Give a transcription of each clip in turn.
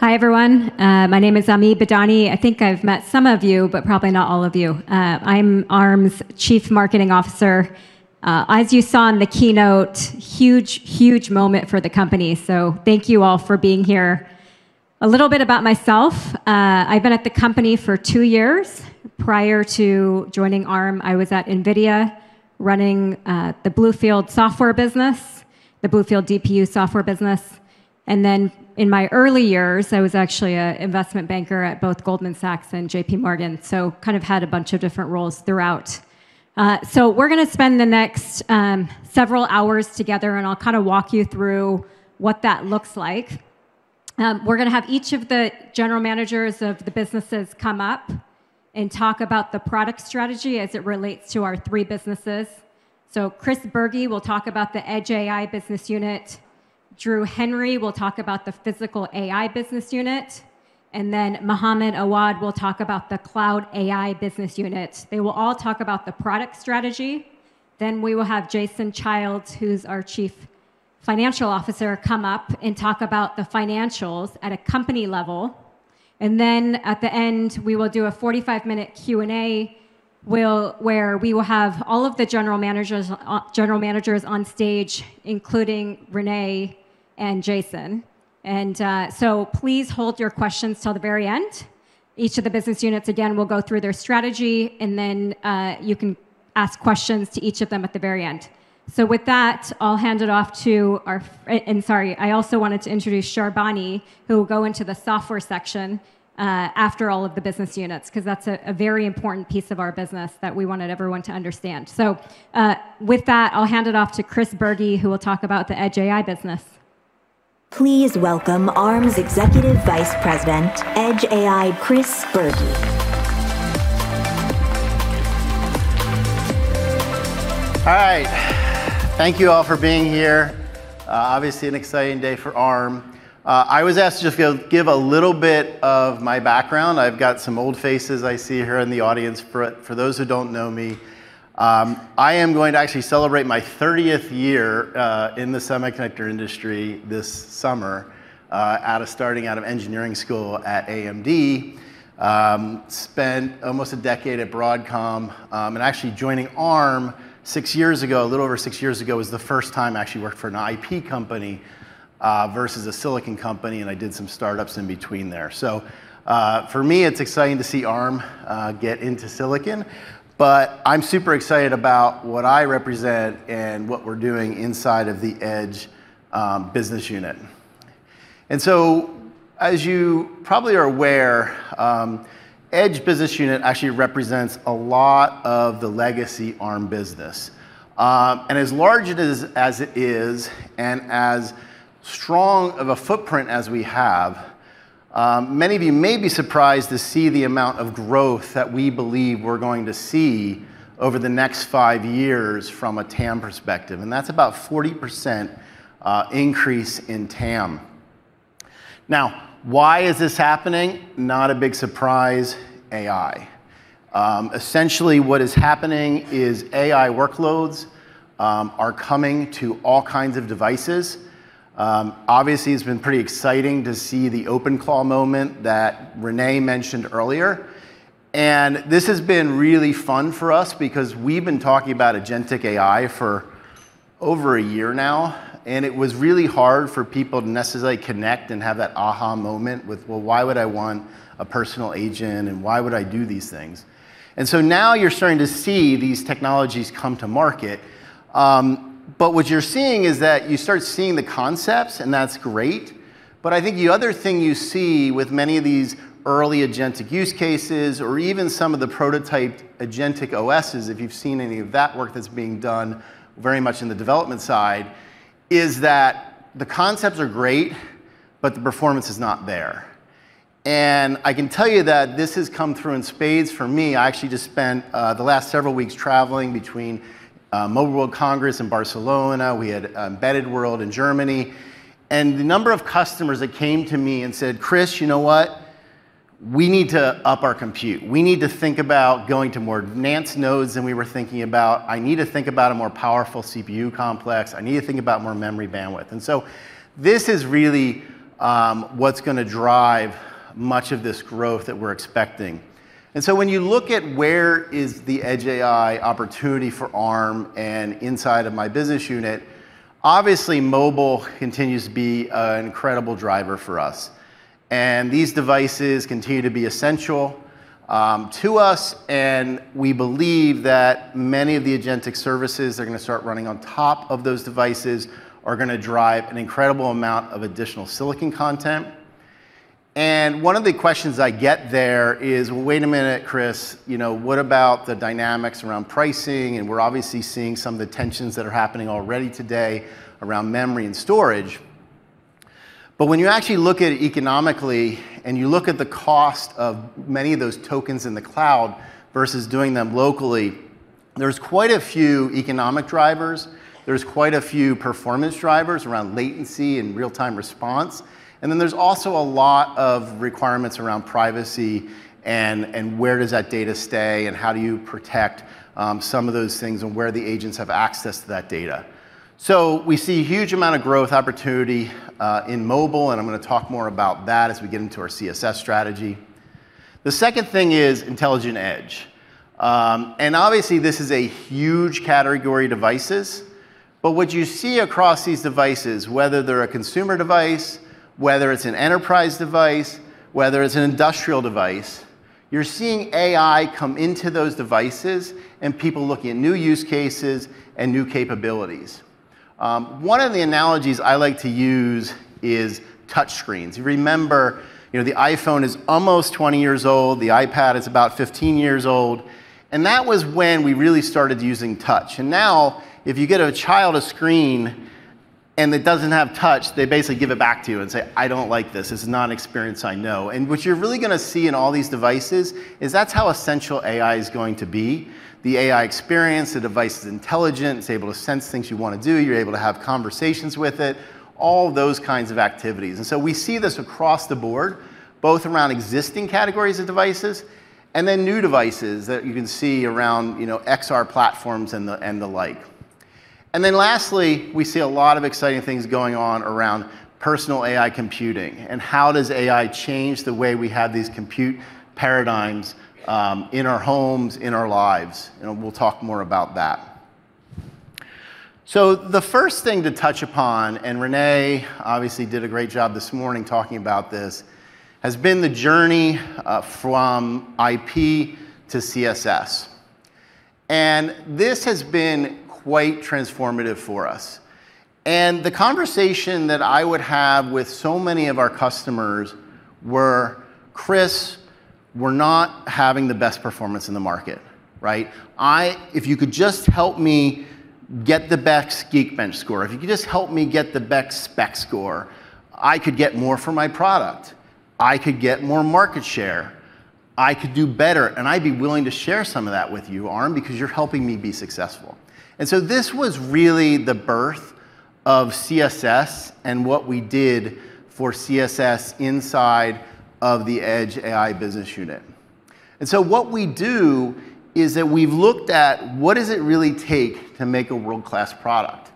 Hi, everyone. My name is Ami Badani. I think I've met some of you, but probably not all of you. I'm Arm's Chief Marketing Officer. As you saw in the keynote, huge, huge moment for the company, so thank you all for being here. A little bit about myself. I've been at the company for two years. Prior to joining Arm, I was at NVIDIA running the BlueField DPU software business. Then in my early years, I was actually an investment banker at both Goldman Sachs and JPMorgan. Kind of had a bunch of different roles throughout. We're gonna spend the next several hours together, and I'll kinda walk you through what that looks like. We're gonna have each of the general managers of the businesses come up and talk about the product strategy as it relates to our three businesses. Chris Bergey will talk about the Edge AI business unit, Drew Henry will talk about the Physical AI business unit, and then Mohamed Awad will talk about the Cloud AI business unit. They will all talk about the product strategy. We will have Jason Child, who's our Chief Financial Officer, come up and talk about the financials at a company level. At the end, we will do a 45-minute Q&A where we will have all of the general managers on stage, including Rene and Jason. Please hold your questions till the very end. Each of the business units, again, will go through their strategy, and then you can ask questions to each of them at the very end. With that, I'll hand it off, and sorry, I also wanted to introduce Sharbani, who will go into the software section after all of the business units, 'cause that's a very important piece of our business that we wanted everyone to understand. With that, I'll hand it off to Chris Bergey, who will talk about the Edge AI business. Please welcome Arm's Executive Vice President, Edge AI, Chris Bergey. All right. Thank you all for being here. Obviously an exciting day for Arm. I was asked to just give a little bit of my background. I've got some old faces I see here in the audience. For those who don't know me, I am going to actually celebrate my 30th year in the semiconductor industry this summer, starting out of engineering school at AMD. Spent almost a decade at Broadcom, and actually joining Arm six years ago, a little over six years ago, was the first time I actually worked for an IP company versus a silicon company, and I did some startups in between there. For me, it's exciting to see Arm get into silicon, but I'm super excited about what I represent and what we're doing inside of the Edge business unit. As you probably are aware, Edge business unit actually represents a lot of the legacy Arm business. As it is, and as strong of a footprint as we have, many of you may be surprised to see the amount of growth that we believe we're going to see over the next five years from a TAM perspective, and that's about 40% increase in TAM. Now, why is this happening? Not a big surprise, AI. Essentially, what is happening is AI workloads are coming to all kinds of devices. Obviously, it's been pretty exciting to see the OpenClaw moment that Rene mentioned earlier, and this has been really fun for us because we've been talking about agentic AI for over a year now, and it was really hard for people to necessarily connect and have that aha moment with, "Well, why would I want a personal agent, and why would I do these things?" Now you're starting to see these technologies come to market, but what you're seeing is that you start seeing the concepts, and that's great, but I think the other thing you see with many of these early agentic use cases or even some of the prototyped agentic OSs, if you've seen any of that work that's being done very much in the development side, is that the concepts are great, but the performance is not there. I can tell you that this has come through in spades for me. I actually just spent the last several weeks traveling between Mobile World Congress in Barcelona, we had Embedded World in Germany, and the number of customers that came to me and said, "Chris, you know what? We need to up our compute. We need to think about going to more advanced nodes than we were thinking about. I need to think about a more powerful CPU complex. I need to think about more memory bandwidth." This is really what's gonna drive much of this growth that we're expecting. When you look at where is the Edge AI opportunity for Arm and inside of my business unit, obviously mobile continues to be an incredible driver for us, and these devices continue to be essential to us, and we believe that many of the agentic services are gonna start running on top of those devices are gonna drive an incredible amount of additional silicon content. One of the questions I get there is, "Well, wait a minute, Chris, you know, what about the dynamics around pricing?" We're obviously seeing some of the tensions that are happening already today around memory and storage. When you actually look at it economically and you look at the cost of many of those tokens in the cloud versus doing them locally, there's quite a few economic drivers, there's quite a few performance drivers around latency and real-time response, and then there's also a lot of requirements around privacy and where does that data stay, and how do you protect some of those things and where the agents have access to that data. We see a huge amount of growth opportunity in mobile, and I'm gonna talk more about that as we get into our CSS strategy. The second thing is intelligent edge. Obviously this is a huge category of devices, but what you see across these devices, whether they're a consumer device, whether it's an enterprise device, whether it's an industrial device, you're seeing AI come into those devices and people looking at new use cases and new capabilities. One of the analogies I like to use is touchscreens. You remember, you know, the iPhone is almost 20 years old, the iPad is about 15 years old, and that was when we really started using touch. Now, if you get a child a screen and it doesn't have touch, they basically give it back to you and say, "I don't like this. This is not an experience I know." What you're really gonna see in all these devices is that's how essential AI is going to be. The AI experience, the device is intelligent, it's able to sense things you wanna do, you're able to have conversations with it, all those kinds of activities. We see this across the board, both around existing categories of devices and then new devices that you can see around, you know, XR platforms and the like. We see a lot of exciting things going on around personal AI computing and how does AI change the way we have these compute paradigms in our homes, in our lives. We'll talk more about that. The first thing to touch upon, Rene obviously did a great job this morning talking about this, has been the journey from IP to CSS. This has been quite transformative for us. The conversation that I would have with so many of our customers were, "Chris, we're not having the best performance in the market." Right? "If you could just help me get the best Geekbench score, if you could just help me get the best SPEC score, I could get more for my product. I could get more market share. I could do better, and I'd be willing to share some of that with you, Arm, because you're helping me be successful." This was really the birth of CSS and what we did for CSS inside of the Edge AI business unit. What we do is that we've looked at what does it really take to make a world-class product?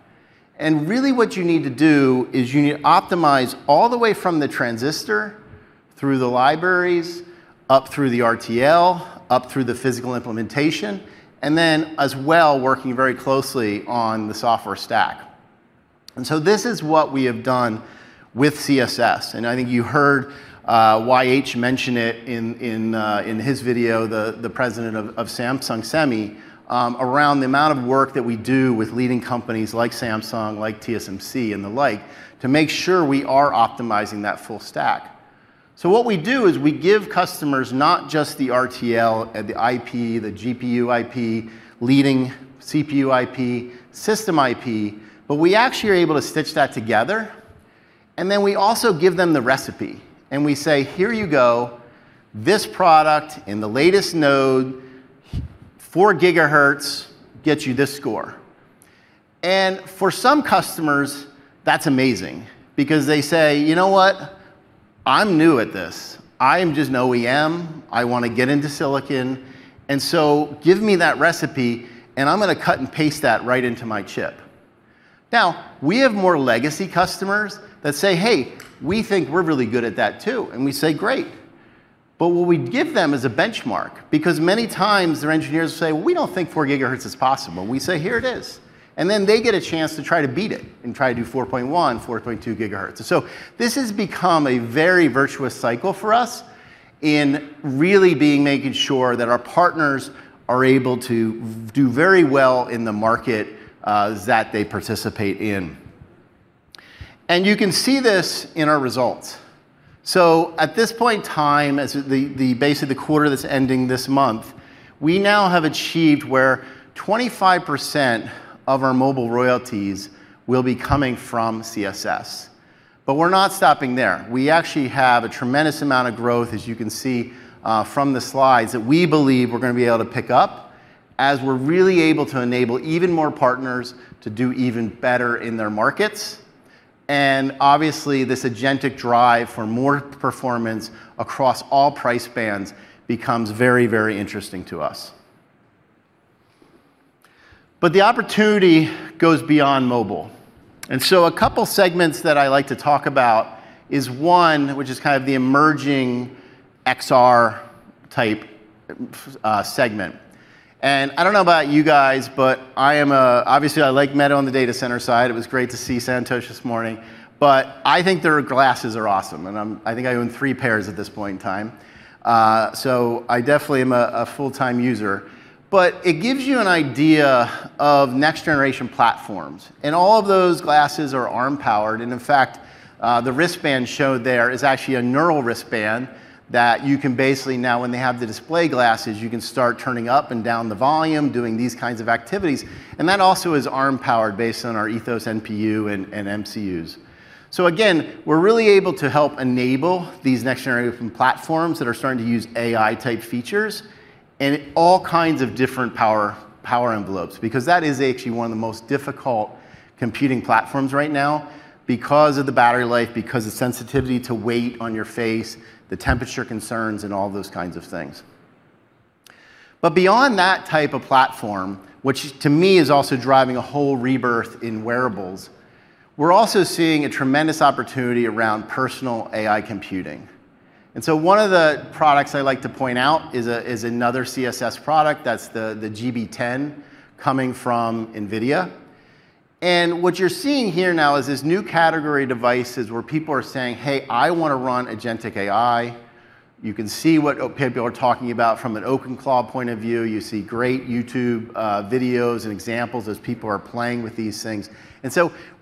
Really what you need to do is you need to optimize all the way from the transistor through the libraries, up through the RTL, up through the physical implementation, and then as well working very closely on the software stack. This is what we have done with CSS. I think you heard YH mention it in his video, the president of Samsung Semi around the amount of work that we do with leading companies like Samsung, like TSMC, and the like, to make sure we are optimizing that full stack. What we do is we give customers not just the RTL, the IP, the GPU IP, leading CPU IP, system IP, but we actually are able to stitch that together, and then we also give them the recipe. We say, "Here you go. This product in the latest node, 4 GHz, gets you this score." For some customers, that's amazing because they say, "You know what? I'm new at this. I'm just an OEM. I wanna get into silicon, and so give me that recipe and I'm gonna cut and paste that right into my chip." Now, we have more legacy customers that say, "Hey, we think we're really good at that too," and we say, "Great." What we give them is a benchmark because many times their engineers say, "We don't think 4 GHz is possible." We say, "Here it is." They get a chance to try to beat it and try to do 4.1 GHz, 4.2 GHz. This has become a very virtuous cycle for us in really being making sure that our partners are able to do very well in the market, that they participate in. You can see this in our results. At this point in time, as the base of the quarter that's ending this month, we now have achieved where 25% of our mobile royalties will be coming from CSS. We're not stopping there. We actually have a tremendous amount of growth, as you can see, from the slides, that we believe we're gonna be able to pick up as we're really able to enable even more partners to do even better in their markets. Obviously, this agentic drive for more performance across all price bands becomes very, very interesting to us. The opportunity goes beyond mobile. A couple segments that I like to talk about is one, which is kind of the emerging XR type, segment. I don't know about you guys, but obviously, I like Meta on the data center side. It was great to see Santosh this morning. I think their glasses are awesome, and I think I own three pairs at this point in time. I definitely am a full-time user. It gives you an idea of next-generation platforms. All of those glasses are Arm-powered, and in fact, the wristband shown there is actually a neural wristband that you can basically now, when they have the display glasses, you can start turning up and down the volume, doing these kinds of activities. That also is Arm-powered based on our Ethos NPU and MCUs. Again, we're really able to help enable these next-generation platforms that are starting to use AI-type features in all kinds of different power envelopes, because that is actually one of the most difficult computing platforms right now because of the battery life, because of sensitivity to weight on your face, the temperature concerns, and all those kinds of things. Beyond that type of platform, which to me is also driving a whole rebirth in wearables, we're also seeing a tremendous opportunity around personal AI computing. One of the products I like to point out is another CSS product, that's the GB10 coming from NVIDIA. What you're seeing here now is this new category devices where people are saying, "Hey, I wanna run agentic AI." You can see what people are talking about from an OpenClaw point of view. You see great YouTube videos and examples as people are playing with these things.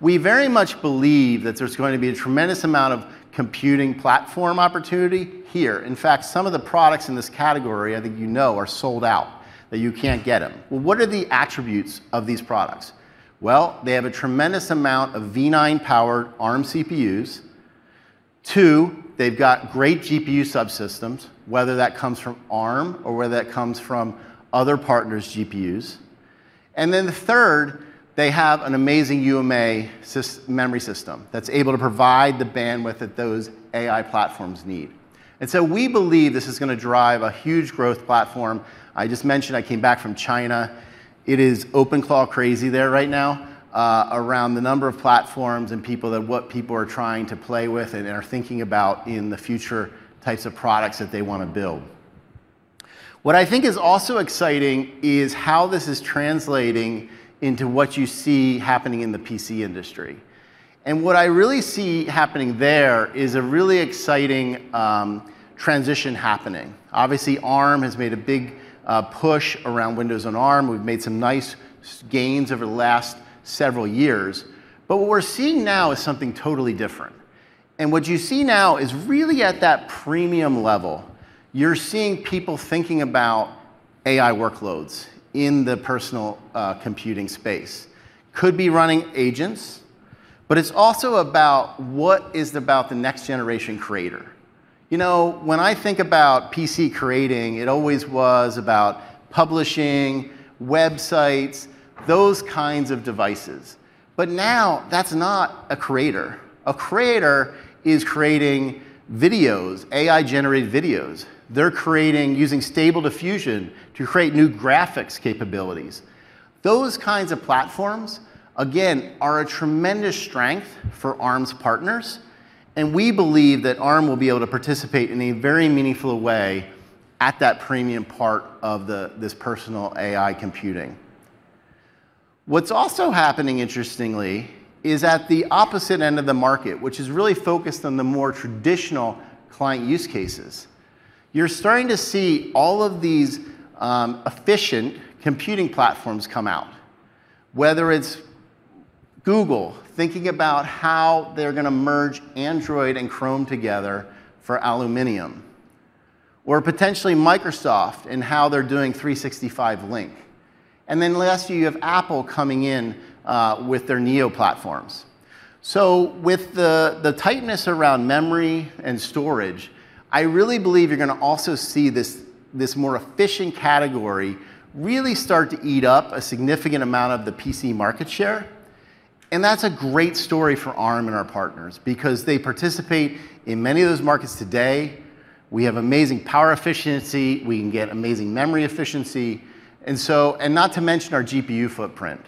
We very much believe that there's going to be a tremendous amount of computing platform opportunity here. In fact, some of the products in this category I think you know are sold out, that you can't get 'em. Well, what are the attributes of these products? Well, they have a tremendous amount of Armv9-powered Arm CPUs. Two, they've got great GPU subsystems, whether that comes from Arm or whether that comes from other partners' GPUs. And then the third, they have an amazing UMA memory system that's able to provide the bandwidth that those AI platforms need. We believe this is gonna drive a huge growth platform. I just mentioned I came back from China. It is OpenClaw crazy there right now around the number of platforms and people that what people are trying to play with and are thinking about in the future types of products that they wanna build. What I think is also exciting is how this is translating into what you see happening in the PC industry. What I really see happening there is a really exciting transition happening. Obviously, Arm has made a big push around Windows on Arm. We've made some nice gains over the last several years. But what we're seeing now is something totally different. What you see now is really at that premium level, you're seeing people thinking about AI workloads in the personal computing space. Could be running agents, but it's also about what is about the next generation creator. You know, when I think about PC creating, it always was about publishing, websites, those kinds of devices. Now that's not a creator. A creator is creating videos, AI-generated videos. They're creating using Stable Diffusion to create new graphics capabilities. Those kinds of platforms, again, are a tremendous strength for Arm's partners, and we believe that Arm will be able to participate in a very meaningful way at that premium part of the this personal AI computing. What's also happening, interestingly, is at the opposite end of the market, which is really focused on the more traditional client use cases. You're starting to see all of these efficient computing platforms come out, whether it's Google thinking about how they're gonna merge Android and Chrome together for Aluminium, or potentially Microsoft and how they're doing 365 Link. Then last year you have Apple coming in with their neo platforms. With the tightness around memory and storage, I really believe you're gonna also see this more efficient category really start to eat up a significant amount of the PC market share, and that's a great story for Arm and our partners because they participate in many of those markets today. We have amazing power efficiency. We can get amazing memory efficiency. Not to mention our GPU footprint.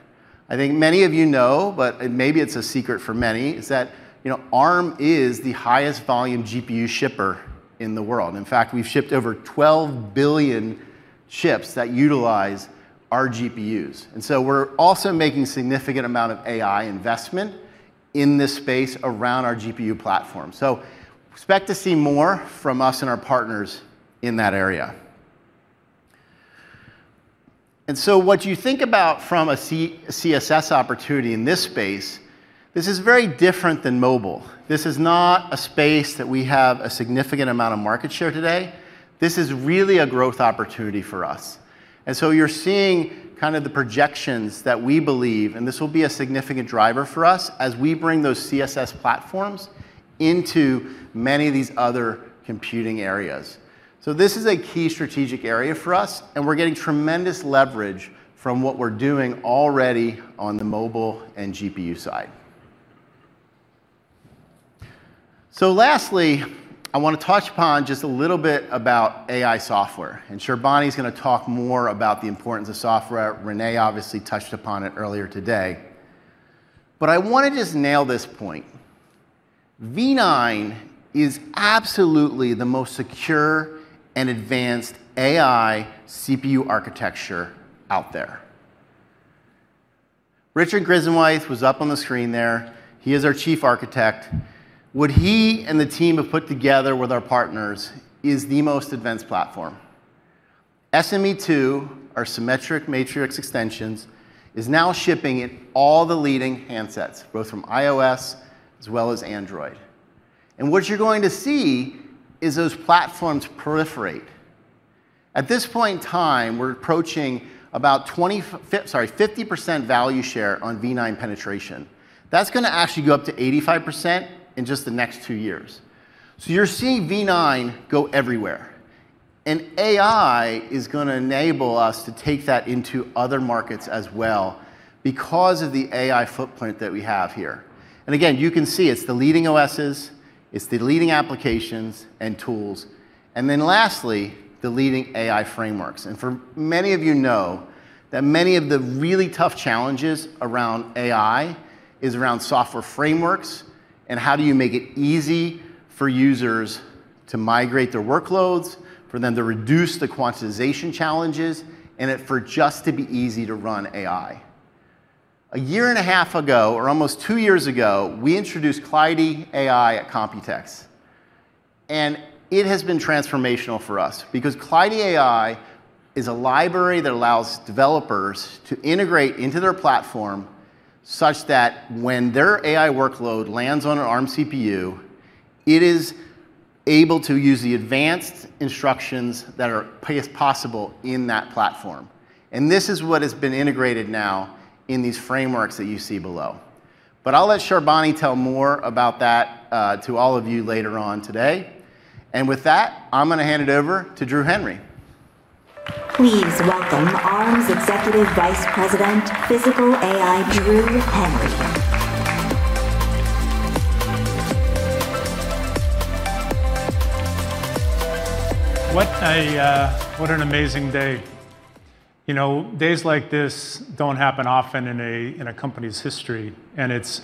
I think many of you know, but maybe it's a secret for many, is that, you know, Arm is the highest volume GPU shipper in the world. In fact, we've shipped over 12 billion chips that utilize our GPUs. We're also making significant amount of AI investment in this space around our GPU platform. Expect to see more from us and our partners in that area. What you think about from a CSS opportunity in this space, this is very different than mobile. This is not a space that we have a significant amount of market share today. This is really a growth opportunity for us. You're seeing kind of the projections that we believe, and this will be a significant driver for us, as we bring those CSS platforms into many of these other computing areas. This is a key strategic area for us, and we're getting tremendous leverage from what we're doing already on the mobile and GPU side. Lastly, I wanna touch upon just a little bit about AI software, and Sharbani is gonna talk more about the importance of software. Rene obviously touched upon it earlier today. I wanna just nail this point. Armv9 is absolutely the most secure and advanced AI CPU architecture out there. Richard Grisenthwaite was up on the screen there. He is our Chief Architect. What he and the team have put together with our partners is the most advanced platform. SME2, our Scalable Matrix Extensions, is now shipping in all the leading handsets, both from iOS as well as Android. What you're going to see is those platforms proliferate. At this point in time, we're approaching about 50% value share on Armv9 penetration. That's gonna actually go up to 85% in just the next two years. You're seeing Armv9 go everywhere. AI is gonna enable us to take that into other markets as well because of the AI footprint that we have here. Again, you can see it's the leading OSs. It's the leading applications and tools and then lastly, the leading AI frameworks. For many of you know that many of the really tough challenges around AI is around software frameworks and how do you make it easy for users to migrate their workloads, for them to reduce the quantization challenges, and it for just to be easy to run AI. A year and a half ago, or almost two years ago, we introduced KleidiAI at Computex, and it has been transformational for us because KleidiAI is a library that allows developers to integrate into their platform such that when their AI workload lands on our Arm CPU, it is able to use the advanced instructions that are possible in that platform. This is what has been integrated now in these frameworks that you see below. I'll let Sharbani tell more about that to all of you later on today. With that, I'm gonna hand it over to Drew Henry. Please welcome Arm's Executive Vice President, Physical AI, Drew Henry. What an amazing day. You know, days like this don't happen often in a company's history, and it's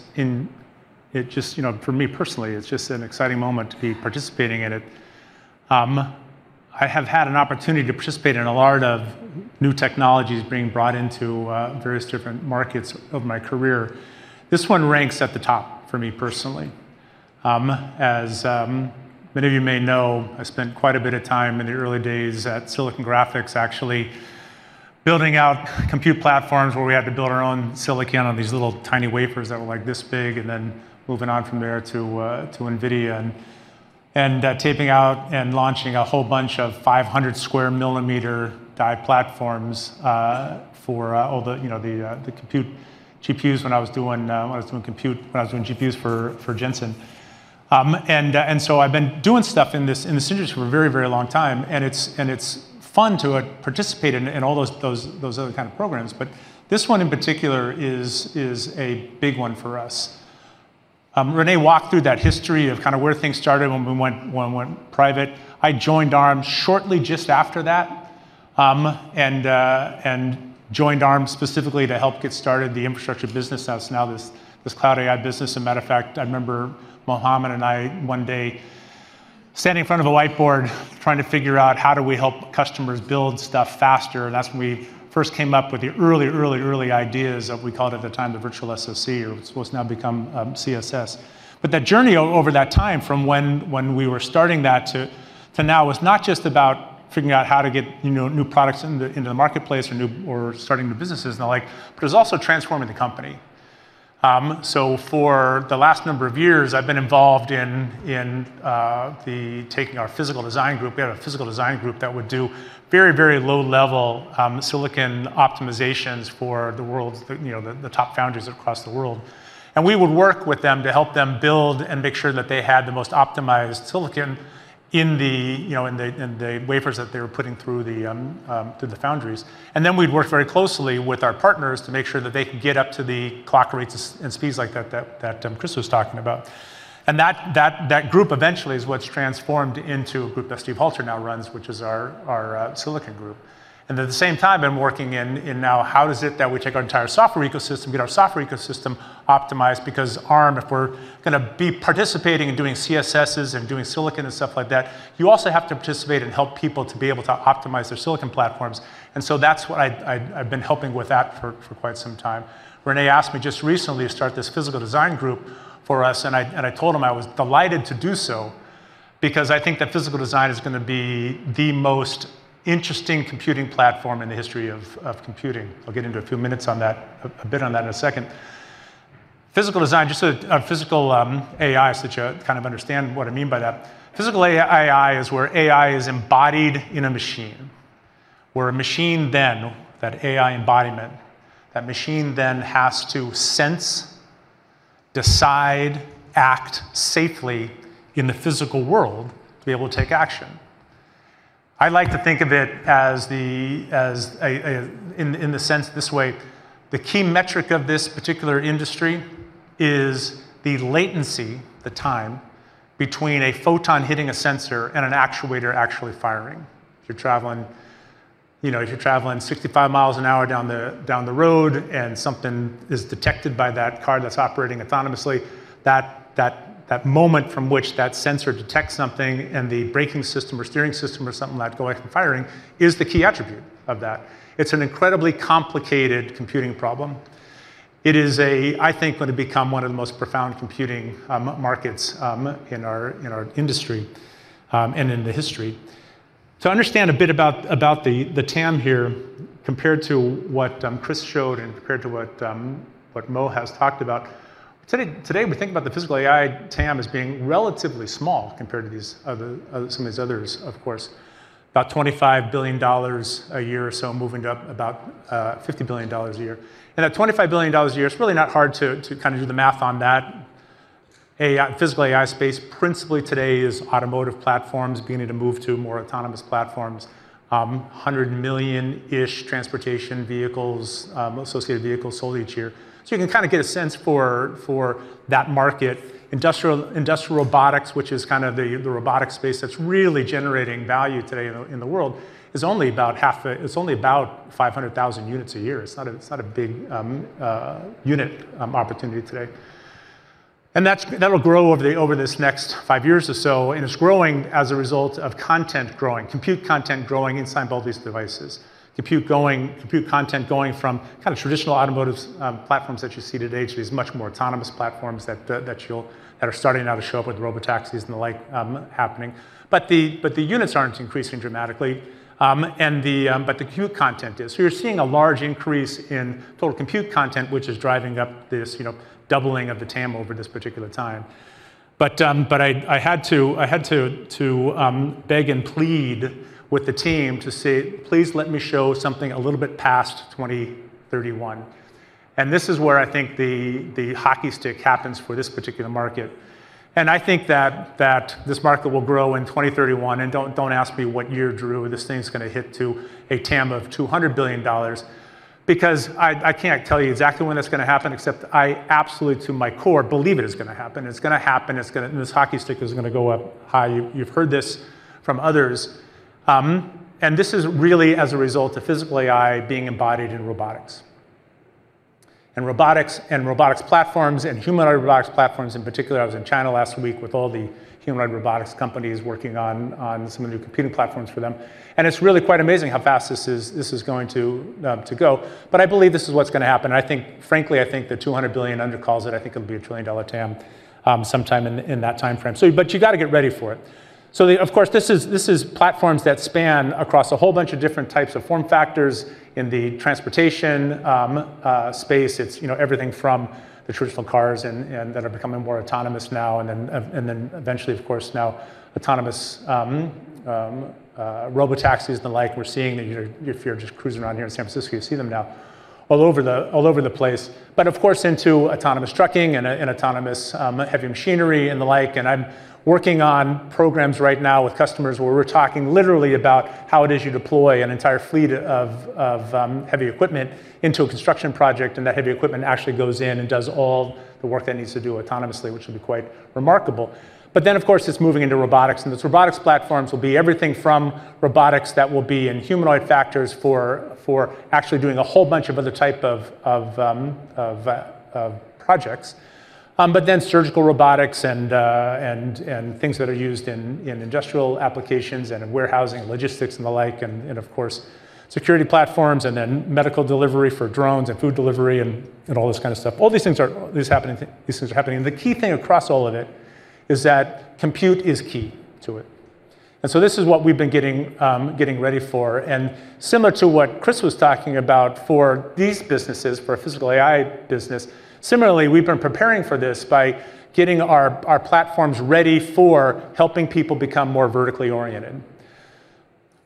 just, you know, for me personally, it's just an exciting moment to be participating in it. I have had an opportunity to participate in a lot of new technologies being brought into various different markets of my career. This one ranks at the top for me personally. As many of you may know, I spent quite a bit of time in the early days at Silicon Graphics actually building out compute platforms where we had to build our own silicon on these little tiny wafers that were like this big, and then moving on from there to NVIDIA, taping out and launching a whole bunch of 500 mm² die platforms for all the, you know, the compute GPUs when I was doing compute GPUs for Jensen. I've been doing stuff in this industry for a very long time, and it's fun to participate in all those other kind of programs. This one in particular is a big one for us. Rene walked through that history of kinda where things started when it went private. I joined Arm shortly just after that, and joined Arm specifically to help get started the infrastructure business that's now this Cloud AI business. As a matter of fact, I remember Mohamed and I one day standing in front of a whiteboard trying to figure out how do we help customers build stuff faster. That's when we first came up with the early ideas of, we called it at the time, the virtual SoC or what's now become, CSS. That journey over that time from when we were starting that to now was not just about figuring out how to get, you know, new products into the marketplace or starting new businesses and the like, but it was also transforming the company. For the last number of years, I've been involved in the taking our physical design group. We had a physical design group that would do very low level silicon optimizations for the world's, you know, the top foundries across the world. We would work with them to help them build and make sure that they had the most optimized silicon in the, you know, in the wafers that they were putting through the foundries. Then we'd work very closely with our partners to make sure that they could get up to the clock rates and speeds like that that Chris was talking about. That group eventually is what's transformed into a group that Steve Holter now runs, which is our silicon group. At the same time, I've been working in now how is it that we take our entire software ecosystem, get our software ecosystem optimized because Arm, if we're gonna be participating in doing CSSes and doing silicon and stuff like that, you also have to participate and help people to be able to optimize their silicon platforms. That's what I'd been helping with that for quite some time. Rene asked me just recently to start this Physical AI group for us, and I told him I was delighted to do so because I think that Physical AI is gonna be the most interesting computing platform in the history of computing. I'll get into it in a few minutes, a bit on that in a second. Physical AI, just so that you kind of understand what I mean by that. Physical AI is where AI is embodied in a machine. Where that AI embodiment, that machine has to sense, decide, act safely in the physical world to be able to take action. I like to think of it as, in the sense this way, the key metric of this particular industry is the latency, the time between a photon hitting a sensor and an actuator actually firing. If you're traveling, you know, 65 mi an hour down the road and something is detected by that car that's operating autonomously, that moment from which that sensor detects something and the braking system or steering system or something like that go after firing is the key attribute of that. It's an incredibly complicated computing problem. It is, I think, going to become one of the most profound computing markets in our industry and in the history. To understand a bit about the TAM here, compared to what Chris showed and compared to what Mo has talked about, today we think about the Physical AI TAM as being relatively small compared to these other, some of these others, of course. About $25 billion a year or so, moving up about $50 billion a year. At $25 billion a year, it's really not hard to kinda do the math on that. Yeah, Physical AI space principally today is automotive platforms beginning to move to more autonomous platforms. 100 million-ish transportation vehicles, associated vehicles sold each year. So you can kinda get a sense for that market. Industrial robotics, which is kind of the robotics space that's really generating value today in the world, is only about 500,000 units a year. It's not a big unit opportunity today. That'll grow over this next five years or so, and it's growing as a result of content growing, compute content growing inside all these devices. Compute content going from kind of traditional automotive platforms that you see today to these much more autonomous platforms that are starting now to show up with robotaxis and the like happening. The units aren't increasing dramatically, and the compute content is. You're seeing a large increase in total compute content, which is driving up this, you know, doubling of the TAM over this particular time. I had to beg and plead with the team to say, "Please let me show something a little bit past 2031." This is where I think the hockey stick happens for this particular market. I think that this market will grow in 2031, and don't ask me what year, Drew, this thing's gonna hit to a TAM of $200 billion, because I can't tell you exactly when that's gonna happen, except I absolutely to my core believe it is gonna happen. It's gonna happen, this hockey stick is gonna go up high. You've heard this from others. This is really as a result of Physical AI being embodied in robotics platforms, and humanoid robotics platforms in particular. I was in China last week with all the humanoid robotics companies working on some of the new computing platforms for them. It's really quite amazing how fast this is going to go. I believe this is what's gonna happen, and I think, frankly, the $200 billion undercalls it. I think it'll be a $1 trillion TAM sometime in that timeframe. You gotta get ready for it. Of course, this is platforms that span across a whole bunch of different types of form factors in the transportation space. It's, you know, everything from the traditional cars and that are becoming more autonomous now, and then eventually of course now autonomous robotaxis and the like. We're seeing that, you know, if you're just cruising around here in San Francisco, you see them now all over the place. Of course into autonomous trucking and autonomous heavy machinery and the like. I'm working on programs right now with customers where we're talking literally about how it is you deploy an entire fleet of heavy equipment into a construction project, and that heavy equipment actually goes in and does all the work that it needs to do autonomously, which will be quite remarkable. Of course it's moving into robotics, and those robotics platforms will be everything from robotics that will be in humanoid form factors for actually doing a whole bunch of other type of projects. Surgical robotics and things that are used in industrial applications and in warehousing and logistics and the like. Of course security platforms and then medical delivery for drones and food delivery and all this kind of stuff. All these things are happening. The key thing across all of it is that compute is key to it. This is what we've been getting ready for. Similar to what Chris was talking about for these businesses, for Physical AI business, similarly we've been preparing for this by getting our platforms ready for helping people become more vertically oriented.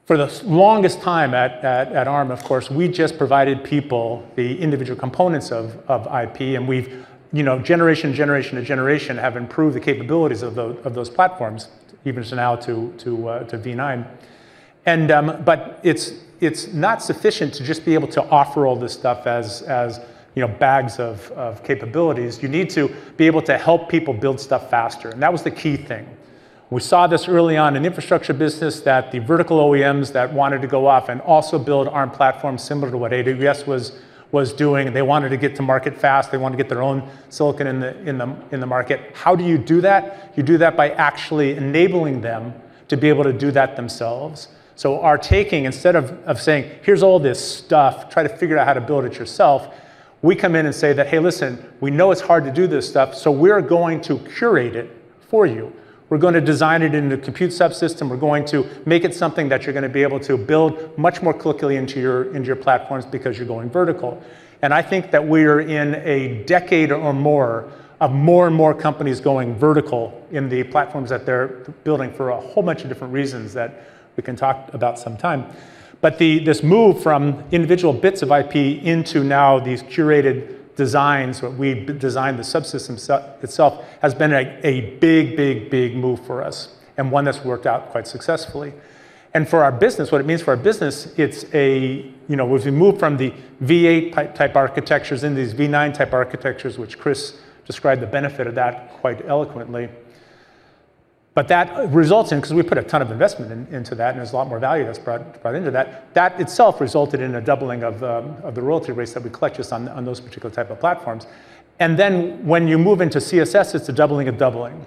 For the longest time at Arm, of course, we just provided people the individual components of IP, and we've, you know, generation to generation have improved the capabilities of those platforms, even to now to Armv9. But it's not sufficient to just be able to offer all this stuff as, you know, bags of capabilities. You need to be able to help people build stuff faster, and that was the key thing. We saw this early on in the infrastructure business that the vertical OEMs that wanted to go off and also build Arm platforms similar to what AWS was doing, and they wanted to get to market fast. They wanted to get their own silicon in the market. How do you do that? You do that by actually enabling them to be able to do that themselves. So our taking, instead of saying, "Here's all this stuff. Try to figure out how to build it yourself," we come in and say that, "Hey, listen, we know it's hard to do this stuff, so we're going to curate it for you. We're gonna design it into a compute subsystem. We're going to make it something that you're gonna be able to build much more quickly into your platforms because you're going vertical." I think that we're in a decade or more of more and more companies going vertical in the platforms that they're building for a whole bunch of different reasons that we can talk about sometime. This move from individual bits of IP into now these curated designs, what we've designed the subsystem itself, has been a big move for us, and one that's worked out quite successfully. For our business, what it means for our business, it's a, you know, we've moved from the Armv8 type architectures into these Armv9 type architectures, which Chris described the benefit of that quite eloquently. That results in 'cause we put a ton of investment into that, and there's a lot more value that's brought into that. That itself resulted in a doubling of the royalty rates that we collect just on those particular type of platforms. Then when you move into CSS, it's a doubling of doubling.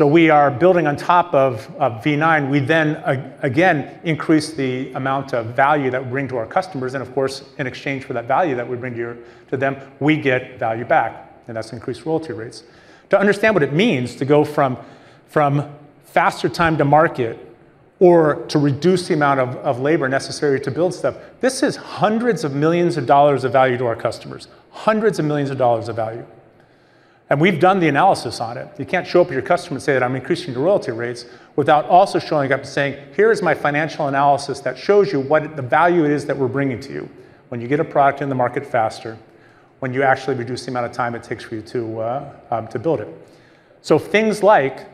We are building on top of Armv9. We then again increase the amount of value that we bring to our customers. Of course in exchange for that value that we bring here to them, we get value back, and that's increased royalty rates. To understand what it means to go from faster time to market or to reduce the amount of labor necessary to build stuff, this is hundreds of millions of dollars of value to our customers, hundreds of millions of dollars of value. We've done the analysis on it. You can't show up to your customer and say that I'm increasing the royalty rates without also showing up and saying, "Here is my financial analysis that shows you what the value is that we're bringing to you when you get a product in the market faster, when you actually reduce the amount of time it takes for you to to build it." Things like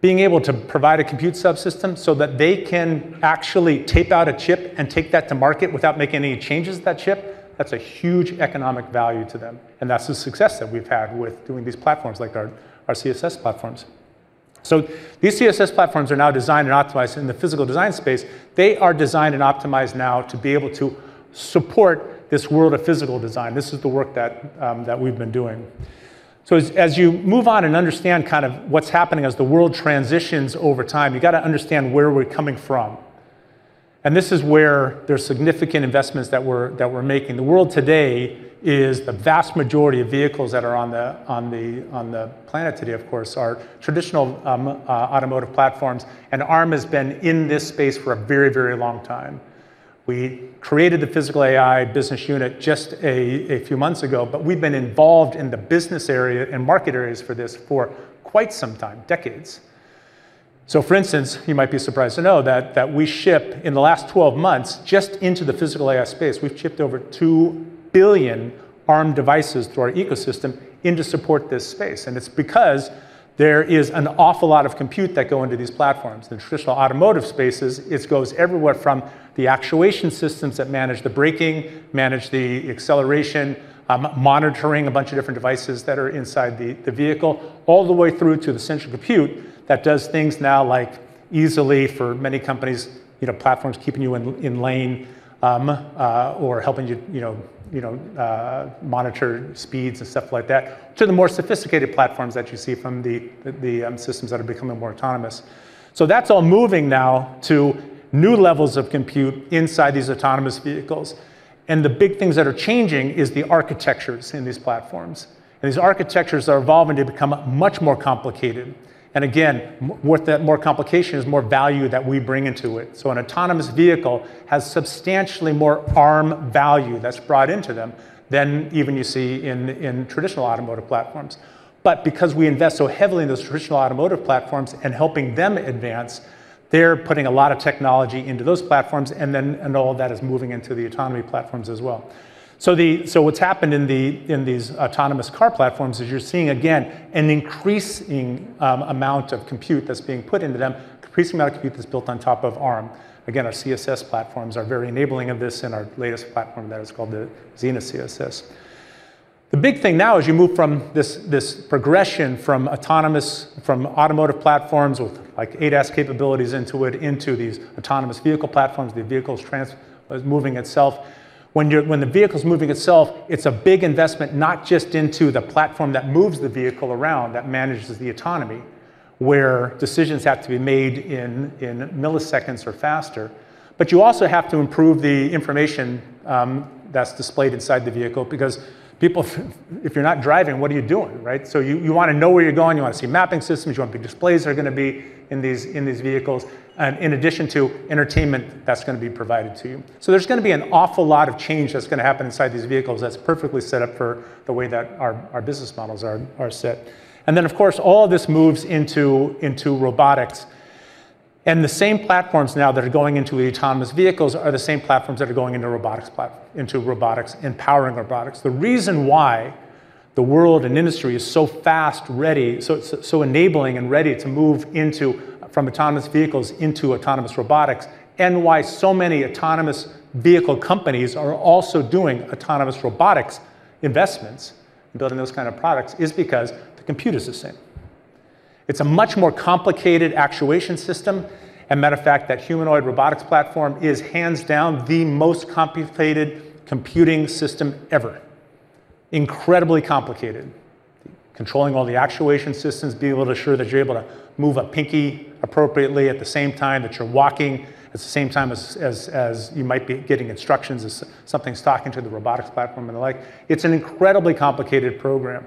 being able to provide a compute subsystem so that they can actually take out a chip and take that to market without making any changes to that chip, that's a huge economic value to them. That's the success that we've had with doing these platforms like our CSS platforms. These CSS platforms are now designed and optimized in the physical design space. They are designed and optimized now to be able to support this world of physical design. This is the work that we've been doing. As you move on and understand kind of what's happening as the world transitions over time, you've got to understand where we're coming from. This is where there's significant investments that we're making. The world today is the vast majority of vehicles that are on the planet today, of course, are traditional automotive platforms. Arm has been in this space for a very, very long time. We created the Physical AI business unit just a few months ago, but we've been involved in the business area and market areas for this for quite some time, decades. For instance, you might be surprised to know that in the last 12 months just into the Physical AI space, we've shipped over two billion Arm devices through our ecosystem into support this space. It's because there is an awful lot of compute that go into these platforms. The traditional automotive spaces, it goes everywhere from the actuation systems that manage the braking, manage the acceleration, monitoring a bunch of different devices that are inside the vehicle, all the way through to the central compute that does things now like easily for many companies, you know, platforms keeping you in lane or helping you know, you know, monitor speeds and stuff like that, to the more sophisticated platforms that you see from the systems that are becoming more autonomous. That's all moving now to new levels of compute inside these autonomous vehicles. The big things that are changing is the architectures in these platforms. These architectures are evolving to become much more complicated. Again, with that more complication is more value that we bring into it. An autonomous vehicle has substantially more Arm value that's brought into them than even you see in traditional automotive platforms. Because we invest so heavily in those traditional automotive platforms and helping them advance, they're putting a lot of technology into those platforms and then all of that is moving into the autonomy platforms as well. What's happened in these autonomous car platforms is you're seeing, again, an increasing amount of compute that's being put into them, increasing amount of compute that's built on top of Arm. Again, our CSS platforms are very enabling of this in our latest platform that is called the Zena CSS. The big thing now as you move from this progression from automotive platforms with like ADAS capabilities into these autonomous vehicle platforms, the vehicle is moving itself. When the vehicle is moving itself, it's a big investment not just into the platform that moves the vehicle around, that manages the autonomy, where decisions have to be made in milliseconds or faster, but you also have to improve the information that's displayed inside the vehicle because people, if you're not driving, what are you doing, right? You want to know where you're going. You want to see mapping systems. You want big displays that are going to be in these vehicles in addition to entertainment that's going to be provided to you. There's going to be an awful lot of change that's going to happen inside these vehicles that's perfectly set up for the way that our business models are set. Then, of course, all of this moves into robotics. The same platforms now that are going into the autonomous vehicles are the same platforms that are going into robotics, empowering robotics. The reason why the world and industry is so far ready, so enabling and ready to move into from autonomous vehicles into autonomous robotics and why so many autonomous vehicle companies are also doing autonomous robotics investments and building those kind of products is because the computer is the same. It's a much more complicated actuation system. Matter of fact, that humanoid robotics platform is hands down the most complicated computing system ever. Incredibly complicated. Controlling all the actuation systems, being able to assure that you're able to move a pinky appropriately at the same time that you're walking at the same time as you might be getting instructions as something's talking to the robotics platform and the like. It's an incredibly complicated program,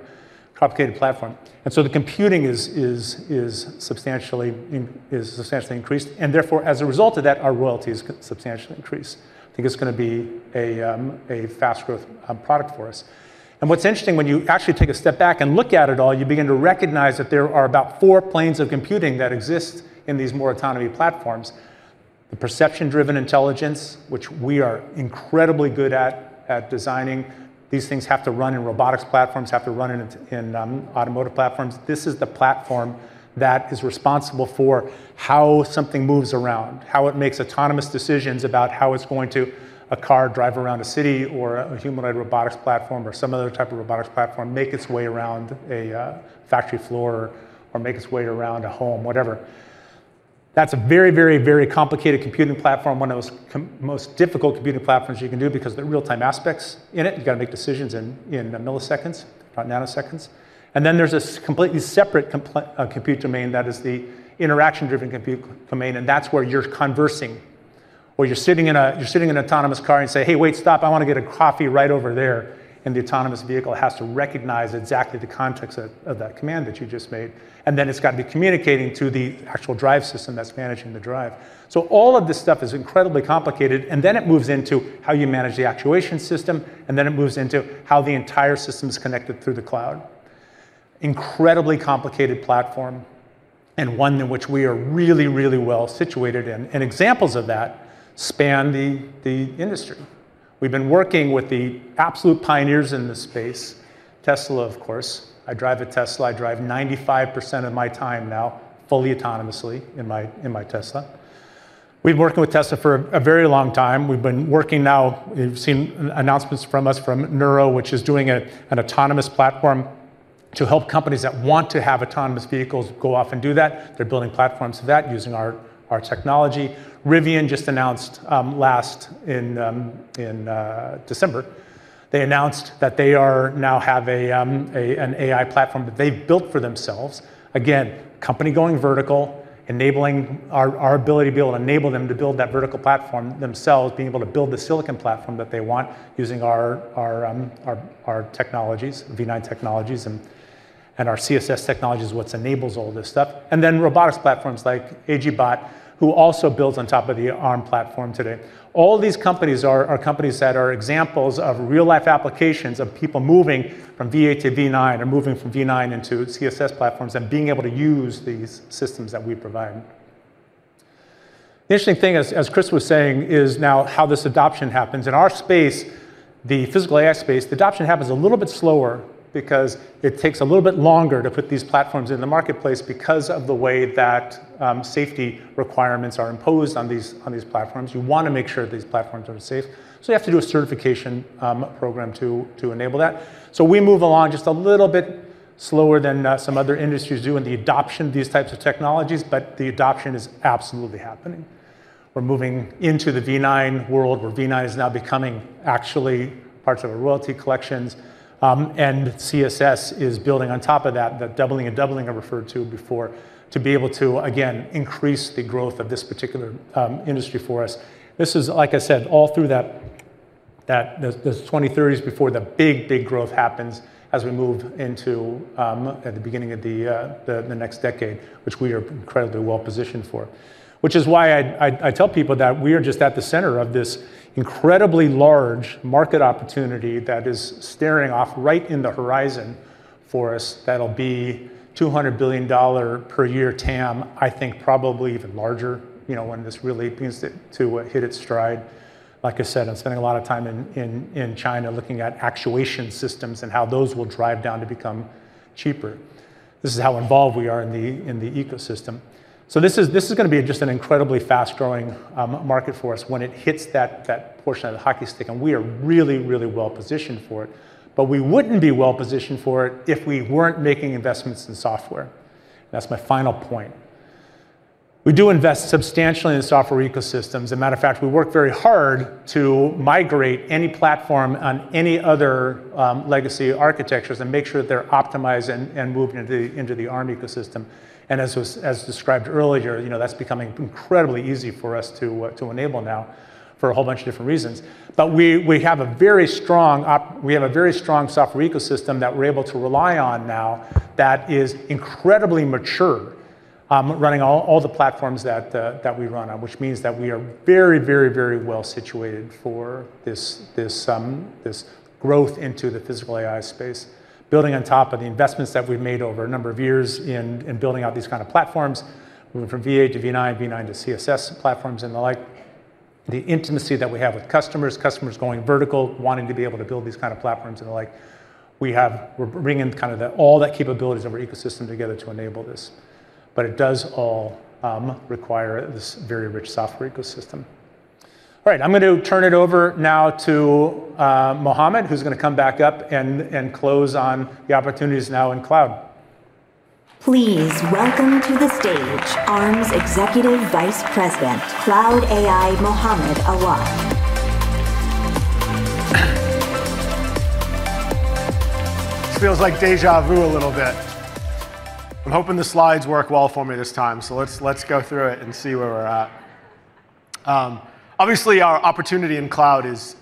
complicated platform. The computing is substantially increased. As a result of that, our royalties could substantially increase. I think it's going to be a fast growth product for us. What's interesting, when you actually take a step back and look at it all, you begin to recognize that there are about four planes of computing that exist in these more autonomy platforms. The perception-driven intelligence, which we are incredibly good at designing. These things have to run in robotics platforms, have to run in automotive platforms. This is the platform that is responsible for how something moves around, how it makes autonomous decisions about how it's going to a car drive around a city or a humanoid robotics platform or some other type of robotics platform make its way around a factory floor or make its way around a home, whatever. That's a very complicated computing platform, one of the most difficult computing platforms you can do because the real-time aspects in it. You've got to make decisions in milliseconds, not nanoseconds. There's this completely separate compute domain that is the interaction-driven compute domain. That's where you're conversing or you're sitting in an autonomous car and say, hey, wait, stop. I want to get a coffee right over there. The autonomous vehicle has to recognize exactly the context of that command that you just made. It's got to be communicating to the actual drive system that's managing the drive. All of this stuff is incredibly complicated. It moves into how you manage the actuation system. It moves into how the entire system is connected through the cloud. Incredibly complicated platform and one in which we are really, really well situated in. Examples of that span the industry. We've been working with the absolute pioneers in this space, Tesla of course. I drive a Tesla. I drive 95% of my time now fully autonomously in my Tesla. We've been working with Tesla for a very long time. We've been working now. You've seen announcements from us from Nuro, which is doing an autonomous platform to help companies that want to have autonomous vehicles go off and do that. They're building platforms for that using our technology. Rivian just announced last December that they now have an AI platform that they've built for themselves. Again, companies going vertical, enabling our ability to enable them to build that vertical platform themselves, being able to build the silicon platform that they want using our technologies, Armv9 technologies and our CSS technology is what enables all this stuff. Then robotics platforms like Agility Robotics, which also builds on top of the Arm platform today. All these companies are companies that are examples of real-life applications of people moving from Armv8 to Armv9 or moving from Armv9 into CSS platforms and being able to use these systems that we provide. The interesting thing as Chris was saying is now how this adoption happens. In our space, the Physical AI space, the adoption happens a little bit slower because it takes a little bit longer to put these platforms in the marketplace because of the way that safety requirements are imposed on these platforms. You wanna make sure these platforms are safe. You have to do a certification program to enable that. We move along just a little bit slower than some other industries do in the adoption of these types of technologies, but the adoption is absolutely happening. We're moving into the Armv9 world where Armv9 is now becoming actually parts of our royalty collections. CSS is building on top of that doubling I referred to before, to be able to again increase the growth of this particular industry for us. This is, like I said, all through that, those 2030s before the big growth happens as we move into at the beginning of the next decade, which we are incredibly well positioned for. Which is why I tell people that we are just at the center of this incredibly large market opportunity that is staring off right in the horizon for us that'll be $200 billion per year TAM, I think probably even larger, you know, when this really begins to hit its stride. Like I said, I'm spending a lot of time in China looking at actuation systems and how those will drive down to become cheaper. This is how involved we are in the ecosystem. This is gonna be just an incredibly fast-growing market for us when it hits that portion of the hockey stick, and we are really well positioned for it. We wouldn't be well positioned for it if we weren't making investments in software. That's my final point. We do invest substantially in software ecosystems. As a matter of fact, we work very hard to migrate any platform on any other legacy architectures and make sure that they're optimized and moved into the Arm ecosystem. As described earlier, you know, that's becoming incredibly easy for us to enable now for a whole bunch of different reasons. We have a very strong software ecosystem that we're able to rely on now that is incredibly mature, running all the platforms that we run on, which means that we are very well situated for this growth into the Physical AI space. Building on top of the investments that we've made over a number of years in building out these kind of platforms, moving from Armv8 to Armv9 to CSS platforms and the like. The intimacy that we have with customers going vertical, wanting to be able to build these kind of platforms and the like. We're bringing kind of all the capabilities of our ecosystem together to enable this, but it does all require this very rich software ecosystem. All right, I'm gonna turn it over now to Mohamed, who's gonna come back up and close on the opportunities now in cloud. Please welcome to the stage Arm's Executive Vice President, Cloud AI, Mohamed Awad. This feels like déjà vu a little bit. I'm hoping the slides work well for me this time. Let's go through it and see where we're at. Obviously, our opportunity in cloud is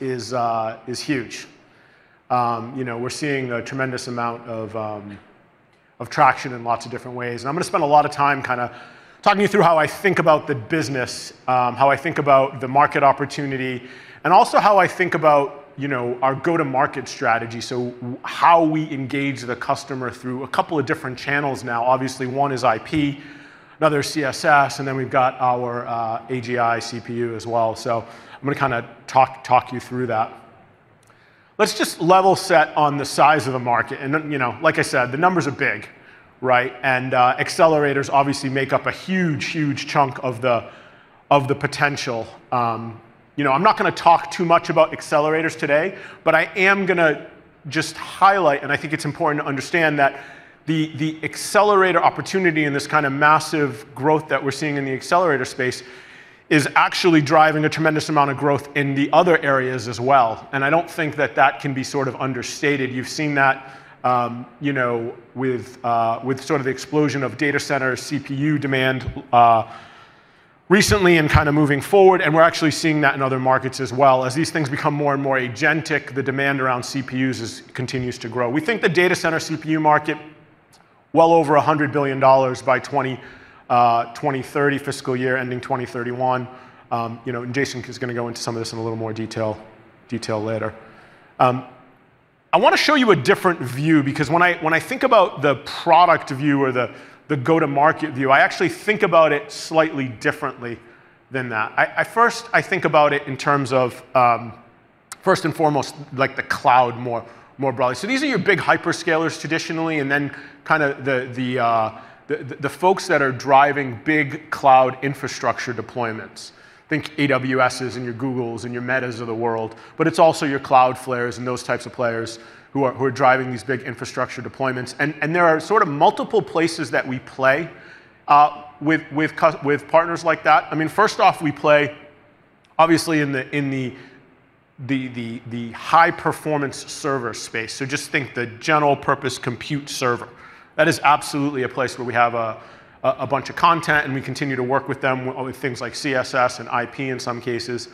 huge. You know, we're seeing a tremendous amount of traction in lots of different ways, and I'm gonna spend a lot of time kinda talking you through how I think about the business, how I think about the market opportunity, and also how I think about, you know, our go-to-market strategy. How we engage the customer through a couple of different channels now. Obviously, one is IP, another is CSS, and then we've got our AGI CPU as well. I'm gonna kinda talk you through that. Let's just level set on the size of the market. You know, like I said, the numbers are big, right? Accelerators obviously make up a huge chunk of the potential. You know, I'm not gonna talk too much about accelerators today, but I am gonna just highlight, and I think it's important to understand that the accelerator opportunity in this kinda massive growth that we're seeing in the accelerator space is actually driving a tremendous amount of growth in the other areas as well. I don't think that can be sort of understated. You've seen that, you know, with sort of the explosion of data center CPU demand recently and kinda moving forward, and we're actually seeing that in other markets as well. As these things become more and more agentic, the demand around CPUs continues to grow. We think the data center CPU market well over $100 billion by 2030 fiscal year ending 2031. You know, Jason is gonna go into some of this in a little more detail later. I wanna show you a different view because when I think about the product view or the go-to-market view, I actually think about it slightly differently than that. I first think about it in terms of first and foremost like the cloud more broadly. These are your big hyperscalers traditionally, and then kinda the folks that are driving big cloud infrastructure deployments. Think AWS and your Google and your Meta of the world. It's also your Cloudflare and those types of players who are driving these big infrastructure deployments. There are sorta multiple places that we play with partners like that. I mean, first off, we play obviously in the high-performance server space. Just think the general purpose compute server. That is absolutely a place where we have a bunch of content, and we continue to work with them with things like CSS and IP in some cases.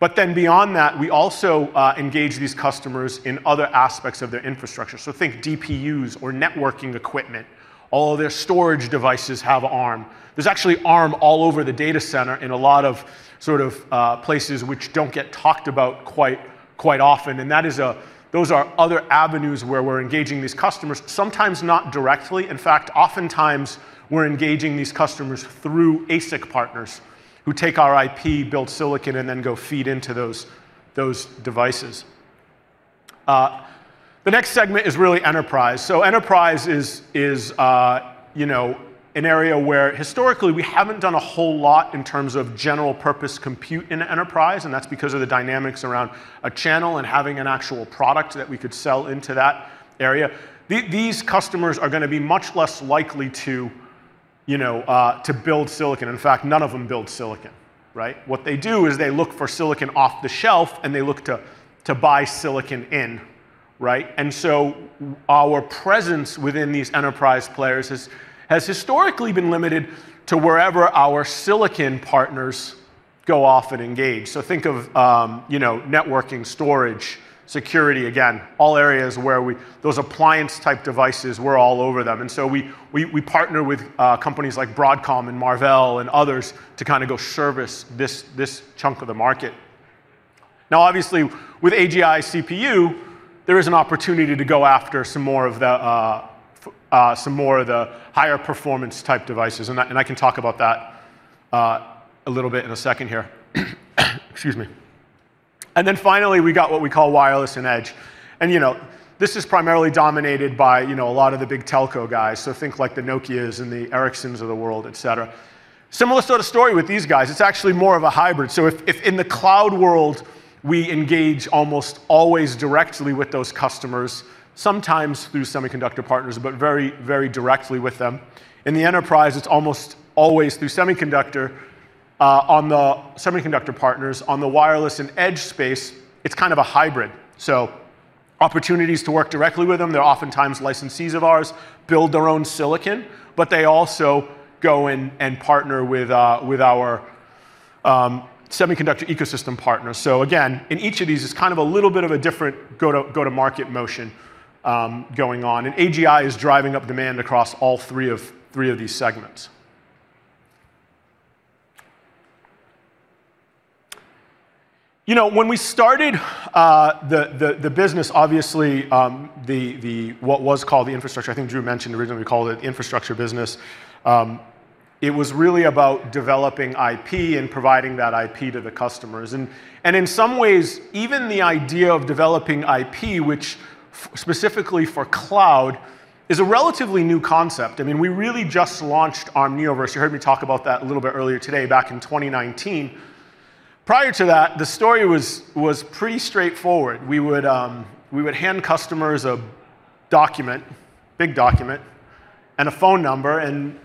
But then beyond that, we also engage these customers in other aspects of their infrastructure. Think DPUs or networking equipment. All of their storage devices have Arm. There's actually Arm all over the data center in a lot of sort of places which don't get talked about quite often. Those are other avenues where we're engaging these customers, sometimes not directly. In fact, oftentimes we're engaging these customers through ASIC partners who take our IP, build silicon, and then go feed into those devices. The next segment is really enterprise. Enterprise is, you know, an area where historically we haven't done a whole lot in terms of general purpose compute in enterprise, and that's because of the dynamics around a channel and having an actual product that we could sell into that area. These customers are gonna be much less likely to, you know, to build silicon. In fact, none of them build silicon, right? What they do is they look for silicon off the shelf, and they look to buy silicon in, right? Our presence within these enterprise players has historically been limited to wherever our silicon partners go off and engage. Think of, you know, networking, storage, security, again, all areas where those appliance type devices, we're all over them. We partner with companies like Broadcom and Marvell and others to kinda go service this chunk of the market. Now, obviously with AGI CPU, there is an opportunity to go after some more of the higher performance type devices, and I can talk about that a little bit in a second here. Excuse me. Finally, we got what we call wireless and edge. You know, this is primarily dominated by you know, a lot of the big telco guys, so think like the Nokias and the Ericssons of the world, et cetera. Similar sorta story with these guys. It's actually more of a hybrid. If in the cloud world, we engage almost always directly with those customers, sometimes through semiconductor partners, but very, very directly with them. In the enterprise, it's almost always through semiconductor. On the semiconductor partners. On the wireless and edge space, it's kind of a hybrid. Opportunities to work directly with them. They're oftentimes licensees of ours, build their own silicon, but they also go and partner with our semiconductor ecosystem partners. Again, in each of these, it's kind of a little bit of a different go-to-market motion going on, and AGI is driving up demand across all three of these segments. You know, when we started the business, obviously what was called the infrastructure, I think Drew mentioned originally we called it infrastructure business, it was really about developing IP and providing that IP to the customers. In some ways, even the idea of developing IP, which specifically for cloud, is a relatively new concept. I mean, we really just launched Arm Neoverse, you heard me talk about that a little bit earlier today, back in 2019. Prior to that, the story was pretty straightforward. We would hand customers a document, big document, and a phone number, and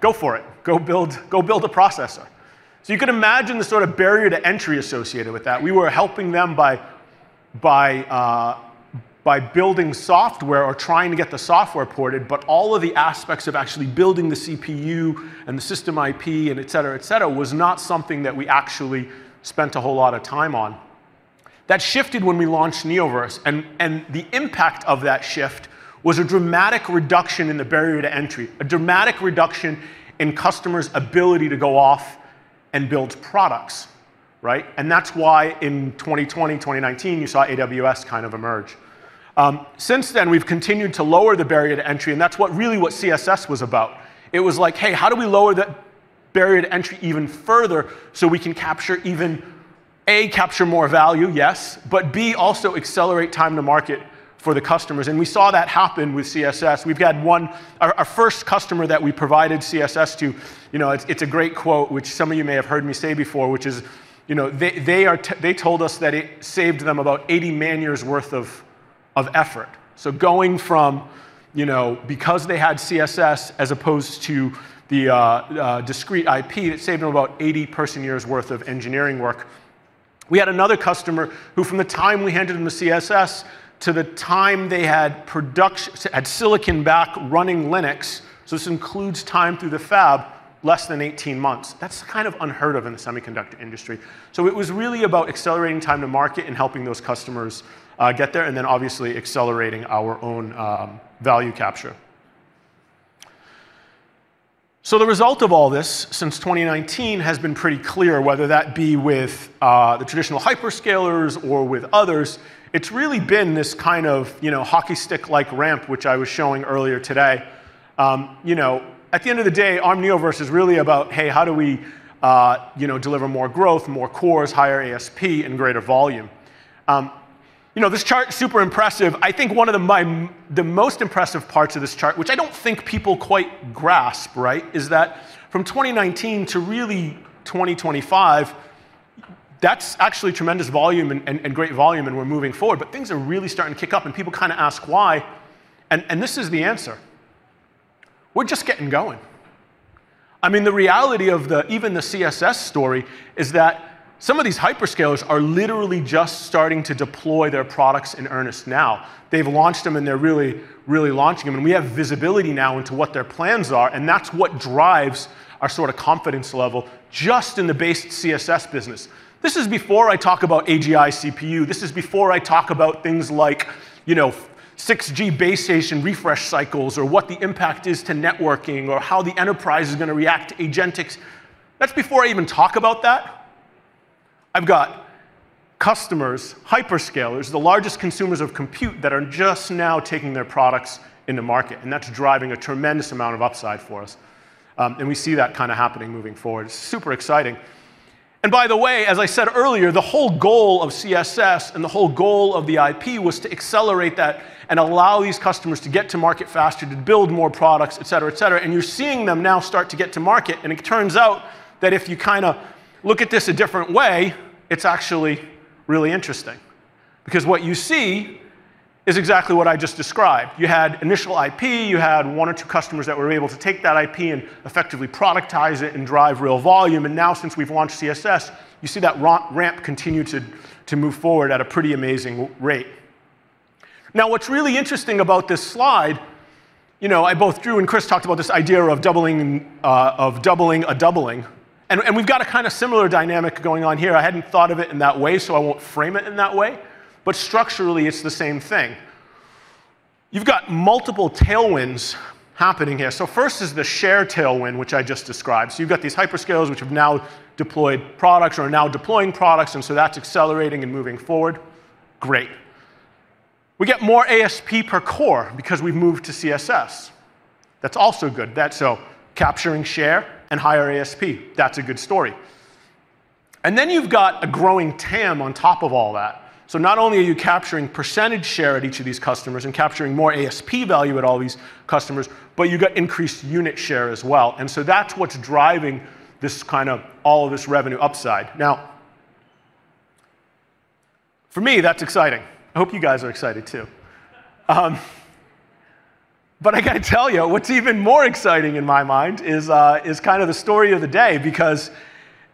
go for it. Go build a processor. So you could imagine the sort of barrier to entry associated with that. We were helping them by building software or trying to get the software ported, but all of the aspects of actually building the CPU and the system IP and et cetera was not something that we actually spent a whole lot of time on. That shifted when we launched Neoverse, and the impact of that shift was a dramatic reduction in the barrier to entry, a dramatic reduction in customers' ability to go off and build products, right? That's why in 2020, 2019, you saw AWS kind of emerge. Since then, we've continued to lower the barrier to entry, and that's what really CSS was about. It was like, hey, how do we lower the barrier to entry even further so we can capture even, A, capture more value, yes, but B, also accelerate time to market for the customers? We saw that happen with CSS. We've got one our first customer that we provided CSS to, you know, it's a great quote, which some of you may have heard me say before, which is, you know, they are they told us that it saved them about 80 man-years worth of effort. Going from, you know, because they had CSS as opposed to the discrete IP, it saved them about 80 person years worth of engineering work. We had another customer who from the time we handed them the CSS to the time they had silicon back running Linux, so this includes time through the fab, less than 18 months. That's kind of unheard of in the semiconductor industry. It was really about accelerating time to market and helping those customers get there, and then obviously accelerating our own value capture. The result of all this, since 2019, has been pretty clear, whether that be with the traditional hyperscalers or with others. It's really been this kind of you know hockey stick-like ramp which I was showing earlier today. You know, at the end of the day, Arm Neoverse is really about, hey, how do we you know deliver more growth, more cores, higher ASP, and greater volume? You know, this chart, super impressive. I think one of the most impressive parts of this chart, which I don't think people quite grasp, right, is that from 2019 to really 2025, that's actually tremendous volume and great volume, and we're moving forward. Things are really starting to kick up, and people kinda ask why, and this is the answer. We're just getting going. I mean, the reality of even the CSS story is that some of these hyperscalers are literally just starting to deploy their products in earnest now. They've launched them, and they're really, really launching them, and we have visibility now into what their plans are, and that's what drives our sort of confidence level just in the base CSS business. This is before I talk about AGI CPU. This is before I talk about things like, you know, 6G base station refresh cycles, or what the impact is to networking, or how the enterprise is gonna react to agentics. That's before I even talk about that. I've got customers, hyperscalers, the largest consumers of compute, that are just now taking their products into market, and that's driving a tremendous amount of upside for us. We see that kinda happening moving forward. It's super exciting. By the way, as I said earlier, the whole goal of CSS and the whole goal of the IP was to accelerate that and allow these customers to get to market faster, to build more products, et cetera, et cetera. You're seeing them now start to get to market, and it turns out that if you kinda look at this a different way, it's actually really interesting because what you see is exactly what I just described. You had initial IP. You had one or two customers that were able to take that IP and effectively productize it and drive real volume. Now, since we've launched CSS, you see that ramp continue to move forward at a pretty amazing rate. Now, what's really interesting about this slide, you know, both Drew and Chris talked about this idea of doubling of doubling a doubling, and we've got a kinda similar dynamic going on here. I hadn't thought of it in that way, so I won't frame it in that way. Structurally, it's the same thing. You've got multiple tailwinds happening here. First is the share tailwind, which I just described. You've got these hyperscalers which have now deployed products or are now deploying products, and so that's accelerating and moving forward. Great. We get more ASP per core because we've moved to CSS. That's also good. That's, so capturing share and higher ASP. That's a good story. Then you've got a growing TAM on top of all that. Not only are you capturing percentage share at each of these customers and capturing more ASP value at all these customers, but you got increased unit share as well. That's what's driving this kind of all of this revenue upside. Now, for me, that's exciting. I hope you guys are excited too. I gotta tell you what's even more exciting in my mind is kind of the story of the day because,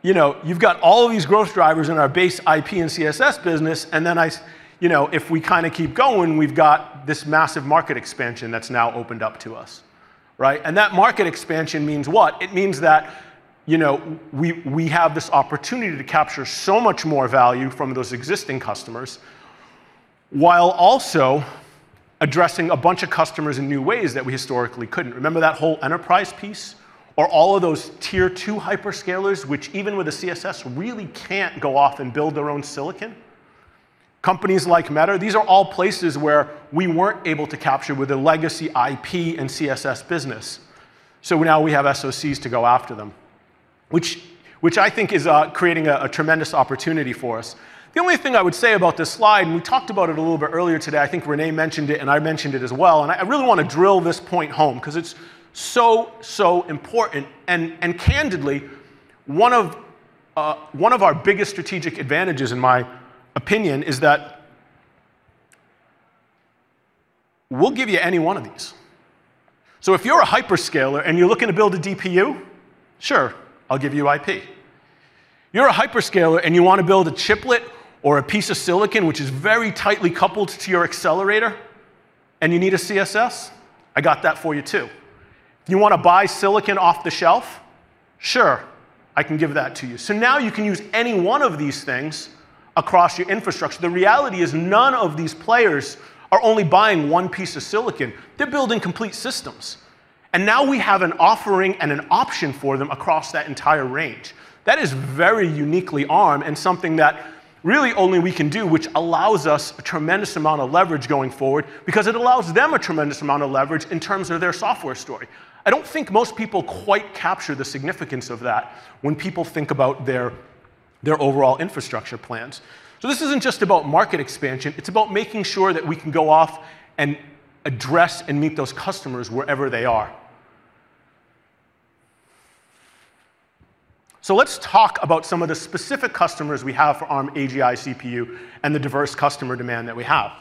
you know, you've got all of these growth drivers in our base IP and CSS business, and then you know, if we kinda keep going, we've got this massive market expansion that's now opened up to us, right? That market expansion means what? It means that, you know, we have this opportunity to capture so much more value from those existing customers while also addressing a bunch of customers in new ways that we historically couldn't. Remember that whole enterprise piece or all of those Tier 2 hyperscalers which even with the CSS really can't go off and build their own silicon. Companies like Meta, these are all places where we weren't able to capture with a legacy IP and CSS business. Now we have SoCs to go after them, which I think is creating a tremendous opportunity for us. The only thing I would say about this slide, and we talked about it a little bit earlier today, I think Rene mentioned it, and I mentioned it as well, and I really wanna drill this point home 'cause it's so important. Candidly, one of our biggest strategic advantages in my opinion is that we'll give you any one of these. If you're a hyperscaler and you're looking to build a DPU, sure, I'll give you IP. You're a hyperscaler and you wanna build a chiplet or a piece of silicon which is very tightly coupled to your accelerator and you need a CSS, I got that for you too. You wanna buy silicon off the shelf? Sure, I can give that to you. Now you can use any one of these things across your infrastructure. The reality is none of these players are only buying one piece of silicon. They're building complete systems. Now we have an offering and an option for them across that entire range. That is very uniquely Arm and something that really only we can do, which allows us a tremendous amount of leverage going forward because it allows them a tremendous amount of leverage in terms of their software story. I don't think most people quite capture the significance of that when people think about their overall infrastructure plans. This isn't just about market expansion. It's about making sure that we can go off and address and meet those customers wherever they are. Let's talk about some of the specific customers we have for Arm AGI CPU and the diverse customer demand that we have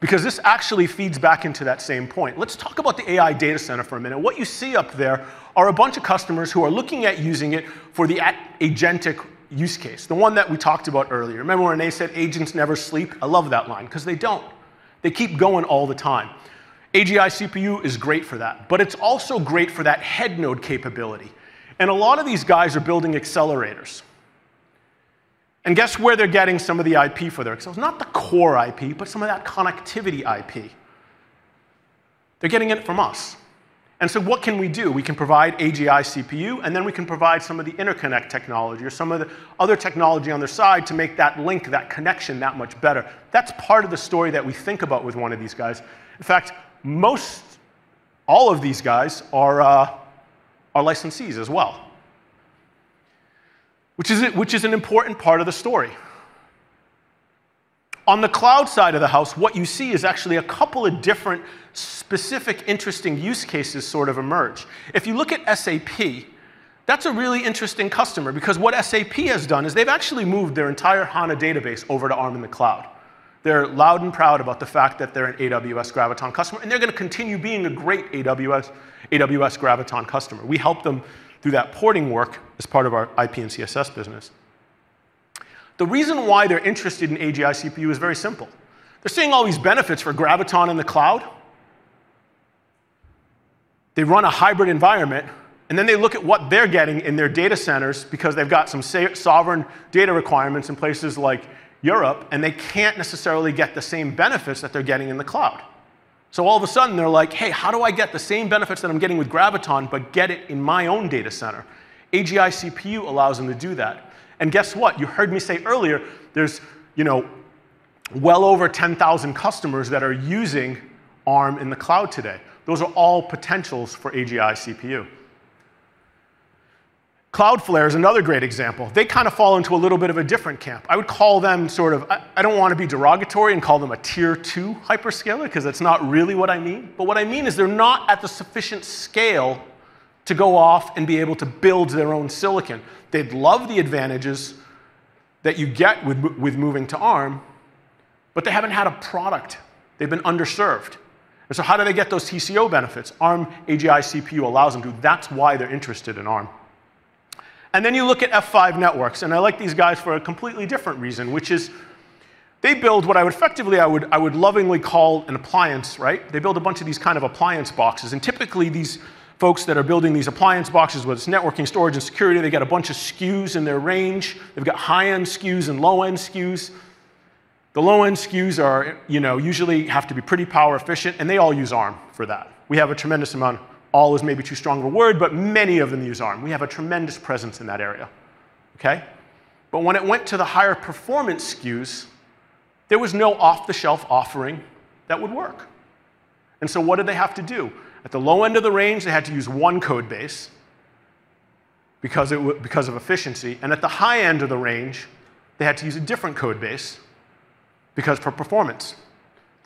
because this actually feeds back into that same point. Let's talk about the AI data center for a minute. What you see up there are a bunch of customers who are looking at using it for the agentic use case, the one that we talked about earlier. Remember when Rene said agents never sleep? I love that line 'cause they don't. They keep going all the time. AGI CPU is great for that, but it's also great for that head node capability. A lot of these guys are building accelerators. Guess where they're getting some of the IP for their accelerators? Not the core IP, but some of that connectivity IP. They're getting it from us. What can we do? We can provide AGI CPU, and then we can provide some of the interconnect technology or some of the other technology on their side to make that link, that connection that much better. That's part of the story that we think about with one of these guys. In fact, most all of these guys are licensees as well, which is an important part of the story. On the cloud side of the house, what you see is actually a couple of different specific interesting use cases sort of emerge. If you look at SAP, that's a really interesting customer because what SAP has done is they've actually moved their entire HANA database over to Arm in the cloud. They're loud and proud about the fact that they're an AWS Graviton customer, and they're gonna continue being a great AWS Graviton customer. We helped them do that porting work as part of our IP and CSS business. The reason why they're interested in AGI CPU is very simple. They're seeing all these benefits for Graviton in the cloud. They run a hybrid environment, and then they look at what they're getting in their data centers because they've got some sovereign data requirements in places like Europe, and they can't necessarily get the same benefits that they're getting in the cloud. All of a sudden they're like, "Hey, how do I get the same benefits that I'm getting with Graviton, but get it in my own data center?" AGI CPU allows them to do that, and guess what? You heard me say earlier, there's, you know, well over 10,000 customers that are using Arm in the cloud today. Those are all potentials for AGI CPU. Cloudflare is another great example. They kinda fall into a little bit of a different camp. I would call them sort of. I don't wanna be derogatory and call them a Tier 2 hyperscaler, 'cause that's not really what I mean. What I mean is they're not at the sufficient scale to go off and be able to build their own silicon. They'd love the advantages that you get with moving to Arm, but they haven't had a product. They've been underserved. How do they get those TCO benefits? Arm AGI CPU allows them to. That's why they're interested in Arm. You look at F5 Networks, and I like these guys for a completely different reason, which is they build what I would effectively lovingly call an appliance, right? They build a bunch of these kind of appliance boxes, and typically these folks that are building these appliance boxes, whether it's networking, storage, or security, they got a bunch of SKUs in their range. They've got high-end SKUs and low-end SKUs. The low-end SKUs are, you know, usually have to be pretty power efficient, and they all use Arm for that. We have a tremendous amount. All is maybe too strong of a word, but many of them use Arm. We have a tremendous presence in that area. Okay? When it went to the higher performance SKUs, there was no off-the-shelf offering that would work. What did they have to do? At the low end of the range, they had to use one code base because of efficiency, and at the high end of the range, they had to use a different code base because for performance.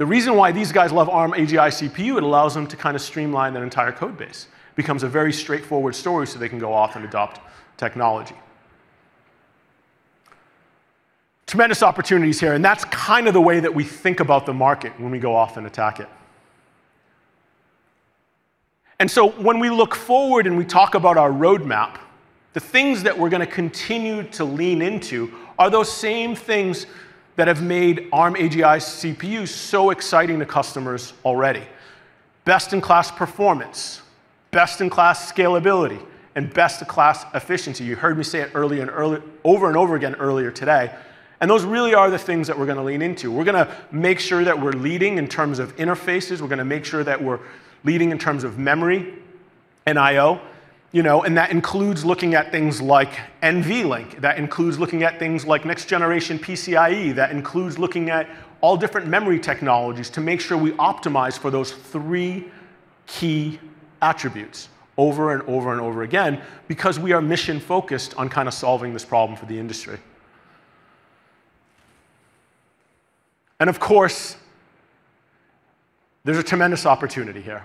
The reason why these guys love Arm AGI CPU, it allows them to kinda streamline their entire code base. Becomes a very straightforward story so they can go off and adopt technology. Tremendous opportunities here, and that's kind of the way that we think about the market when we go off and attack it. When we look forward and we talk about our roadmap, the things that we're gonna continue to lean into are those same things that have made Arm AGI CPU so exciting to customers already. Best-in-class performance, best-in-class scalability, and best-in-class efficiency. You heard me say it early over and over again earlier today, and those really are the things that we're gonna lean into. We're gonna make sure that we're leading in terms of interfaces. We're gonna make sure that we're leading in terms of memory and IO, you know, and that includes looking at things like NVLink. That includes looking at things like next generation PCIe. That includes looking at all different memory technologies to make sure we optimize for those three key attributes over and over and over again because we are mission-focused on kinda solving this problem for the industry. Of course, there's a tremendous opportunity here,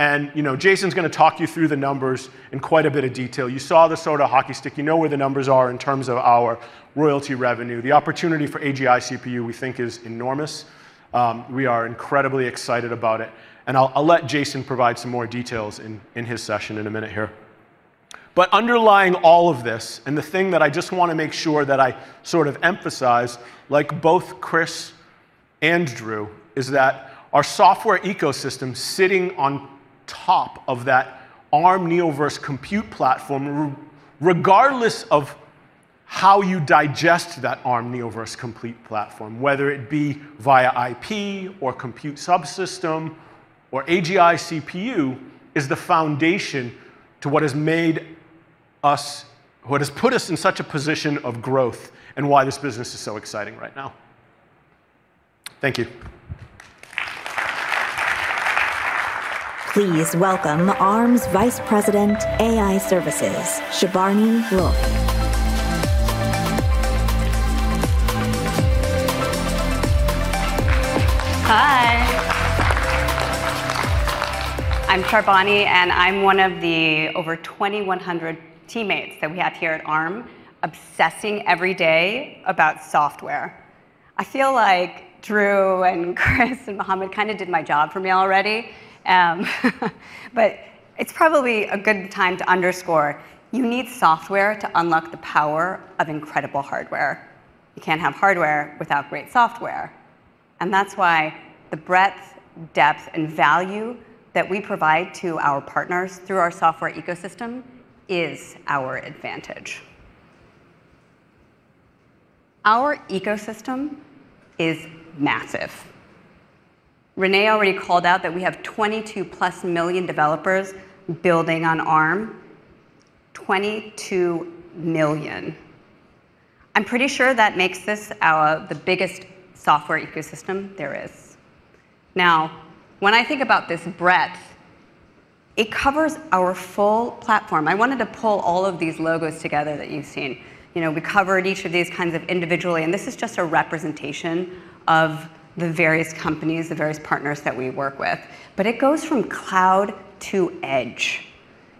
and, you know, Jason's gonna talk you through the numbers in quite a bit of detail. You saw the sort of hockey stick. You know where the numbers are in terms of our royalty revenue. The opportunity for AGI CPU we think is enormous. We are incredibly excited about it, and I'll let Jason provide some more details in his session in a minute here. Underlying all of this, and the thing that I just wanna make sure that I sort of emphasize, like both Chris and Drew, is that our software ecosystem sitting on top of that Arm Neoverse compute platform regardless of how you digest that Arm Neoverse compute platform, whether it be via IP or compute subsystem or AGI CPU, is the foundation to what has put us in such a position of growth and why this business is so exciting right now. Thank you. Please welcome Arm's Vice President, AI Services, Sharbani Roy. Hi. I'm Sharbani, and I'm one of the over 2,100 teammates that we have here at Arm obsessing every day about software. I feel like Drew and Chris and Mohamed kind of did my job for me already. It's probably a good time to underscore you need software to unlock the power of incredible hardware. You can't have hardware without great software. That's why the breadth, depth, and value that we provide to our partners through our software ecosystem is our advantage. Our ecosystem is massive. Rene already called out that we have 22+ million developers building on Arm. 22 million. I'm pretty sure that makes this the biggest software ecosystem there is. Now, when I think about this breadth, it covers our full platform. I wanted to pull all of these logos together that you've seen. You know, we covered each of these kinds of individually, and this is just a representation of the various companies, the various partners that we work with, but it goes from cloud to edge.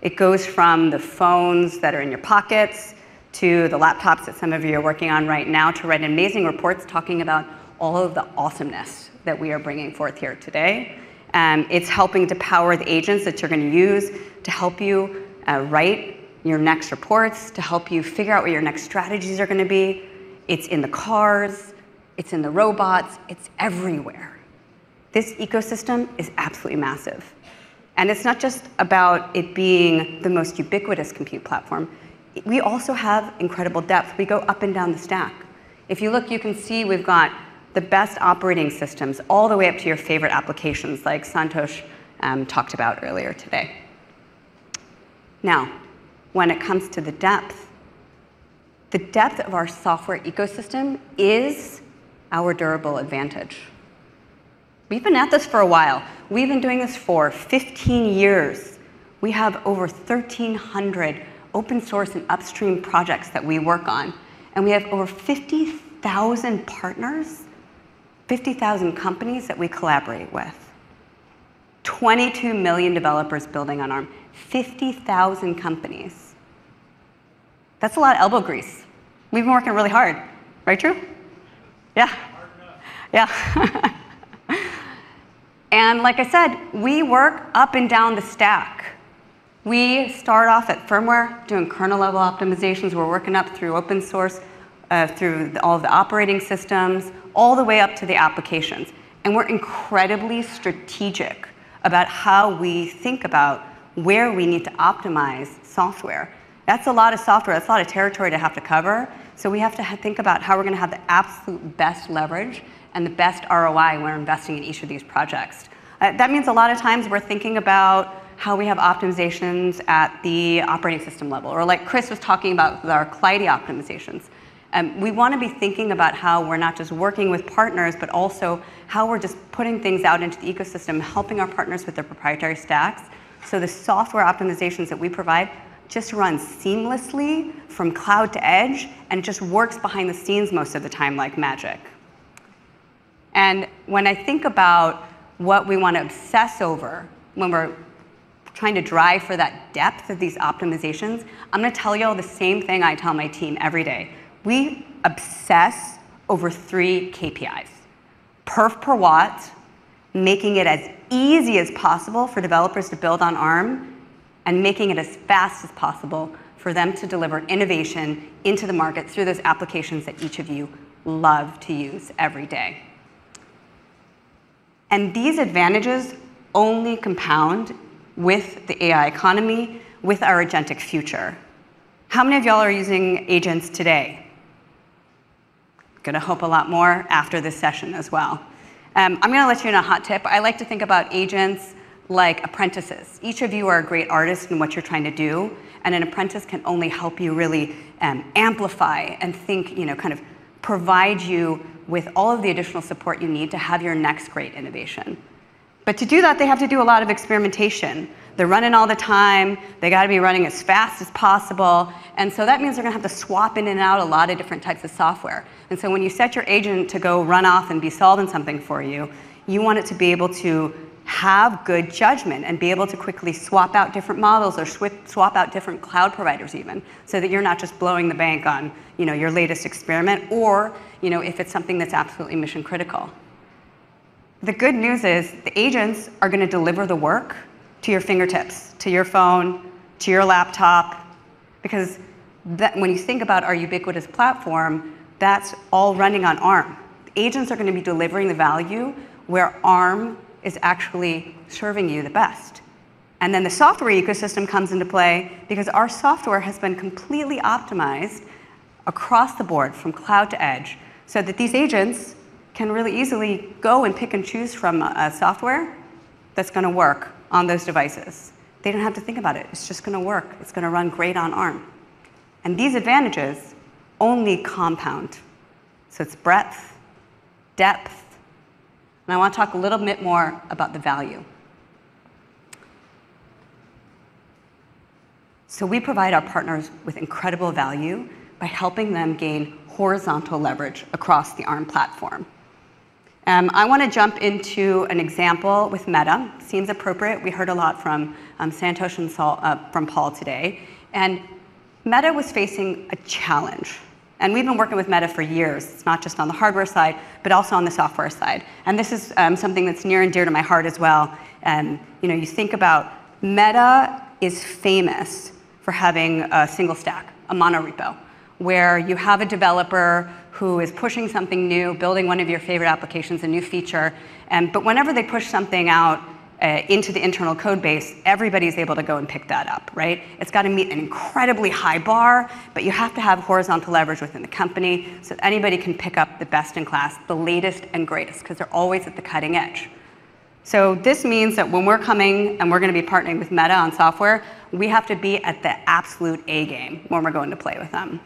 It goes from the phones that are in your pockets to the laptops that some of you are working on right now to write amazing reports talking about all of the awesomeness that we are bringing forth here today. It's helping to power the agents that you're gonna use to help you write your next reports, to help you figure out what your next strategies are gonna be. It's in the cars, it's in the robots, it's everywhere. This ecosystem is absolutely massive, and it's not just about it being the most ubiquitous compute platform. We also have incredible depth. We go up and down the stack. If you look, you can see we've got the best operating systems all the way up to your favorite applications, like Santosh talked about earlier today. Now, when it comes to the depth, the depth of our software ecosystem is our durable advantage. We've been at this for a while. We've been doing this for 15 years. We have over 1,300 open source and upstream projects that we work on, and we have over 50,000 partners, 50,000 companies that we collaborate with. 22 million developers building on Arm. 50,000 companies. That's a lot of elbow grease. We've been working really hard. Right, Drew? Yeah. Yeah. Like I said, we work up and down the stack. We start off at firmware, doing kernel-level optimizations. We're working up through open source, through all the operating systems, all the way up to the applications, and we're incredibly strategic about how we think about where we need to optimize software. That's a lot of software. That's a lot of territory to have to cover, so we have to think about how we're gonna have the absolute best leverage and the best ROI when we're investing in each of these projects. That means a lot of times we're thinking about how we have optimizations at the operating system level or, like Chris was talking about, with our KleidiAI optimizations. We wanna be thinking about how we're not just working with partners but also how we're just putting things out into the ecosystem, helping our partners with their proprietary stacks, so the software optimizations that we provide just run seamlessly from cloud to edge and just works behind the scenes most of the time, like magic. When I think about what we wanna obsess over when we're trying to drive for that depth of these optimizations, I'm gonna tell y'all the same thing I tell my team every day. We obsess over three KPIs, perf per watt, making it as easy as possible for developers to build on Arm, and making it as fast as possible for them to deliver innovation into the market through those applications that each of you love to use every day. These advantages only compound with the AI economy with our agentic future. How many of y'all are using agents today? I'm gonna hope a lot more after this session as well. I'm gonna let you in on a hot tip. I like to think about agents like apprentices. Each of you are a great artist in what you're trying to do, and an apprentice can only help you really, amplify and think, you know, kind of provide you with all of the additional support you need to have your next great innovation. To do that, they have to do a lot of experimentation. They're running all the time. They gotta be running as fast as possible, and so that means they're gonna have to swap in and out a lot of different types of software. When you set your agent to go run off and be solving something for you want it to be able to have good judgment and be able to quickly swap out different models or swap out different cloud providers even so that you're not just blowing the bank on, you know, your latest experiment or, you know, if it's something that's absolutely mission critical. The good news is the agents are gonna deliver the work to your fingertips, to your phone, to your laptop because when you think about our ubiquitous platform, that's all running on Arm. Agents are gonna be delivering the value where Arm is actually serving you the best. The software ecosystem comes into play because our software has been completely optimized across the board from cloud to edge so that these agents can really easily go and pick and choose from software that's gonna work on those devices. They don't have to think about it. It's just gonna work. It's gonna run great on Arm. These advantages only compound. It's breadth, depth, and I wanna talk a little bit more about the value. We provide our partners with incredible value by helping them gain horizontal leverage across the Arm platform. I wanna jump into an example with Meta. Seems appropriate. We heard a lot from Santosh and from Paul today. Meta was facing a challenge, and we've been working with Meta for years. It's not just on the hardware side but also on the software side, and this is something that's near and dear to my heart as well. You know, you think about Meta is famous for having a single stack, a monorepo, where you have a developer who is pushing something new, building one of your favorite applications, a new feature, but whenever they push something out into the internal code base, everybody's able to go and pick that up, right? It's gotta meet an incredibly high bar, but you have to have horizontal leverage within the company so anybody can pick up the best in class, the latest and greatest, 'cause they're always at the cutting edge. This means that when we're coming and we're gonna be partnering with Meta on software, we have to be at the absolute A-game when we're going to play with them.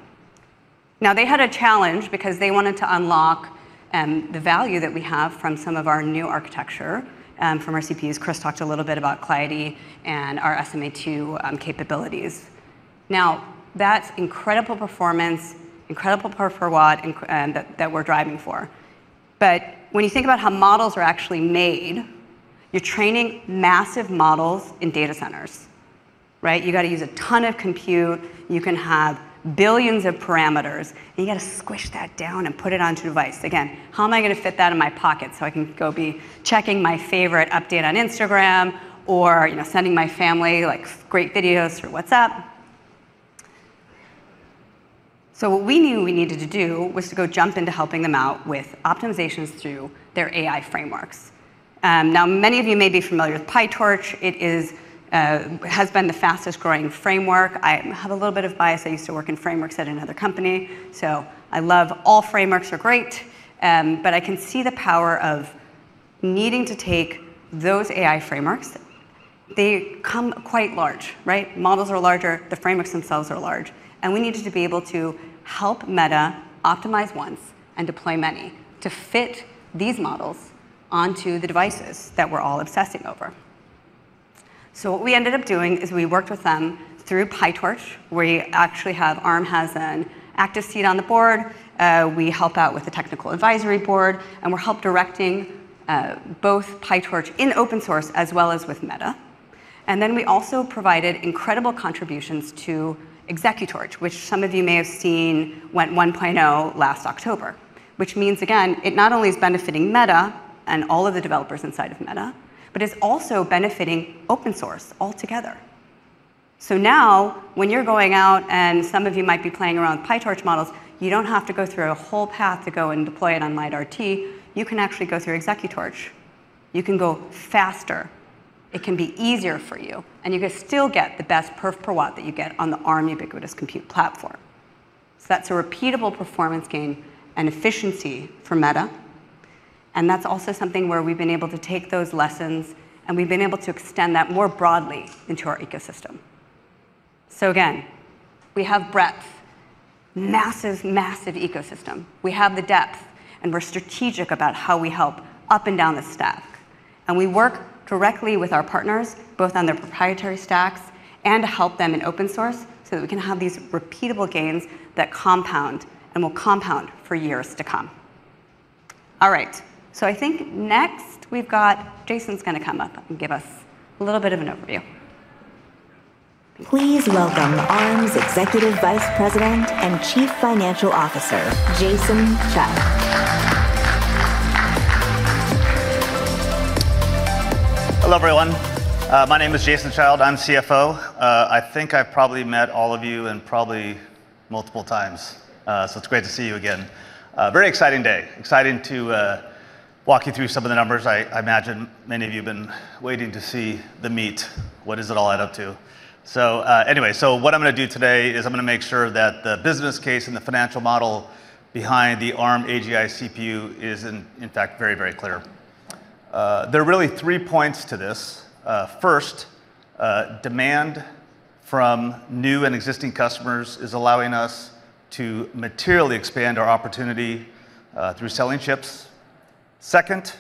Now, they had a challenge because they wanted to unlock the value that we have from some of our new architecture from our CPUs. Chris talked a little bit about KleidiAI and our SME2 capabilities. Now, that's incredible performance, incredible perf per watt and that we're driving for. But when you think about how models are actually made, you're training massive models in data centers, right? You gotta use a ton of compute, you can have billions of parameters, and you gotta squish that down and put it onto a device. Again, how am I gonna fit that in my pocket so I can go be checking my favorite update on Instagram or, you know, sending my family, like, great videos through WhatsApp? What we knew we needed to do was to go jump into helping them out with optimizations through their AI frameworks. Now many of you may be familiar with PyTorch. It is, has been the fastest growing framework. I have a little bit of bias. I used to work in frameworks at another company, so I love all frameworks are great, but I can see the power of needing to take those AI frameworks. They come quite large, right? Models are larger, the frameworks themselves are large, and we needed to be able to help Meta optimize once and deploy many to fit these models onto the devices that we're all obsessing over. What we ended up doing is we worked with them through PyTorch. We actually have Arm has an active seat on the board, we help out with the technical advisory board, and we're helping direct both PyTorch and open source as well as with Meta. We also provided incredible contributions to ExecuTorch, which some of you may have seen went 1.0 last October. Which means, again, it not only is benefiting Meta and all of the developers inside of Meta, but is also benefiting open source altogether. Now, when you're going out and some of you might be playing around with PyTorch models, you don't have to go through a whole path to go and deploy it on LiteRT. You can actually go through ExecuTorch. You can go faster. It can be easier for you. You can still get the best perf per watt that you get on the Arm Ubiquitous Compute platform. That's a repeatable performance gain and efficiency for Meta, and that's also something where we've been able to take those lessons and we've been able to extend that more broadly into our ecosystem. Again, we have breadth, massive ecosystem. We have the depth, and we're strategic about how we help up and down the stack. We work directly with our partners, both on their proprietary stacks and to help them in open source, so that we can have these repeatable gains that compound and will compound for years to come. All right. I think next we've got Jason's gonna come up and give us a little bit of an overview. Please welcome Arm's Executive Vice President and Chief Financial Officer, Jason Child. Hello, everyone. My name is Jason Child. I'm CFO. I think I've probably met all of you and probably multiple times, so it's great to see you again. Very exciting day. Exciting to walk you through some of the numbers. I imagine many of you have been waiting to see the meat, what does it all add up to. Anyway, what I'm gonna do today is I'm gonna make sure that the business case and the financial model behind the Arm AGI CPU is in fact very, very clear. There are really three points to this. First, demand from new and existing customers is allowing us to materially expand our opportunity through selling chips. Second,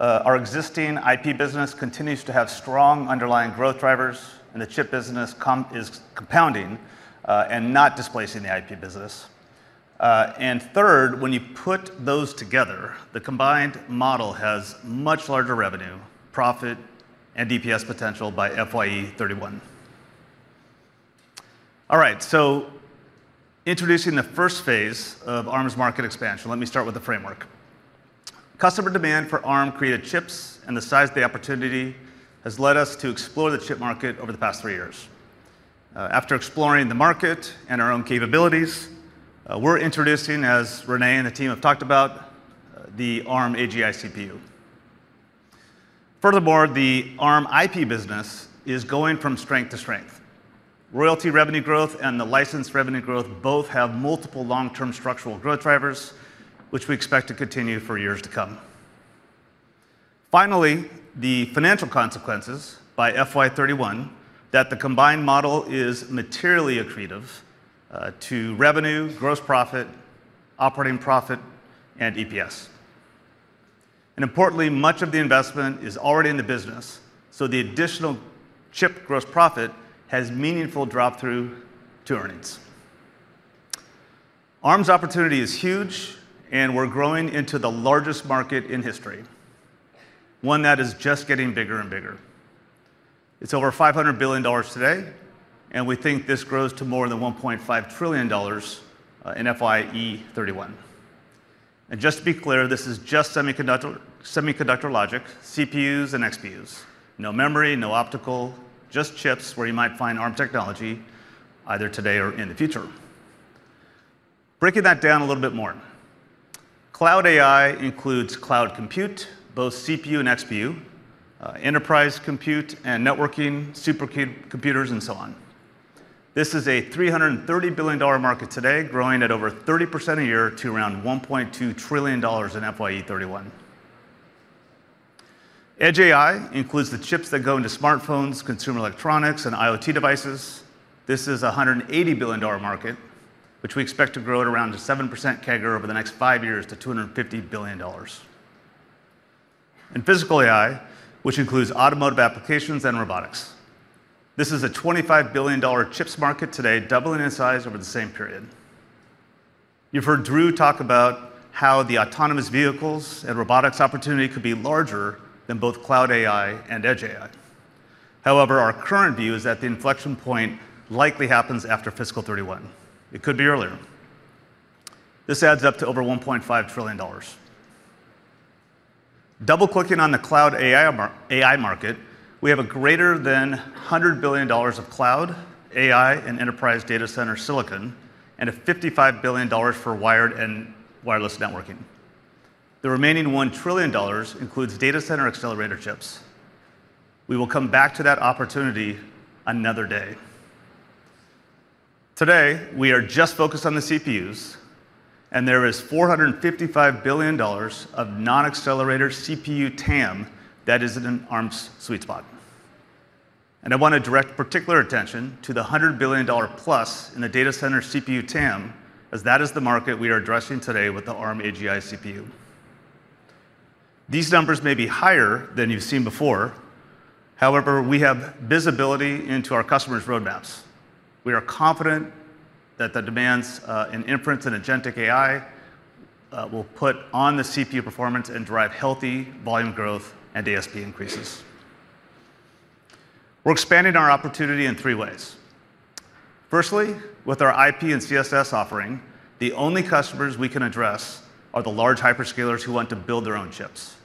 our existing IP business continues to have strong underlying growth drivers, and the chip business is compounding, and not displacing the IP business. Third, when you put those together, the combined model has much larger revenue, profit, and EPS potential by FYE 2031. All right, introducing the first phase of Arm's market expansion. Let me start with the framework. Customer demand for Arm-created chips and the size of the opportunity has led us to explore the chip market over the past three years. After exploring the market and our own capabilities, we're introducing, as Rene and the team have talked about, the Arm AGI CPU. Furthermore, the Arm IP business is going from strength to strength. Royalty revenue growth and the license revenue growth both have multiple long-term structural growth drivers, which we expect to continue for years to come. Finally, the financial consequences by FY 2031 that the combined model is materially accretive to revenue, gross profit, operating profit, and EPS. Importantly, much of the investment is already in the business, so the additional chip gross profit has meaningful drop through to earnings. Arm's opportunity is huge, and we're growing into the largest market in history, one that is just getting bigger and bigger. It's over $500 billion today, and we think this grows to more than $1.5 trillion in FY 2031. Just to be clear, this is just semiconductor logic, CPUs and XPUs. No memory, no optical, just chips where you might find Arm technology either today or in the future. Breaking that down a little bit more. Cloud AI includes cloud compute, both CPU and XPU, enterprise compute and networking, supercomputers and so on. This is a $330 billion market today, growing at over 30% a year to around $1.2 trillion in FY 2031. Edge AI includes the chips that go into smartphones, consumer electronics and IoT devices. This is a $180 billion market which we expect to grow at around 7% CAGR over the next five years to $250 billion. In Physical AI, which includes automotive applications and robotics, this is a $25 billion chips market today, doubling in size over the same period. You've heard Drew talk about how the autonomous vehicles and robotics opportunity could be larger than both Cloud AI and Edge AI. However, our current view is that the inflection point likely happens after fiscal year 2031. It could be earlier. This adds up to over $1.5 trillion. Double-clicking on the Cloud AI market, we have a greater than $100 billion of cloud, AI and enterprise data center silicon and a $55 billion for wired and wireless networking. The remaining $1 trillion includes data center accelerator chips. We will come back to that opportunity another day. Today, we are just focused on the CPUs and there is $455 billion of non-accelerator CPU TAM that is in Arm's sweet spot. I want to direct particular attention to the $100 billion-plus in the data center CPU TAM as that is the market we are addressing today with the Arm AGI CPU. These numbers may be higher than you've seen before. However, we have visibility into our customers' roadmaps. We are confident that the demands in inference and agentic AI will put on the CPU performance and drive healthy volume growth and ASP increases. We're expanding our opportunity in three ways. Firstly, with our IP and CSS offering, the only customers we can address are the large hyperscalers who want to build their own chips.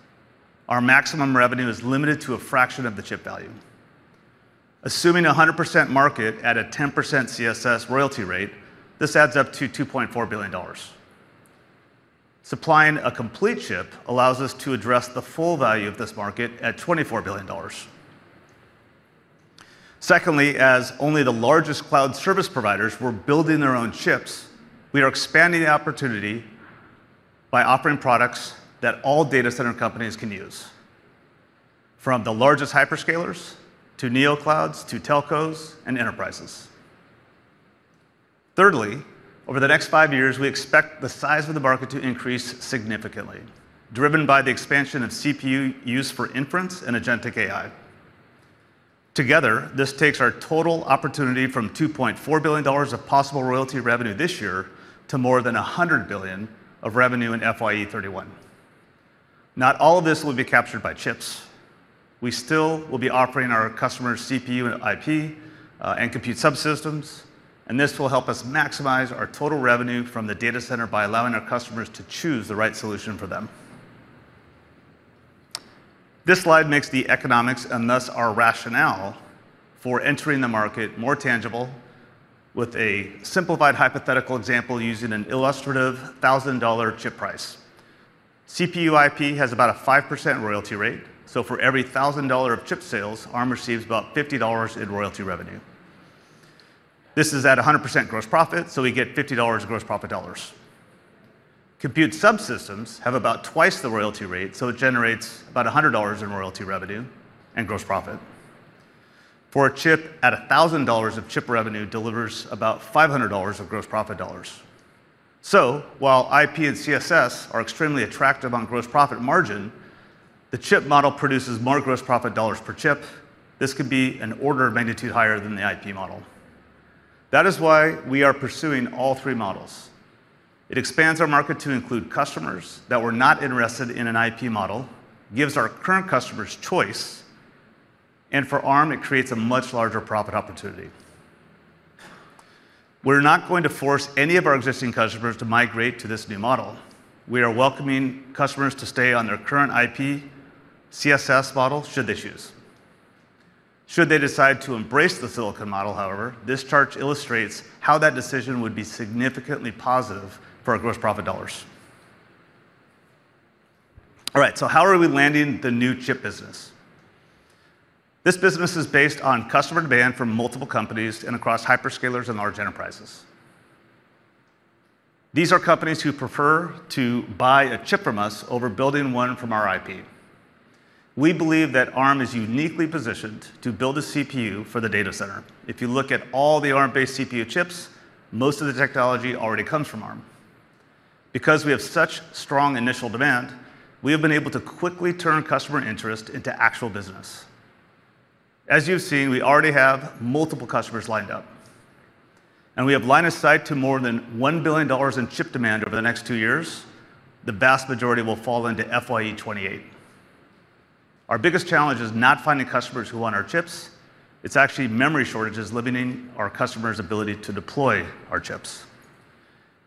Our maximum revenue is limited to a fraction of the chip value. Assuming a 100% market at a 10% CSS royalty rate, this adds up to $2.4 billion. Supplying a complete chip allows us to address the full value of this market at $24 billion. Secondly, as only the largest cloud service providers were building their own chips, we are expanding the opportunity by offering products that all data center companies can use, from the largest hyperscalers to neo clouds to telcos and enterprises. Thirdly, over the next five years, we expect the size of the market to increase significantly, driven by the expansion of CPU use for inference and agentic AI. Together, this takes our total opportunity from $2.4 billion of possible royalty revenue this year to more than $100 billion of revenue in FY 2031. Not all of this will be captured by chips. We still will be offering our customers CPU and IP, and compute subsystems, and this will help us maximize our total revenue from the data center by allowing our customers to choose the right solution for them. This slide makes the economics, and thus our rationale, for entering the market more tangible with a simplified hypothetical example using an illustrative $1,000 chip price. CPU IP has about a 5% royalty rate, so for every $1,000 of chip sales, Arm receives about $50 in royalty revenue. This is at a 100% gross profit, so we get $50 of gross profit dollars. Compute subsystems have about twice the royalty rate, so it generates about $100 in royalty revenue and gross profit. For a chip at a $1,000 of chip revenue delivers about $500 of gross profit dollars. While IP and CSS are extremely attractive on gross profit margin, the chip model produces more gross profit dollars per chip. This could be an order of magnitude higher than the IP model. That is why we are pursuing all three models. It expands our market to include customers that were not interested in an IP model, gives our current customers choice, and for Arm it creates a much larger profit opportunity. We're not going to force any of our existing customers to migrate to this new model. We are welcoming customers to stay on their current IP CSS model should they choose. Should they decide to embrace the silicon model, however, this chart illustrates how that decision would be significantly positive for our gross profit dollars. All right, how are we landing the new chip business? This business is based on customer demand from multiple companies and across hyperscalers and large enterprises. These are companies who prefer to buy a chip from us over building one from our IP. We believe that Arm is uniquely positioned to build a CPU for the data center. If you look at all the Arm-based CPU chips, most of the technology already comes from Arm. Because we have such strong initial demand, we have been able to quickly turn customer interest into actual business. As you've seen, we already have multiple customers lined up, and we have line of sight to more than $1 billion in chip demand over the next two years. The vast majority will fall into FY 2028. Our biggest challenge is not finding customers who want our chips. It's actually memory shortages limiting our customers' ability to deploy our chips.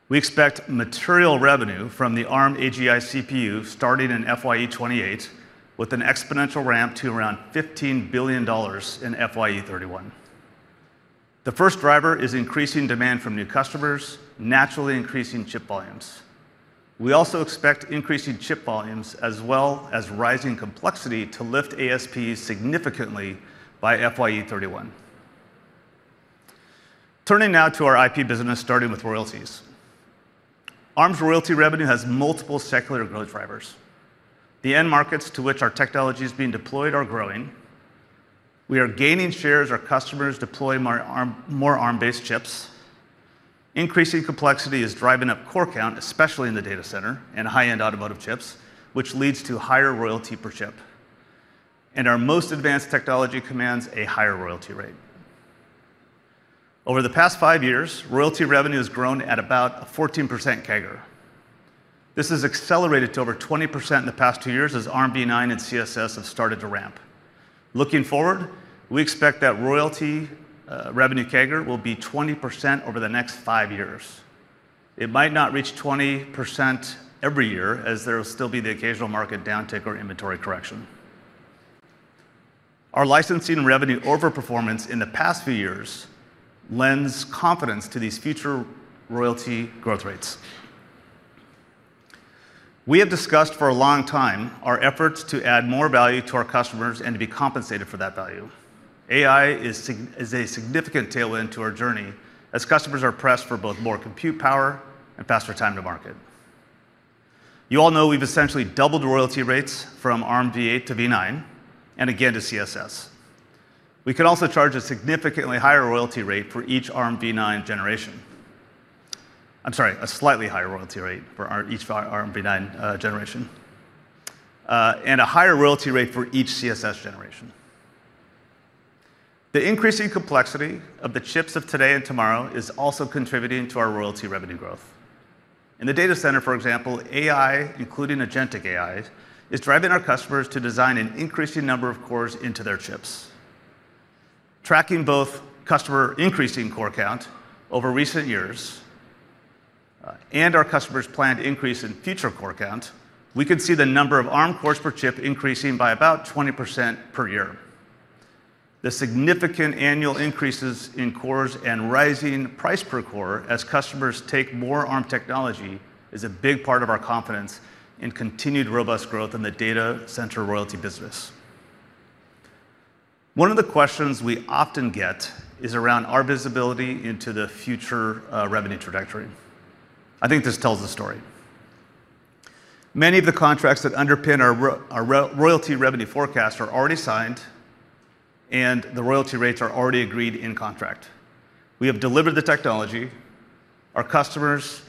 We expect material revenue from the Arm AGI CPU starting in FY 2028 with an exponential ramp to around $15 billion in FY 2031. The first driver is increasing demand from new customers, naturally increasing chip volumes. We also expect increasing chip volumes as well as rising complexity to lift ASP significantly by FY 2031. Turning now to our IP business, starting with royalties. Arm's royalty revenue has multiple secular growth drivers. The end markets to which our technology is being deployed are growing. We are gaining share as our customers deploy more Arm, more Arm-based chips. Increasing complexity is driving up core count, especially in the data center and high-end automotive chips, which leads to higher royalty per chip. Our most advanced technology commands a higher royalty rate. Over the past five years, royalty revenue has grown at about a 14% CAGR. This has accelerated to over 20% in the past two years as Armv9 and CSS have started to ramp. Looking forward, we expect that royalty revenue CAGR will be 20% over the next five years. It might not reach 20% every year, as there will still be the occasional market downtick or inventory correction. Our licensing revenue overperformance in the past few years lends confidence to these future royalty growth rates. We have discussed for a long time our efforts to add more value to our customers and to be compensated for that value. AI is a significant tailwind to our journey as customers are pressed for both more compute power and faster time to market. You all know we've essentially doubled royalty rates from Armv8 to Armv9 and again to CSS. We could also charge a significantly higher royalty rate for each Armv9 generation. I'm sorry, a slightly higher royalty rate for each Armv9 generation. A higher royalty rate for each CSS generation. The increasing complexity of the chips of today and tomorrow is also contributing to our royalty revenue growth. In the data center, for example, AI, including agentic AI, is driving our customers to design an increasing number of cores into their chips. Tracking both customer increase in core count over recent years, and our customers' planned increase in future core count, we can see the number of Arm cores per chip increasing by about 20% per year. The significant annual increases in cores and rising price per core as customers take more Arm technology is a big part of our confidence in continued robust growth in the data center royalty business. One of the questions we often get is around our visibility into the future, revenue trajectory. I think this tells the story. Many of the contracts that underpin our royalty revenue forecast are already signed, and the royalty rates are already agreed in contract. We have delivered the technology, our customers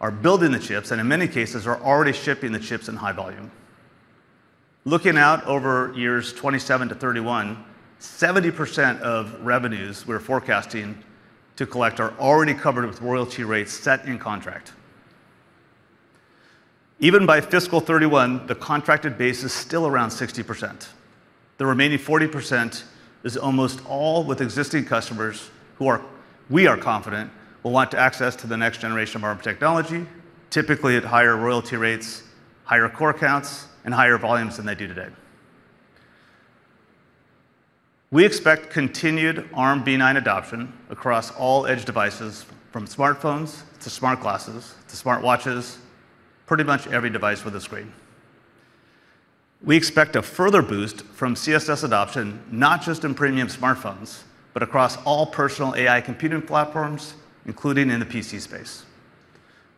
are building the chips, and in many cases are already shipping the chips in high volume. Looking out over years 2027-2031, 70% of revenues we're forecasting to collect are already covered with royalty rates set in contract. Even by fiscal year 2031, the contracted base is still around 60%. The remaining 40% is almost all with existing customers who we are confident will want access to the next generation of Arm technology, typically at higher royalty rates, higher core counts, and higher volumes than they do today. We expect continued Armv9 adoption across all edge devices from smartphones to smart glasses to smartwatches, pretty much every device with a screen. We expect a further boost from CSS adoption, not just in premium smartphones, but across all personal AI computing platforms, including in the PC space.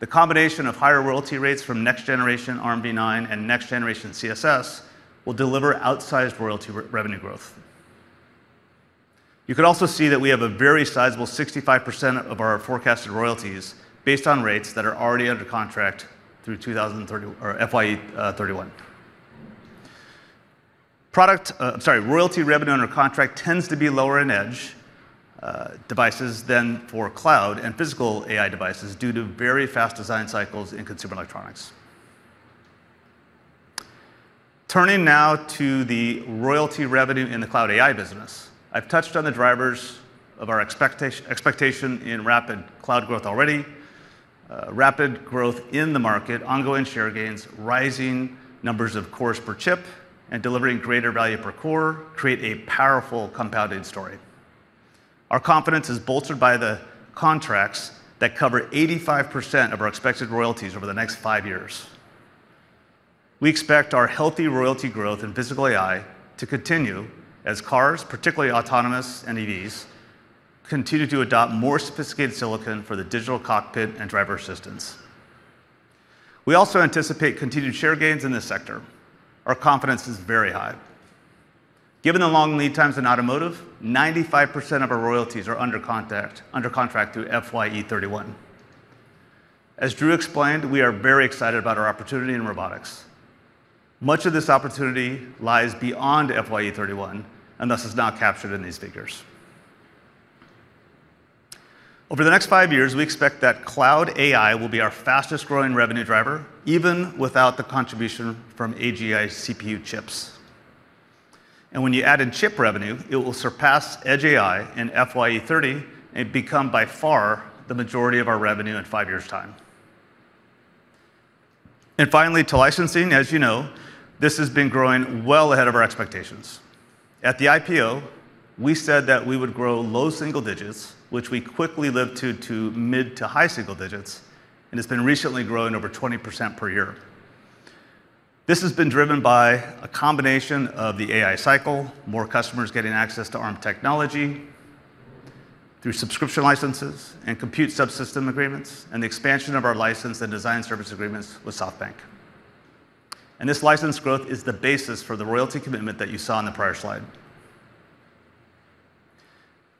The combination of higher royalty rates from next-generation Armv9 and next-generation CSS will deliver outsized royalty revenue growth. You can also see that we have a very sizable 65% of our forecasted royalties based on rates that are already under contract through 2030 or FY 2031. Royalty revenue under contract tends to be lower in edge devices than for cloud and Physical AI devices due to very fast design cycles in consumer electronics. Turning now to the royalty revenue in the Cloud AI business. I've touched on the drivers of our expectation in rapid cloud growth already. Rapid growth in the market, ongoing share gains, rising numbers of cores per chip, and delivering greater value per core create a powerful compounding story. Our confidence is bolstered by the contracts that cover 85% of our expected royalties over the next five years. We expect our healthy royalty growth in Physical AI to continue as cars, particularly autonomous and EVs, continue to adopt more sophisticated silicon for the digital cockpit and driver assistance. We also anticipate continued share gains in this sector. Our confidence is very high. Given the long lead times in automotive, 95% of our royalties are under contract through FY 2031. As Drew explained, we are very excited about our opportunity in robotics. Much of this opportunity lies beyond FY 2031, and thus is not captured in these figures. Over the next five years, we expect that Cloud AI will be our fastest-growing revenue driver, even without the contribution from AGI CPU chips. When you add in chip revenue, it will surpass Edge AI in FYE 2030 and become by far the majority of our revenue in five years' time. Finally, to licensing, as you know, this has been growing well ahead of our expectations. At the IPO, we said that we would grow low single digits, which we quickly lived up to mid to high single digits, and it's been recently growing over 20% per year. This has been driven by a combination of the AI cycle, more customers getting access to Arm technology through subscription licenses and compute subsystem agreements, and the expansion of our license and design service agreements with SoftBank. This license growth is the basis for the royalty commitment that you saw in the prior slide.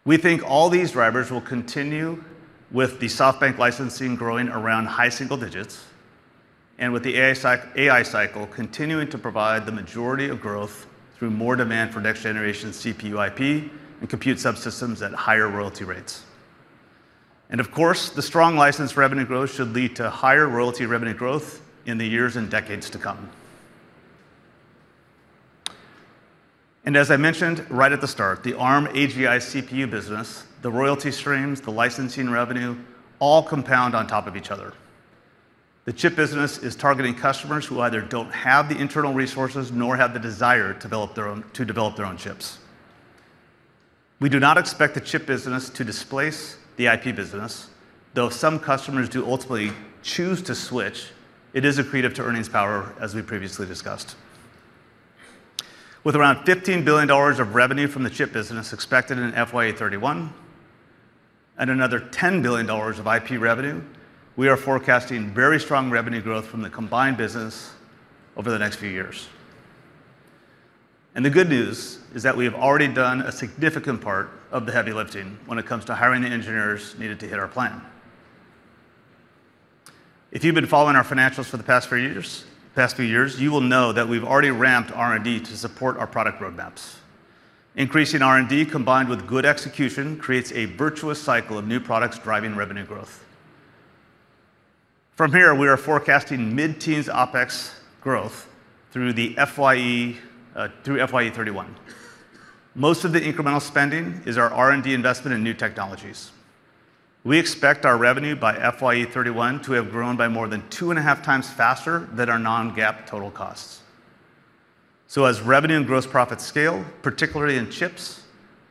We think all these drivers will continue with the SoftBank licensing growing around high single digits and with the AI cycle continuing to provide the majority of growth through more demand for next-generation CPU IP and compute subsystems at higher royalty rates. Of course, the strong license revenue growth should lead to higher royalty revenue growth in the years and decades to come. As I mentioned right at the start, the Arm AGI CPU business, the royalty streams, the licensing revenue all compound on top of each other. The chip business is targeting customers who either don't have the internal resources nor have the desire to develop their own chips. We do not expect the chip business to displace the IP business, though if some customers do ultimately choose to switch, it is accretive to earnings power, as we previously discussed. With around $15 billion of revenue from the chip business expected in FY 2031 and another $10 billion of IP revenue, we are forecasting very strong revenue growth from the combined business over the next few years. The good news is that we have already done a significant part of the heavy lifting when it comes to hiring the engineers needed to hit our plan. If you've been following our financials for the past few years, you will know that we've already ramped R&D to support our product roadmaps. Increasing R&D combined with good execution creates a virtuous cycle of new products driving revenue growth. From here, we are forecasting mid-teens OpEx growth through FYE 2031. Most of the incremental spending is our R&D investment in new technologies. We expect our revenue by FYE 2031 to have grown by more than 2.5 times faster than our non-GAAP total costs. As revenue and gross profit scale, particularly in chips,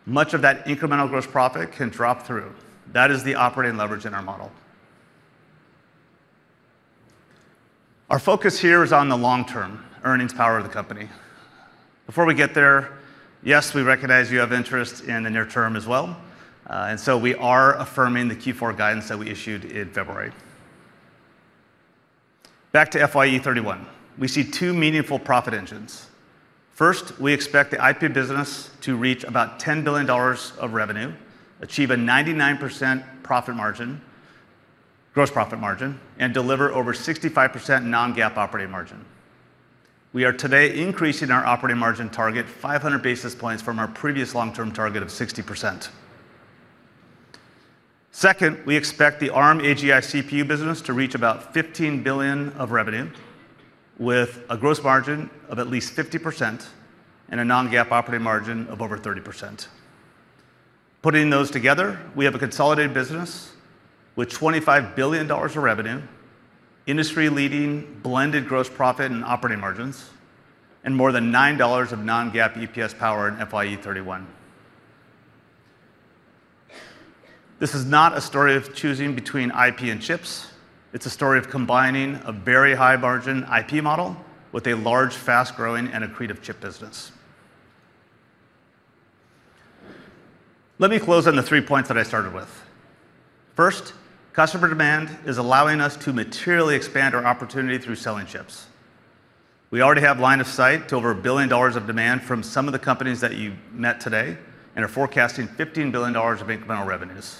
much of that incremental gross profit can drop through. That is the operating leverage in our model. Our focus here is on the long-term earnings power of the company. Before we get there, yes, we recognize you have interest in the near term as well, and so we are affirming the Q4 guidance that we issued in February. Back to FY 2031. We see two meaningful profit engines. First, we expect the IP business to reach about $10 billion of revenue, achieve a 99% gross profit margin, and deliver over 65% non-GAAP operating margin. We are today increasing our operating margin target 500 basis points from our previous long-term target of 60%. Second, we expect the Arm AGI CPU business to reach about $15 billion of revenue with a gross margin of at least 50% and a non-GAAP operating margin of over 30%. Putting those together, we have a consolidated business with $25 billion of revenue, industry-leading blended gross profit and operating margins, and more than $9 of non-GAAP EPS in FY 2031. This is not a story of choosing between IP and chips. It's a story of combining a very high margin IP model with a large, fast-growing and accretive chip business. Let me close on the three points that I started with. First, customer demand is allowing us to materially expand our opportunity through selling chips. We already have line of sight to over $1 billion of demand from some of the companies that you've met today and are forecasting $15 billion of incremental revenues.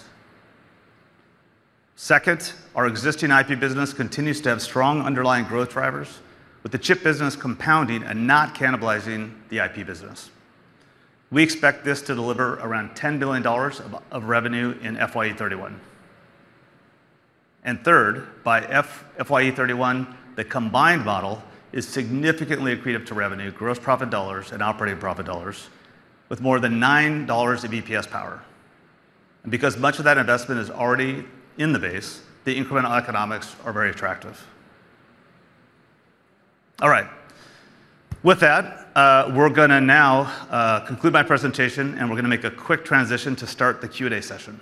Second, our existing IP business continues to have strong underlying growth drivers with the chip business compounding and not cannibalizing the IP business. We expect this to deliver around $10 billion of revenue in FY 2031. Third, by FY 2031, the combined model is significantly accretive to revenue, gross profit dollars, and operating profit dollars with more than $9 of EPS power. Because much of that investment is already in the base, the incremental economics are very attractive. All right. With that, we're gonna now conclude my presentation, and we're gonna make a quick transition to start the Q&A session.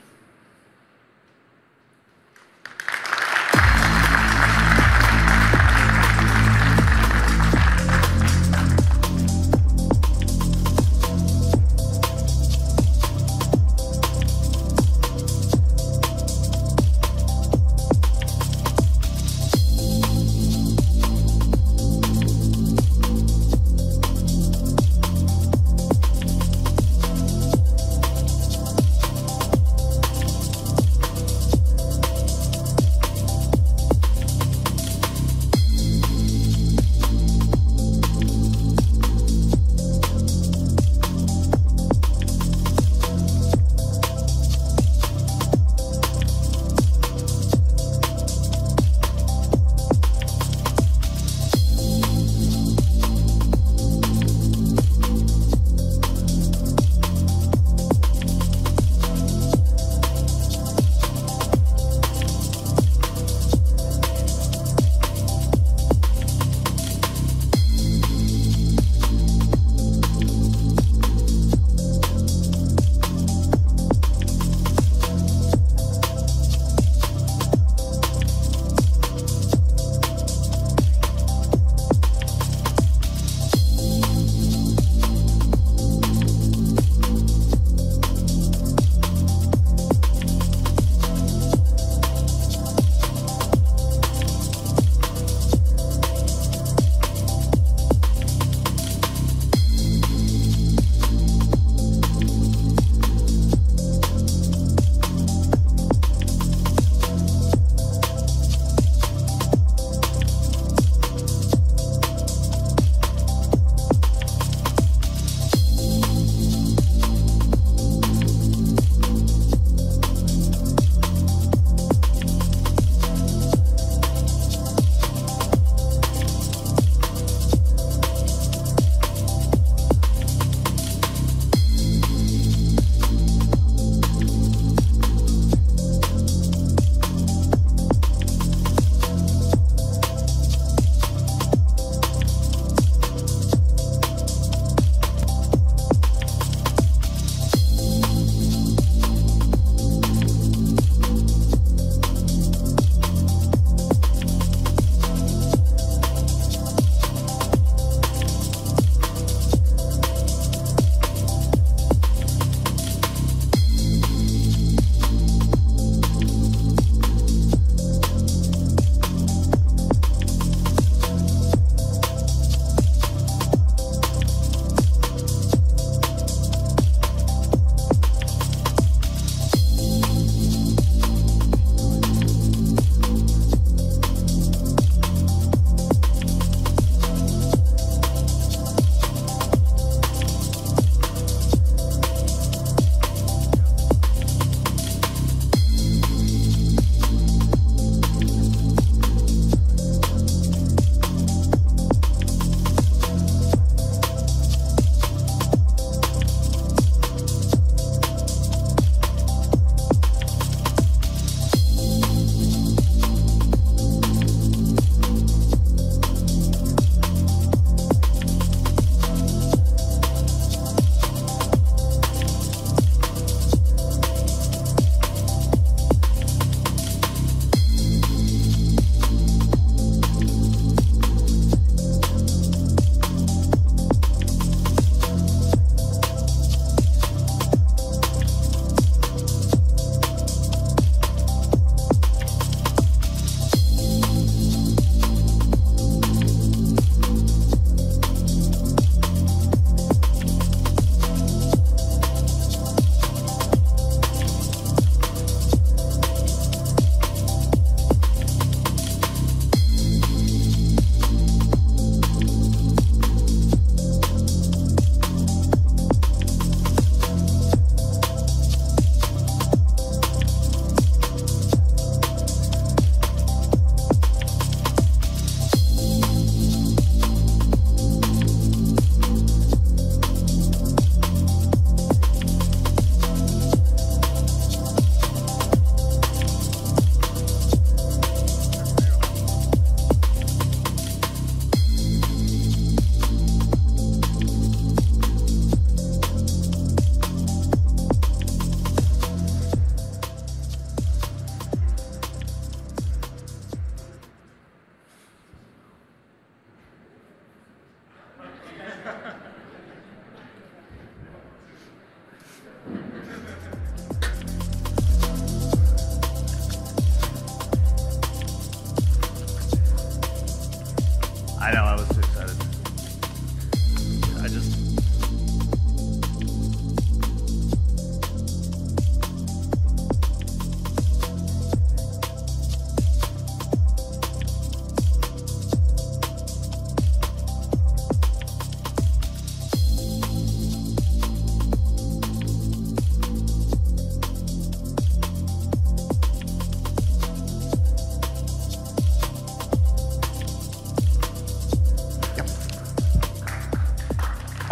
I know, I was too excited.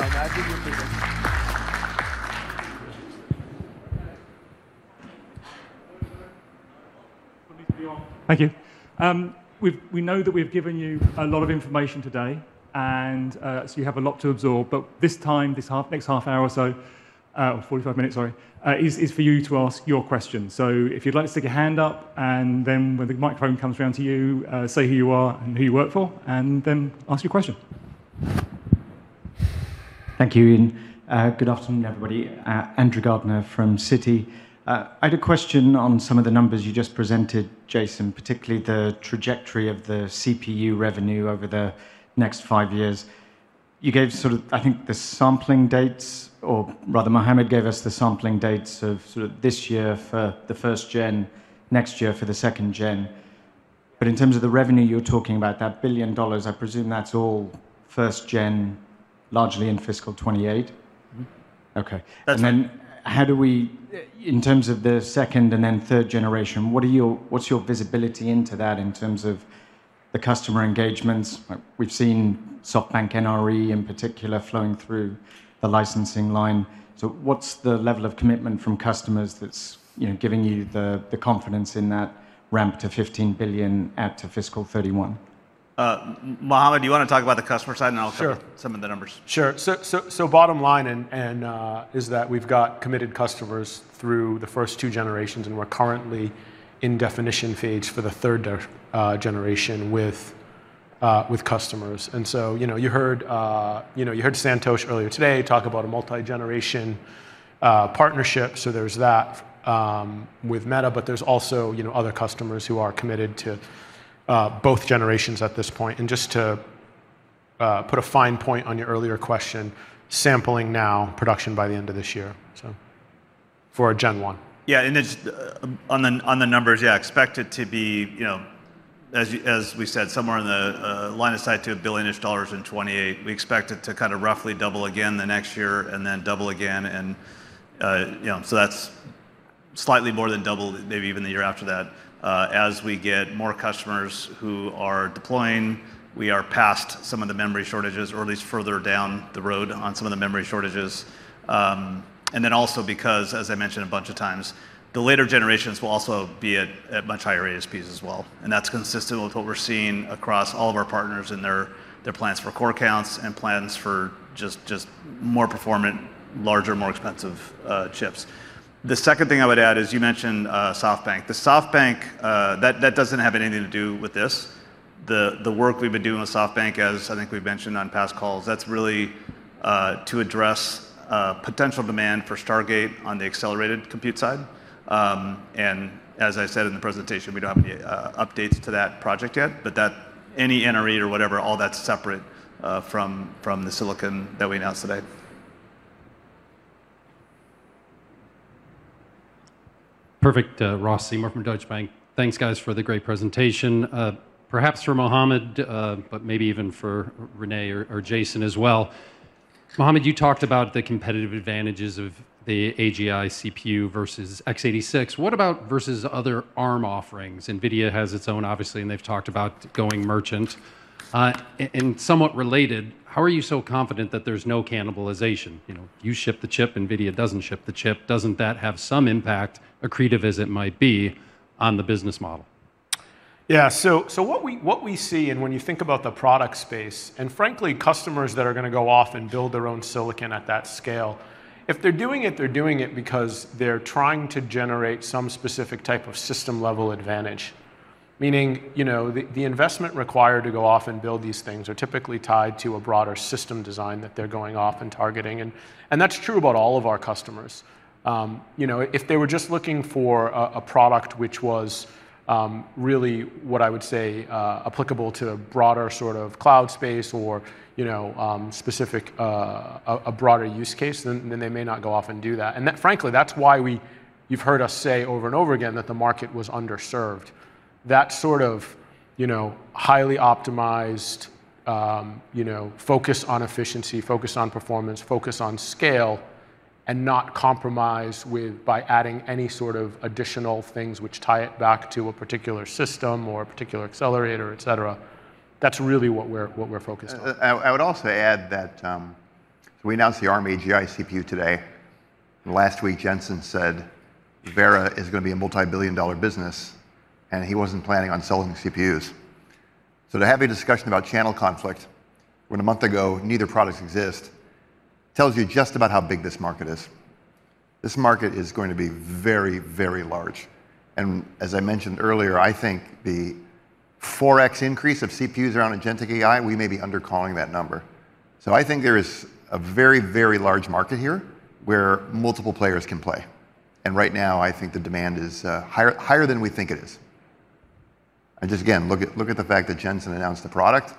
No, I think you're good. Thank you. We know that we've given you a lot of information today, and so you have a lot to absorb. This time, next half hour or so, or 45 minutes, is for you to ask your questions. If you'd like to stick your hand up, and then when the microphone comes around to you, say who you are and who you work for, and then ask your question. Thank you, Ian. Good afternoon, everybody. Andrew Gardiner from Citi. I had a question on some of the numbers you just presented, Jason, particularly the trajectory of the CPU revenue over the next five years. You gave sort of, I think, the sampling dates, or rather Mohamed gave us the sampling dates of sort of this year for the first gen, next year for the second gen. In terms of the revenue you're talking about, that $1 billion, I presume that's all first gen, largely in fiscal year 2028? Mm-hmm. Okay. That's right. Then how do we, in terms of the second and then third generation, what's your visibility into that in terms of the customer engagements? We've seen SoftBank NRE in particular flowing through the licensing line. What's the level of commitment from customers that's giving you the confidence in that ramp to $15 billion in fiscal year 2031? Mohamed, do you wanna talk about the customer side and I'll talk- Sure. Some of the numbers. Sure. Bottom line is that we've got committed customers through the first two generations, and we're currently in definition phase for the third generation with customers. You know, you heard Santosh earlier today talk about a multi-generation partnership, so there's that, with Meta. But there's also, you know, other customers who are committed to both generations at this point. Just to put a fine point on your earlier question, sampling now, production by the end of this year, so for gen one. Yeah, it's on the numbers, yeah, expect it to be, you know, as we said, somewhere in the line of sight to $1 billion-ish in 2028. We expect it to kinda roughly double again the next year and then double again and, you know, so that's slightly more than double maybe even the year after that. As we get more customers who are deploying, we are past some of the memory shortages or at least further down the road on some of the memory shortages. Also because, as I mentioned a bunch of times, the later generations will also be at much higher ASPs as well, and that's consistent with what we're seeing across all of our partners and their plans for core counts and plans for just more performant, larger, more expensive chips. The second thing I would add is you mentioned SoftBank. The SoftBank that doesn't have anything to do with this. The work we've been doing with SoftBank, as I think we've mentioned on past calls, that's really to address potential demand for Stargate on the accelerated compute side. As I said in the presentation, we don't have any updates to that project yet, but any NRE or whatever, all that's separate from the silicon that we announced today. Perfect. Ross Seymore from Deutsche Bank. Thanks, guys, for the great presentation. Perhaps for Mohamed, but maybe even for Rene or Jason as well. Mohamed, you talked about the competitive advantages of the AGI CPU versus x86. What about versus other Arm offerings? NVIDIA has its own obviously, and they've talked about going merchant. And somewhat related, how are you so confident that there's no cannibalization? You know, you ship the chip, NVIDIA doesn't ship the chip. Doesn't that have some impact, accretive as it might be, on the business model? Yeah. What we see, and when you think about the product space, and frankly, customers that are gonna go off and build their own silicon at that scale, if they're doing it, they're doing it because they're trying to generate some specific type of system-level advantage, meaning, you know, the investment required to go off and build these things are typically tied to a broader system design that they're going off and targeting, and that's true about all of our customers. You know, if they were just looking for a product which was really what I would say applicable to a broader sort of cloud space or, you know, specific, a broader use case, then they may not go off and do that. That frankly, that's why you've heard us say over and over again that the market was underserved. That sort of, you know, highly optimized, you know, focus on efficiency, focus on performance, focus on scale, and not compromise with by adding any sort of additional things which tie it back to a particular system or a particular accelerator, et cetera. That's really what we're focused on. I would also add that we announced the Arm AGI CPU today, and last week Jensen said Vera is gonna be a multi-billion-dollar business and he wasn't planning on selling CPUs. To have a discussion about channel conflict when a month ago neither products exist tells you just about how big this market is. This market is going to be very, very large. As I mentioned earlier, I think the 4x increase of CPUs around agentic AI, we may be undercalling that number. I think there is a very, very large market here where multiple players can play, and right now I think the demand is higher than we think it is. Just again, look at the fact that Jensen announced a product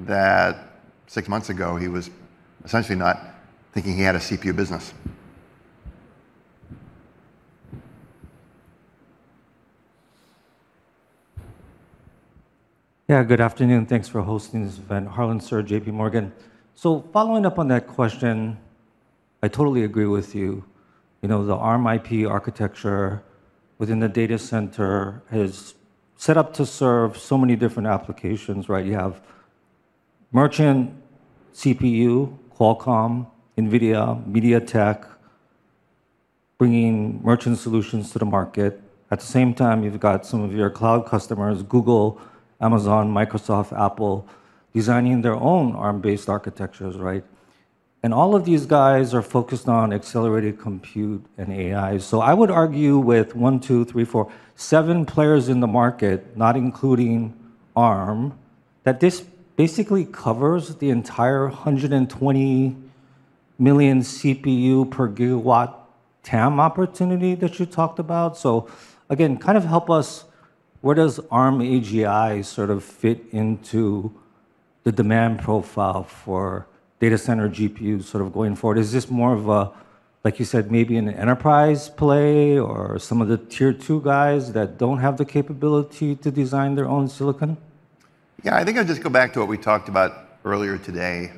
that six months ago he was essentially not thinking he had a CPU business. Yeah. Good afternoon. Thanks for hosting this event. Harlan Sur, JPMorgan. Following up on that question, I totally agree with you. You know, the Arm IP architecture within the data center is set up to serve so many different applications, right? You have merchant CPU, Qualcomm, NVIDIA, MediaTek bringing merchant solutions to the market. At the same time, you've got some of your cloud customers, Google, Amazon, Microsoft, Apple, designing their own Arm-based architectures, right? And all of these guys are focused on accelerated compute and AI. I would argue with one, two, three, four, seven players in the market, not including Arm, that this basically covers the entire 120 million CPU per gigawatt TAM opportunity that you talked about. Again, kind of help us, where does Arm AGI sort of fit into the demand profile for data center GPUs sort of going forward, is this more of a, like you said, maybe an enterprise play or some of the Tier 2 guys that don't have the capability to design their own silicon? Yeah, I think I'd just go back to what we talked about earlier today.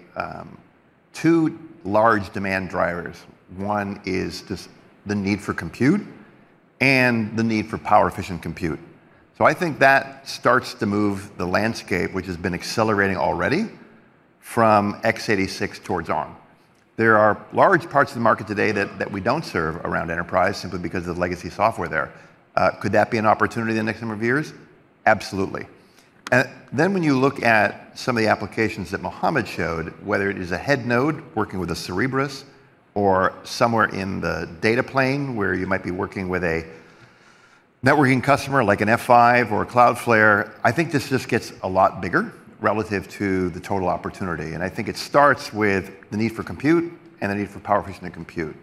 Two large demand drivers. One is just the need for compute and the need for power efficient compute. I think that starts to move the landscape, which has been accelerating already from x86 towards Arm. There are large parts of the market today that we don't serve around enterprise simply because of the legacy software there. Could that be an opportunity in the next number of years? Absolutely. Then when you look at some of the applications that Mohamed showed, whether it is a head node working with a Cerebras or somewhere in the data plane where you might be working with a networking customer, like an F5 or a Cloudflare, I think this just gets a lot bigger relative to the total opportunity. I think it starts with the need for compute and the need for power efficient compute.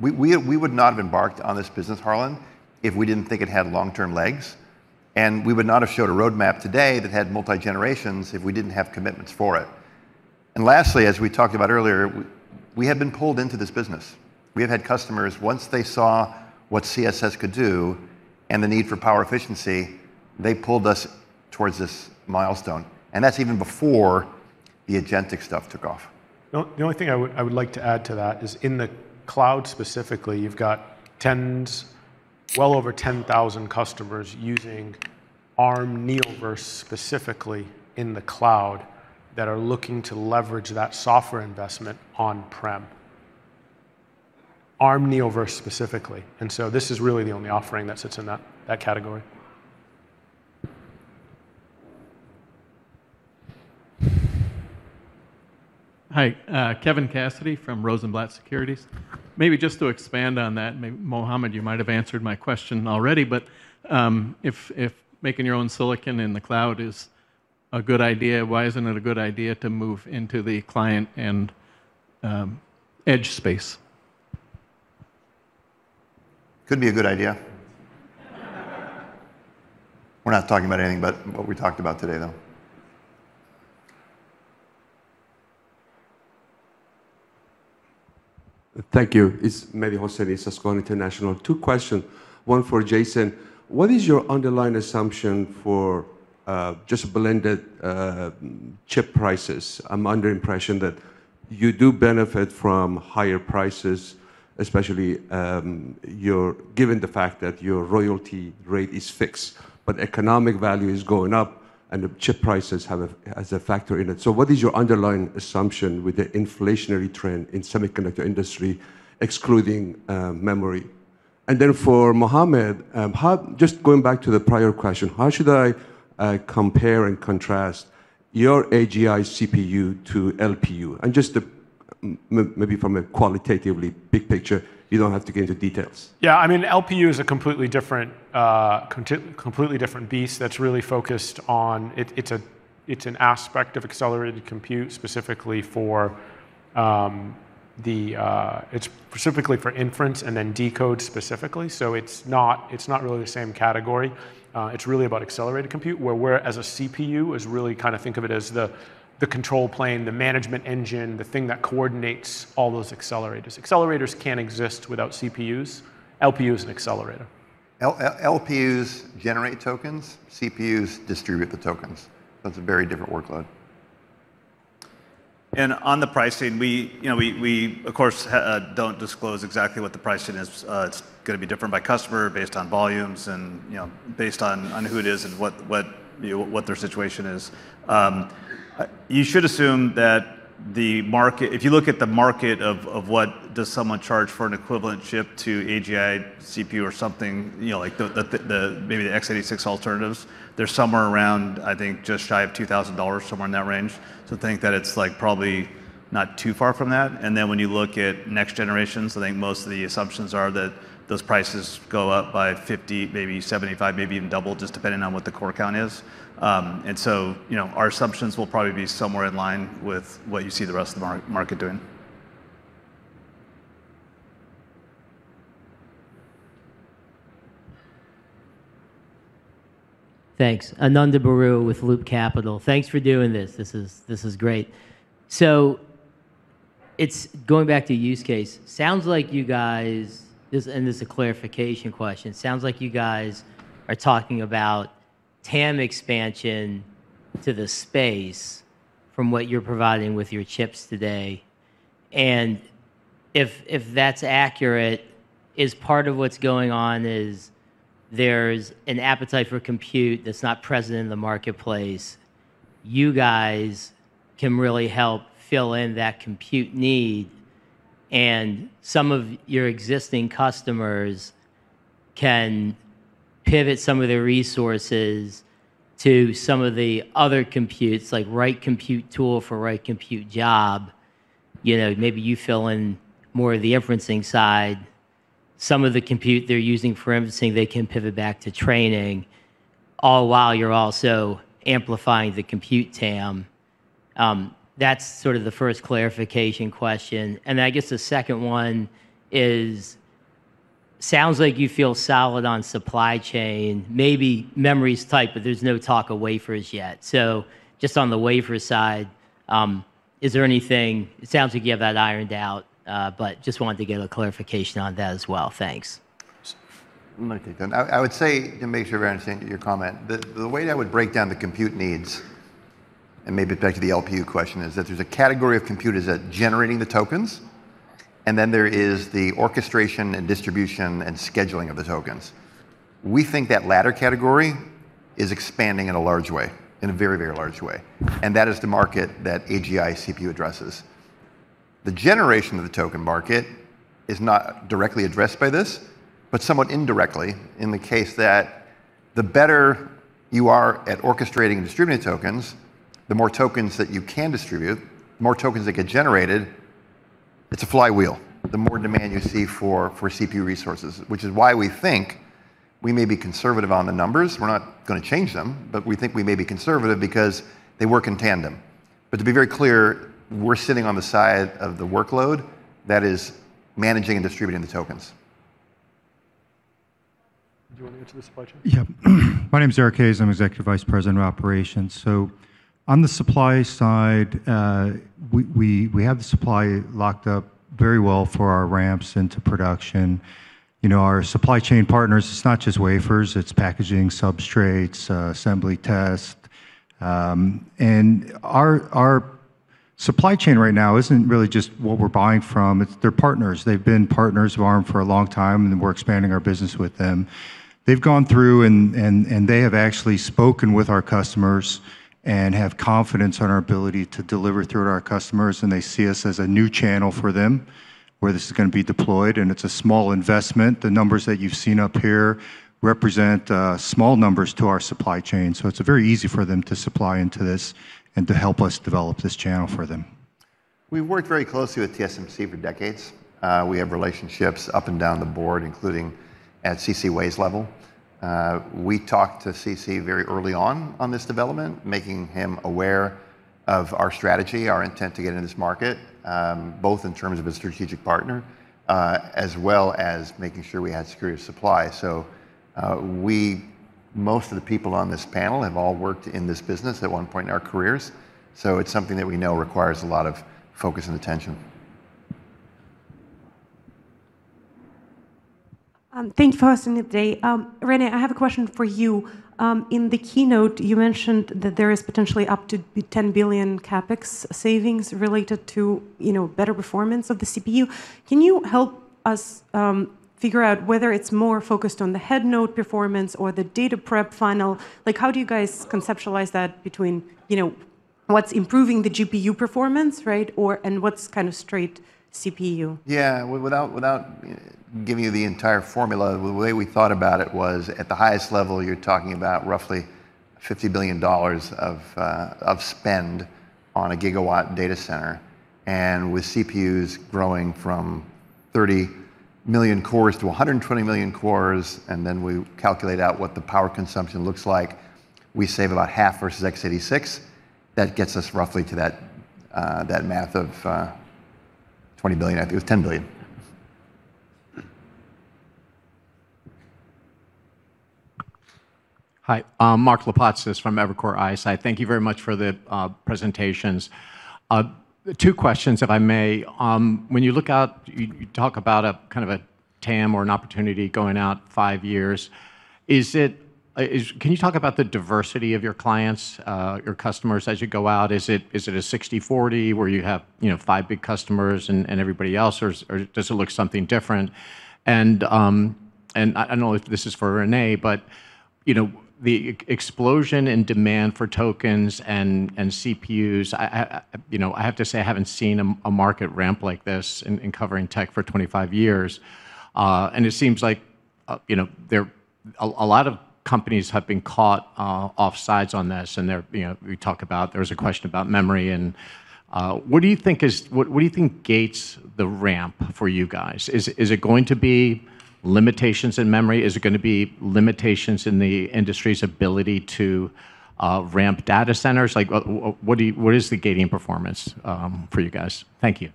We would not have embarked on this business, Harlan, if we didn't think it had long-term legs, and we would not have showed a roadmap today that had multi-generations if we didn't have commitments for it. Lastly, as we talked about earlier, we had been pulled into this business. We have had customers, once they saw what CSS could do and the need for power efficiency, they pulled us towards this milestone, and that's even before the agentic stuff took off. The only thing I would like to add to that is in the cloud specifically, you've got well over 10,000 customers using Arm Neoverse specifically in the cloud that are looking to leverage that software investment on-prem. Arm Neoverse specifically, this is really the only offering that sits in that category. Hi, Kevin Cassidy from Rosenblatt Securities. Maybe just to expand on that, maybe Mohamed, you might have answered my question already. But if making your own silicon in the cloud is a good idea, why isn't it a good idea to move into the client and edge space? Could be a good idea. We're not talking about anything but what we talked about today, though. Thank you. It's Mehdi Hosseini, Susquehanna International Group. Two questions. One for Jason. What is your underlying assumption for just blended chip prices? I'm under impression that you do benefit from higher prices, especially, given the fact that your royalty rate is fixed, but economic value is going up and the chip prices has a factor in it. So what is your underlying assumption with the inflationary trend in semiconductor industry, excluding memory? And then for Mohamed, just going back to the prior question, how should I compare and contrast your AGI CPU to LPU? And just maybe from a qualitatively big picture. You don't have to get into details. Yeah, I mean, LPU is a completely different beast that's really focused on an aspect of accelerated compute specifically for inference and then decode specifically. So it's not really the same category. It's really about accelerated compute, where we're, as a CPU, really kind of think of it as the control plane, the management engine, the thing that coordinates all those accelerators. Accelerators can't exist without CPUs. LPU is an accelerator. LPUs generate tokens. CPUs distribute the tokens. That's a very different workload. On the pricing, you know, we of course don't disclose exactly what the pricing is. It's gonna be different by customer based on volumes and, you know, based on who it is and what you know, what their situation is. You should assume that if you look at the market of what someone charges for an equivalent chip to AGI CPU or something, you know, like the x86 alternatives, they're somewhere around, I think, just shy of $2,000, somewhere in that range. Think that it's, like, probably not too far from that. Then when you look at next generations, I think most of the assumptions are that those prices go up by 50%, maybe 75%, maybe even double, just depending on what the core count is. You know, our assumptions will probably be somewhere in line with what you see the rest of the market doing. Thanks. Ananda Baruah with Loop Capital. Thanks for doing this. This is great. It's going back to use case. This is a clarification question. Sounds like you guys are talking about TAM expansion to the space from what you're providing with your chips today. If that's accurate, is part of what's going on is there's an appetite for compute that's not present in the marketplace? You guys can really help fill in that compute need, and some of your existing customers can pivot some of their resources to some of the other computes, like right compute tool for right compute job. You know, maybe you fill in more of the inferencing side. Some of the compute they're using for inferencing, they can pivot back to training, all while you're also amplifying the compute TAM. That's sort of the first clarification question. I guess the second one is. Sounds like you feel solid on supply chain. Maybe memory's tight, but there's no talk of wafers yet. Just on the wafer side, is there anything. It sounds like you have that ironed out, but just wanted to get a clarification on that as well. Thanks. I'm gonna take that. I would say, to make sure I understand your comment, the way I would break down the compute needs, and maybe it's back to the LPU question, is that there's a category of compute: generating the tokens and then there is the orchestration and distribution and scheduling of the tokens. We think that latter category is expanding in a large way, in a very, very large way, and that is the market that AGI CPU addresses. The generation of the token market is not directly addressed by this, but somewhat indirectly in the case that the better you are at orchestrating and distributing tokens, the more tokens that you can distribute, the more tokens that get generated. It's a flywheel. The more demand you see for CPU resources, which is why we think we may be conservative on the numbers. We're not gonna change them, but we think we may be conservative because they work in tandem. To be very clear, we're sitting on the side of the workload that is managing and distributing the tokens. Do you wanna get to the supply chain? Yep. My name's Eric Hayes, I'm Executive Vice President of Operations. On the supply side, we have the supply locked up very well for our ramps into production. You know, our supply chain partners, it's not just wafers, it's packaging, substrates, assembly test, and our supply chain right now isn't really just what we're buying from. It's, they're partners. They've been partners of Arm for a long time, and we're expanding our business with them. They've gone through and they have actually spoken with our customers and have confidence on our ability to deliver through to our customers, and they see us as a new channel for them where this is gonna be deployed and it's a small investment. The numbers that you've seen up here represent small numbers to our supply chain, so it's very easy for them to supply into this and to help us develop this channel for them. We've worked very closely with TSMC for decades. We have relationships up and down the board, including at C.C. Wei's level. We talked to C.C. very early on this development, making him aware of our strategy, our intent to get into this market, both in terms of a strategic partner, as well as making sure we had security of supply. Most of the people on this panel have all worked in this business at one point in our careers, so it's something that we know requires a lot of focus and attention. Thank you for hosting the day. Rene, I have a question for you. In the keynote you mentioned that there is potentially up to $10 billion CapEx savings related to, you know, better performance of the CPU. Can you help us figure out whether it's more focused on the head node performance or the data prep final? Like, how do you guys conceptualize that between, you know, what's improving the GPU performance, right, and what's kind of straight CPU? Yeah. Without giving you the entire formula, the way we thought about it was at the highest level, you're talking about roughly $50 billion of spend on a gigawatt data center, and with CPUs growing from 30 million cores to 120 million cores, and then we calculate out what the power consumption looks like, we save about half versus x86. That gets us roughly to that math of $20 billion. I think it was $10 billion. Hi. I'm Mark Lipacis from Evercore ISI. Thank you very much for the presentations. Two questions, if I may. When you look out, you talk about a kind of a TAM or an opportunity going out five years. Is it? Can you talk about the diversity of your clients, your customers as you go out? Is it a 60/40 where you have, you know, five big customers and everybody else, or does it look something different? I know if this is for Rene, but you know, the explosion in demand for tokens and CPUs, I, you know, I have to say I haven't seen a market ramp like this in covering tech for 25 years. It seems like, you know, a lot of companies have been caught off guard on this, and they're, you know, we talk about there was a question about memory and what do you think gates the ramp for you guys? Is it going to be limitations in memory? Is it gonna be limitations in the industry's ability to ramp data centers? Like, what is the gating performance for you guys? Thank you.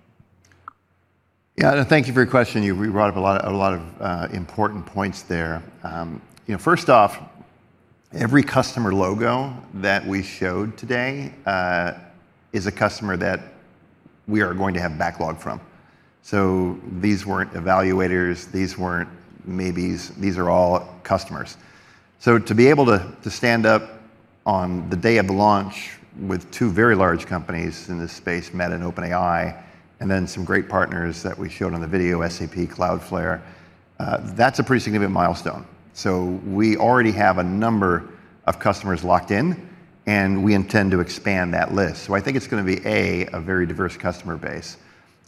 Yeah. No, thank you for your question. We brought up a lot of important points there. You know, first off, every customer logo that we showed today is a customer that we are going to have backlog from. These weren't evaluators, these weren't maybes, these are all customers. To be able to stand up on the day of the launch with two very large companies in this space, Meta and OpenAI, and then some great partners that we showed on the video, SAP, Cloudflare, that's a pretty significant milestone. We already have a number of customers locked in, and we intend to expand that list. I think it's gonna be a very diverse customer base.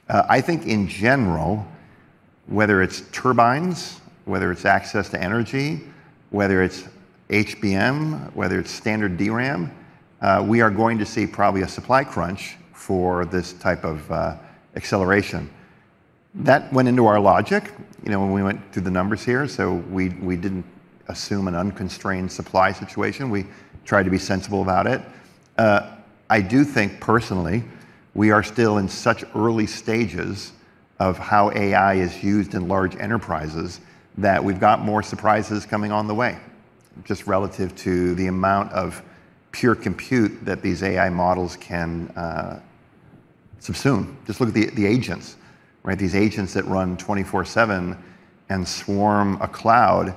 I think in general, whether it's turbines, whether it's access to energy, whether it's HBM, whether it's standard DRAM, we are going to see probably a supply crunch for this type of acceleration. That went into our logic, you know, when we went through the numbers here. We didn't assume an unconstrained supply situation. We tried to be sensible about it. I do think personally we are still in such early stages of how AI is used in large enterprises that we've got more surprises coming on the way, just relative to the amount of pure compute that these AI models can subsume. Just look at the agents, right? These agents that run 24/7 and swarm a cloud.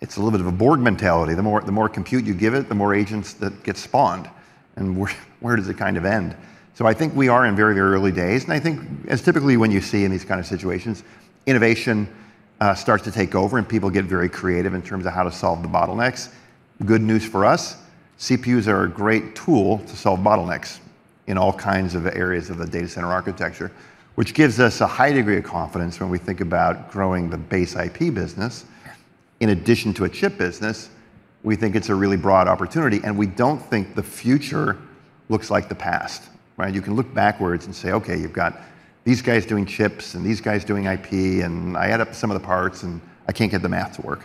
It's a little bit of a horde mentality. The more compute you give it, the more agents that get spawned, and where does it kind of end? I think we are in very, very early days, and I think as typically when you see in these kind of situations, innovation starts to take over and people get very creative in terms of how to solve the bottlenecks. Good news for us, CPUs are a great tool to solve bottlenecks in all kinds of areas of the data center architecture, which gives us a high degree of confidence when we think about growing the base IP business in addition to a chip business. We think it's a really broad opportunity, and we don't think the future looks like the past, right? You can look backwards and say, "Okay, you've got these guys doing chips and these guys doing IP, and I add up some of the parts and I can't get the math to work."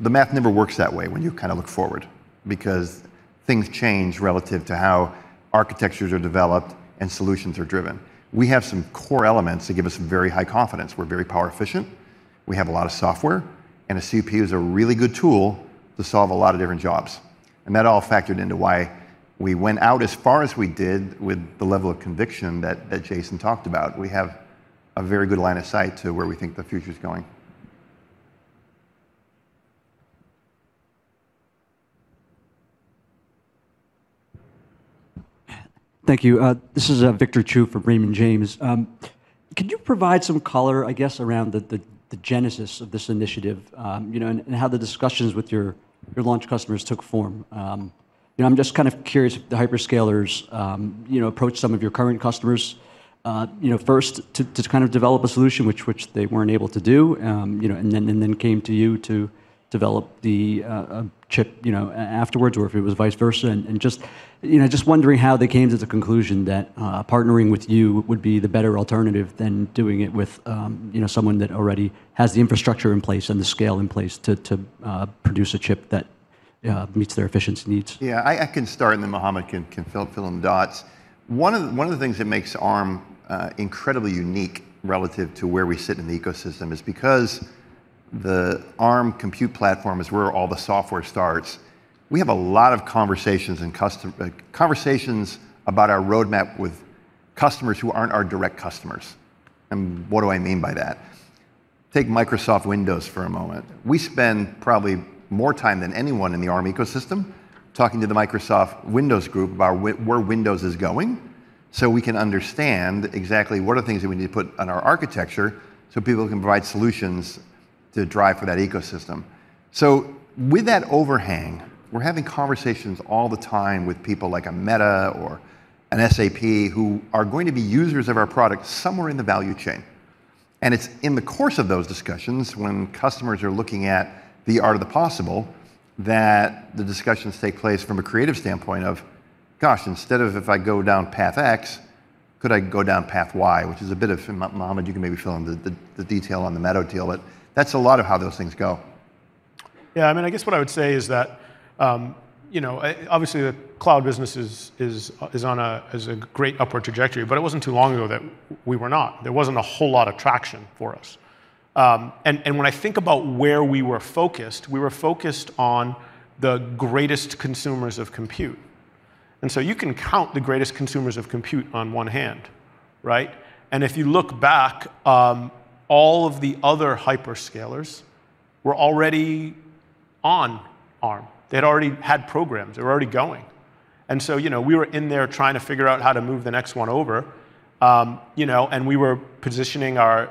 The math never works that way when you kinda look forward because things change relative to how architectures are developed and solutions are driven. We have some core elements that give us very high confidence. We're very power efficient, we have a lot of software, and a CPU is a really good tool to solve a lot of different jobs. That all factored into why we went out as far as we did with the level of conviction that Jason talked about. We have a very good line of sight to where we think the future's going. Thank you. This is Victor Chiu from Raymond James. Could you provide some color, I guess, around the genesis of this initiative, you know, and how the discussions with your launch customers took form? You know, I'm just kind of curious if the hyperscalers, you know, approached some of your current customers, you know, first to kind of develop a solution which they weren't able to do, you know, and then came to you to develop the chip, you know, afterwards, or if it was vice versa? Just, you know, just wondering how they came to the conclusion that partnering with you would be the better alternative than doing it with, you know, someone that already has the infrastructure in place and the scale in place to produce a chip that meets their efficiency needs? Yeah, I can start and then Mohamed can fill in the dots. One of the things that makes Arm incredibly unique relative to where we sit in the ecosystem is because the Arm compute platform is where all the software starts. We have a lot of conversations about our roadmap with customers who aren't our direct customers. What do I mean by that? Take Microsoft Windows for a moment. We spend probably more time than anyone in the Arm ecosystem talking to the Microsoft Windows group about where Windows is going, so we can understand exactly what are the things that we need to put on our architecture so people can provide solutions to drive for that ecosystem. With that overhang, we're having conversations all the time with people like a Meta or an SAP who are going to be users of our product somewhere in the value chain. It's in the course of those discussions when customers are looking at the art of the possible that the discussions take place from a creative standpoint of, "Gosh, instead of if I go down path X, could I go down path Y?" Which is a bit of Mohamed, you can maybe fill in the detail on the Meta deal, but that's a lot of how those things go. Yeah, I mean, I guess what I would say is that, you know, obviously the Cloud business is on a great upward trajectory, but it wasn't too long ago that we were not. There wasn't a whole lot of traction for us. When I think about where we were focused, we were focused on the greatest consumers of compute, and so you can count the greatest consumers of compute on one hand, right? If you look back, all of the other hyperscalers were already on Arm. They'd already had programs. They were already going. You know, we were in there trying to figure out how to move the next one over, you know, and we were positioning our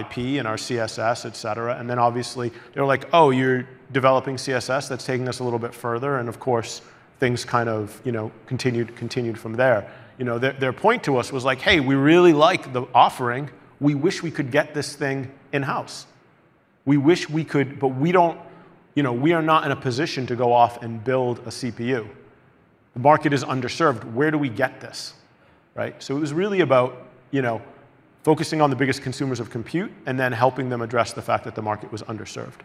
IP and our CSS, et cetera. Obviously they were like, "Oh, you're developing CSS. That's taking this a little bit further." Of course, things kind of, you know, continued from there. You know, their point to us was like, "Hey, we really like the offering. We wish we could get this thing in-house. We wish we could, but we don't, you know, we are not in a position to go off and build a CPU. The market is underserved. Where do we get this?" Right? It was really about, you know, focusing on the biggest consumers of compute and then helping them address the fact that the market was underserved.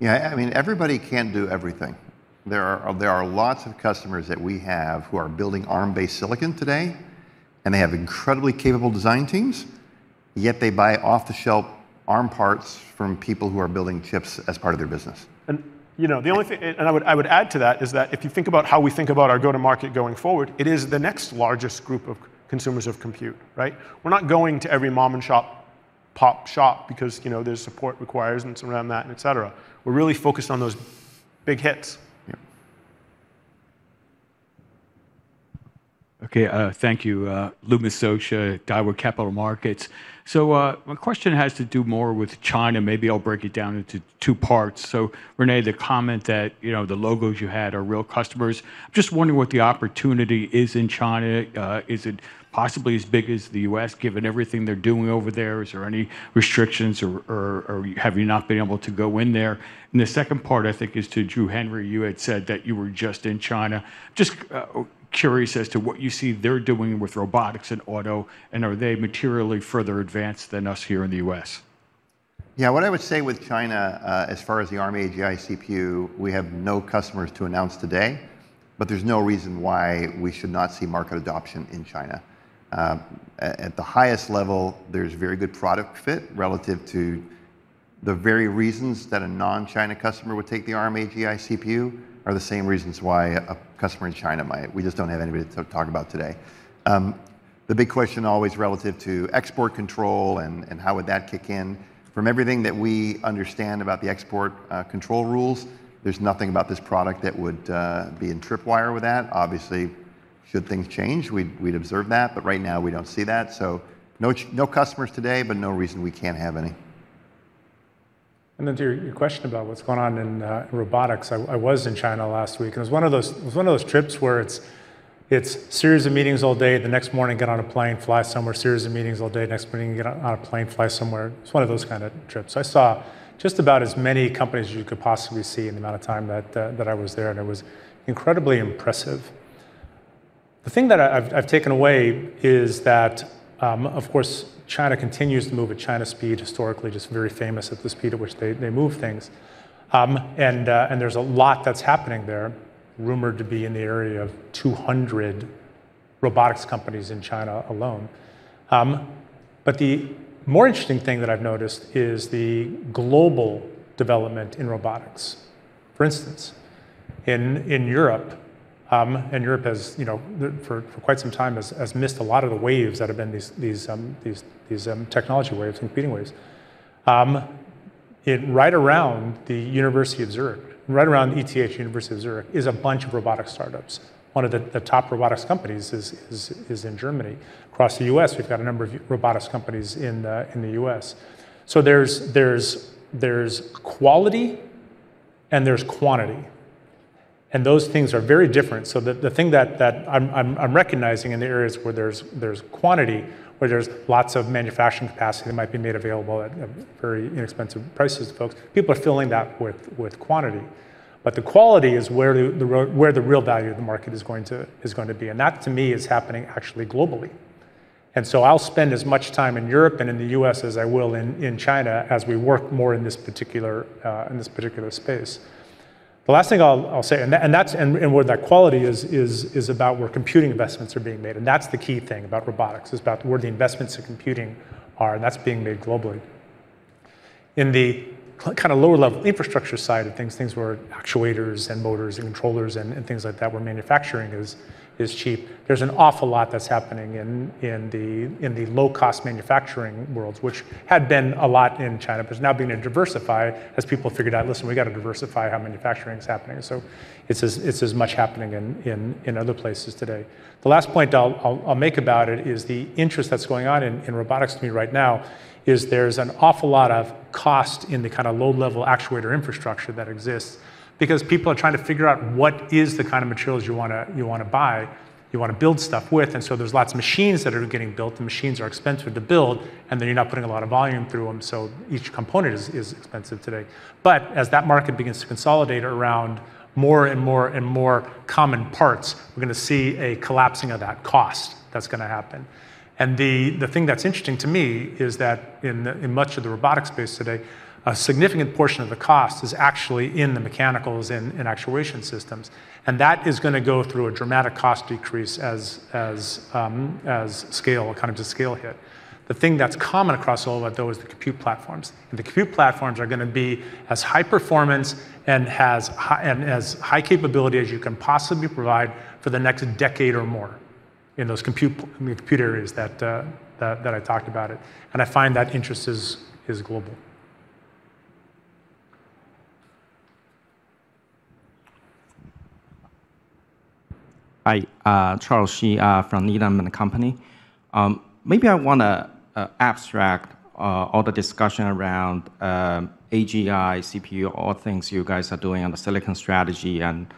Yeah, I mean, everybody can't do everything. There are lots of customers that we have who are building Arm-based silicon today, and they have incredibly capable design teams, yet they buy off-the-shelf Arm parts from people who are building chips as part of their business. You know, the only thing I would add to that is that if you think about how we think about our go-to-market going forward, it is the next largest group of consumers of compute, right? We're not going to every mom-and-pop shop because, you know, there's support requirements around that, et cetera. We're really focused on those big hits. Yeah. Okay, thank you. Louis Socha, Daiwa Capital Markets. My question has to do more with China. Maybe I'll break it down into two parts. Rene, the comment that, you know, the logos you had are real customers, I'm just wondering what the opportunity is in China. Is it possibly as big as the U.S. given everything they're doing over there? Is there any restrictions or have you not been able to go in there? And the second part I think is to Drew Henry. You had said that you were just in China. Just curious as to what you see they're doing with robotics and auto, and are they materially further advanced than us here in the U.S.? Yeah, what I would say with China, as far as the Arm AGI CPU, we have no customers to announce today, but there's no reason why we should not see market adoption in China. At the highest level, there's very good product fit relative to the very reasons that a non-China customer would take the Arm AGI CPU are the same reasons why a customer in China might. We just don't have anybody to talk about today. The big question always relative to export control and how would that kick in, from everything that we understand about the export control rules, there's nothing about this product that would be in tripwire with that. Obviously should things change, we'd observe that. Right now, we don't see that. No customers today, but no reason we can't have any. Then to your question about what's going on in robotics, I was in China last week, and it was one of those trips where it's series of meetings all day, the next morning, get on a plane, fly somewhere. It's one of those kind of trips. I saw just about as many companies as you could possibly see in the amount of time that I was there, and it was incredibly impressive. The thing that I've taken away is that, of course, China continues to move at China speed. Historically, just very famous at the speed at which they move things. There's a lot that's happening there, rumored to be in the area of 200 robotics companies in China alone. The more interesting thing that I've noticed is the global development in robotics. For instance, in Europe has, you know, for quite some time missed a lot of the waves that have been these technology waves and competing waves. Right around the University of Zurich, right around ETH University of Zurich is a bunch of robotics startups. One of the top robotics companies is in Germany. Across the U.S., we've got a number of robotics companies in the U.S. There's quality and there's quantity, and those things are very different. The thing that I'm recognizing in the areas where there's quantity, where there's lots of manufacturing capacity that might be made available at very inexpensive prices to folks, people are filling that with quantity. The quality is where the real value of the market is going to be. That, to me, is happening actually globally. I'll spend as much time in Europe and in the U.S. as I will in China as we work more in this particular space. The last thing I'll say is that's where that quality is about where computing investments are being made. That's the key thing about robotics. It's about where the investments in computing are, and that's being made globally. In the kind of lower level infrastructure side of things where actuators and motors and controllers and things like that, where manufacturing is cheap. There's an awful lot that's happening in the low-cost manufacturing worlds, which had been a lot in China, but it's now being diversified as people figured out, listen, we gotta diversify how manufacturing is happening. It's as much happening in other places today. The last point I'll make about it is the interest that's going on in robotics to me right now is there's an awful lot of cost in the kinda low-level actuator infrastructure that exists because people are trying to figure out what is the kind of materials you wanna buy, you wanna build stuff with. There's lots of machines that are getting built. The machines are expensive to build, and then you're not putting a lot of volume through them, so each component is expensive today. As that market begins to consolidate around more and more and more common parts, we're gonna see a collapsing of that cost that's gonna happen. The thing that's interesting to me is that in much of the robotics space today, a significant portion of the cost is actually in the mechanicals and actuation systems, and that is gonna go through a dramatic cost decrease as scale, kind of the scale hit. The thing that's common across all of those is the compute platforms, and the compute platforms are gonna be as high performance and as high capability as you can possibly provide for the next decade or more in those compute areas that I talked about, and I find that interest is global. Hi. Charles Shi from Needham & Company. Maybe I wanna ask about all the discussion around AGI, CPU, all things you guys are doing on the silicon strategy and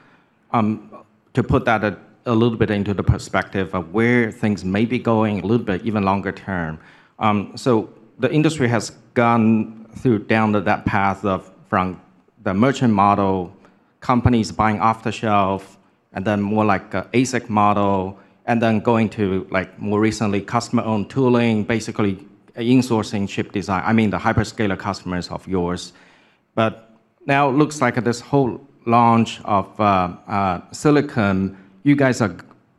to put that a little bit into the perspective of where things may be going a little bit even longer term. The industry has gone down that path from the merchant model, companies buying off the shelf, and then more like an ASIC model, and then going to, like, more recently, customer-owned tooling, basically insourcing chip design. I mean, the hyperscaler customers of yours. Now it looks like this whole launch of silicon.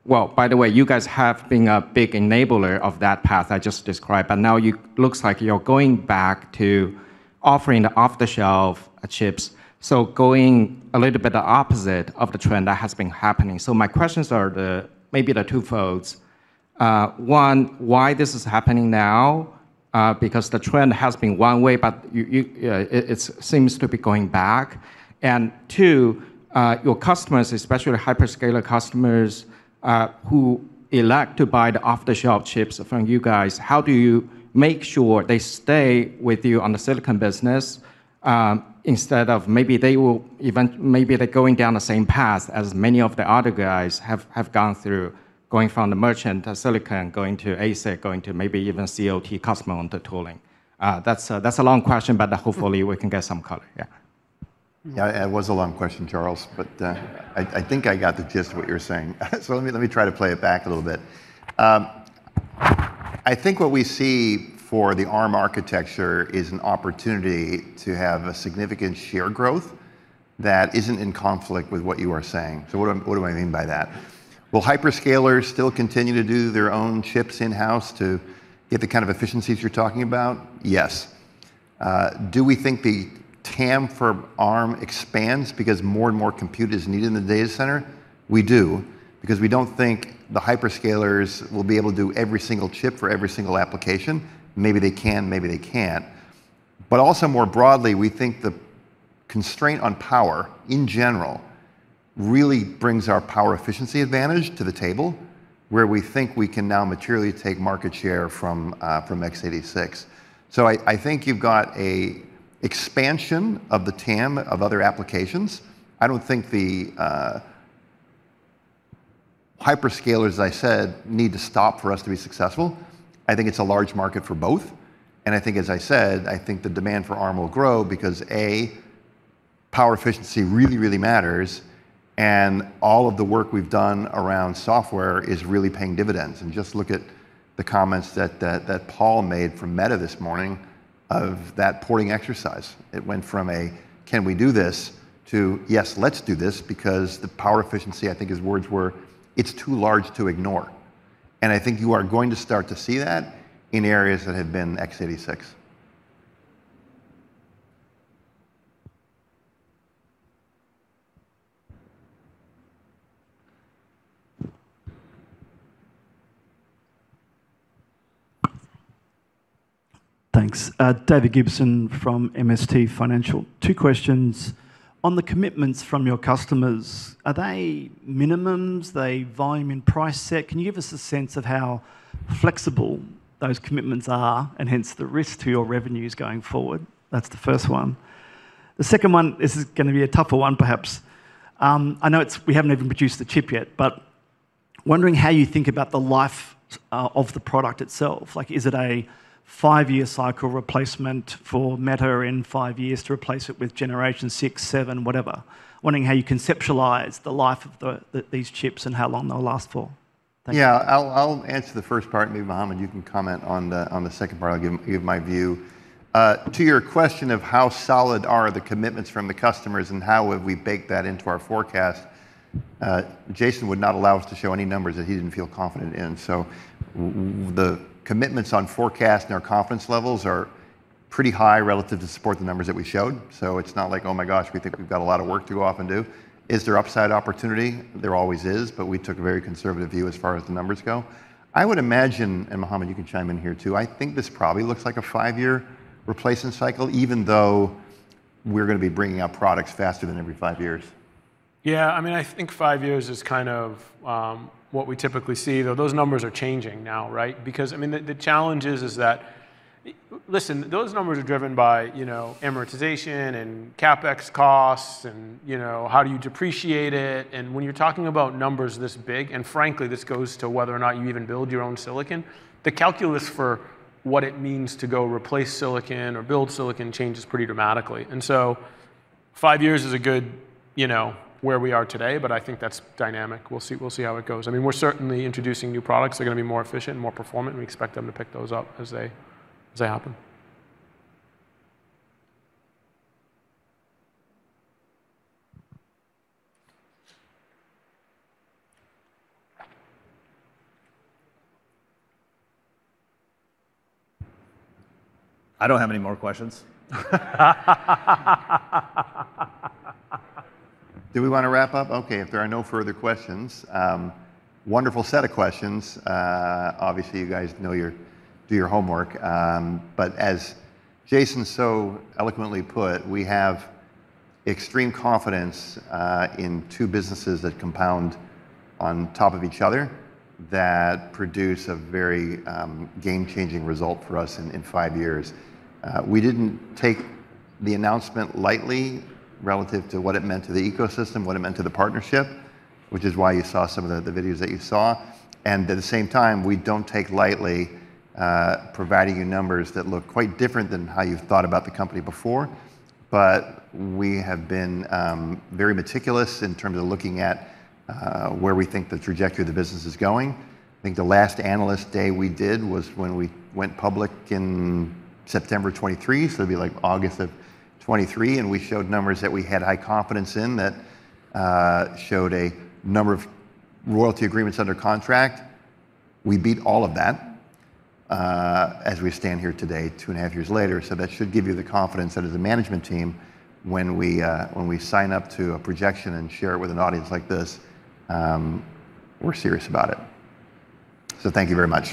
Well, by the way, you guys have been a big enabler of that path I just described, but now it looks like you're going back to offering the off-the-shelf chips, so going a little bit the opposite of the trend that has been happening. My questions are maybe twofold. One, why this is happening now? Because the trend has been one way, but it seems to be going back. Two, your customers, especially hyperscaler customers, who elect to buy the off-the-shelf chips from you guys, how do you make sure they stay with you on the silicon business, instead of maybe they're going down the same path as many of the other guys have gone through, going from the merchant silicon, going to ASIC, going to maybe even COT, customer-owned tooling? That's a long question, but hopefully we can get some color. Yeah, it was a long question, Charles, but I think I got the gist of what you're saying. Let me try to play it back a little bit. I think what we see for the Arm architecture is an opportunity to have a significant share growth that isn't in conflict with what you are saying. What do I mean by that? Will hyperscalers still continue to do their own chips in-house to get the kind of efficiencies you're talking about? Yes. Do we think the TAM for Arm expands because more and more compute is needed in the data center? We do, because we don't think the hyperscalers will be able to do every single chip for every single application. Maybe they can, maybe they can't. Also more broadly, we think the constraint on power in general really brings our power efficiency advantage to the table, where we think we can now materially take market share from x86. I think you've got an expansion of the TAM of other applications. I don't think the hyperscalers, as I said, need to stop for us to be successful. I think it's a large market for both, and I think, as I said, the demand for Arm will grow because, A, power efficiency really, really matters, and all of the work we've done around software is really paying dividends. Just look at the comments that Paul made from Meta this morning of that porting exercise. It went from a "Can we do this?" to "Yes, let's do this," because the power efficiency, I think his words were, "It's too large to ignore." I think you are going to start to see that in areas that had been x86. Thanks. David Gibson from MST Financial. Two questions. On the commitments from your customers, are they minimums? Are they volume and price set? Can you give us a sense of how flexible those commitments are, and hence the risk to your revenues going forward? That's the first one. The second one, this is gonna be a tougher one perhaps. I know we haven't even produced the chip yet, but wondering how you think about the life of the product itself. Like is it a five-year cycle replacement for Meta in five years to replace it with generation six, seven, whatever? Wondering how you conceptualize the life of these chips and how long they'll last for. Thank you. Yeah. I'll answer the first part. Maybe Mohamed, you can comment on the second part. I'll give you my view. To your question of how solid are the commitments from the customers and how have we baked that into our forecast, Jason would not allow us to show any numbers that he didn't feel confident in. So the commitments on forecast and our confidence levels are pretty high relative to support the numbers that we showed. So it's not like, oh my gosh, we think we've got a lot of work to go off and do. Is there upside opportunity? There always is, but we took a very conservative view as far as the numbers go. I would imagine, and Mohamed, you can chime in here too. I think this probably looks like a five-year replacement cycle, even though we're gonna be bringing out products faster than every five years. Yeah. I mean, I think five years is kind of what we typically see, though those numbers are changing now, right? Because I mean, the challenge is that. Listen, those numbers are driven by, you know, amortization and CapEx costs and, you know, how do you depreciate it? When you're talking about numbers this big, and frankly, this goes to whether or not you even build your own silicon, the calculus for what it means to go replace silicon or build silicon changes pretty dramatically. Five years is a good, you know, where we are today, but I think that's dynamic. We'll see how it goes. I mean, we're certainly introducing new products. They're gonna be more efficient, more performant, and we expect them to pick those up as they happen. I don't have any more questions. Do we wanna wrap up? Okay. If there are no further questions. Wonderful set of questions. Obviously you guys do your homework. As Jason so eloquently put, we have extreme confidence in two businesses that compound on top of each other that produce a very game-changing result for us in five years. We didn't take the announcement lightly relative to what it meant to the ecosystem, what it meant to the partnership, which is why you saw some of the videos that you saw. At the same time, we don't take lightly providing you numbers that look quite different than how you've thought about the company before. We have been very meticulous in terms of looking at where we think the trajectory of the business is going. I think the last Analyst Day we did was when we went public in September 2023, so it'd be like August of 2023, and we showed numbers that we had high confidence in that showed a number of royalty agreements under contract. We beat all of that as we stand here today, two and a half years later. That should give you the confidence that as a management team, when we when we sign up to a projection and share it with an audience like this, we're serious about it. Thank you very much.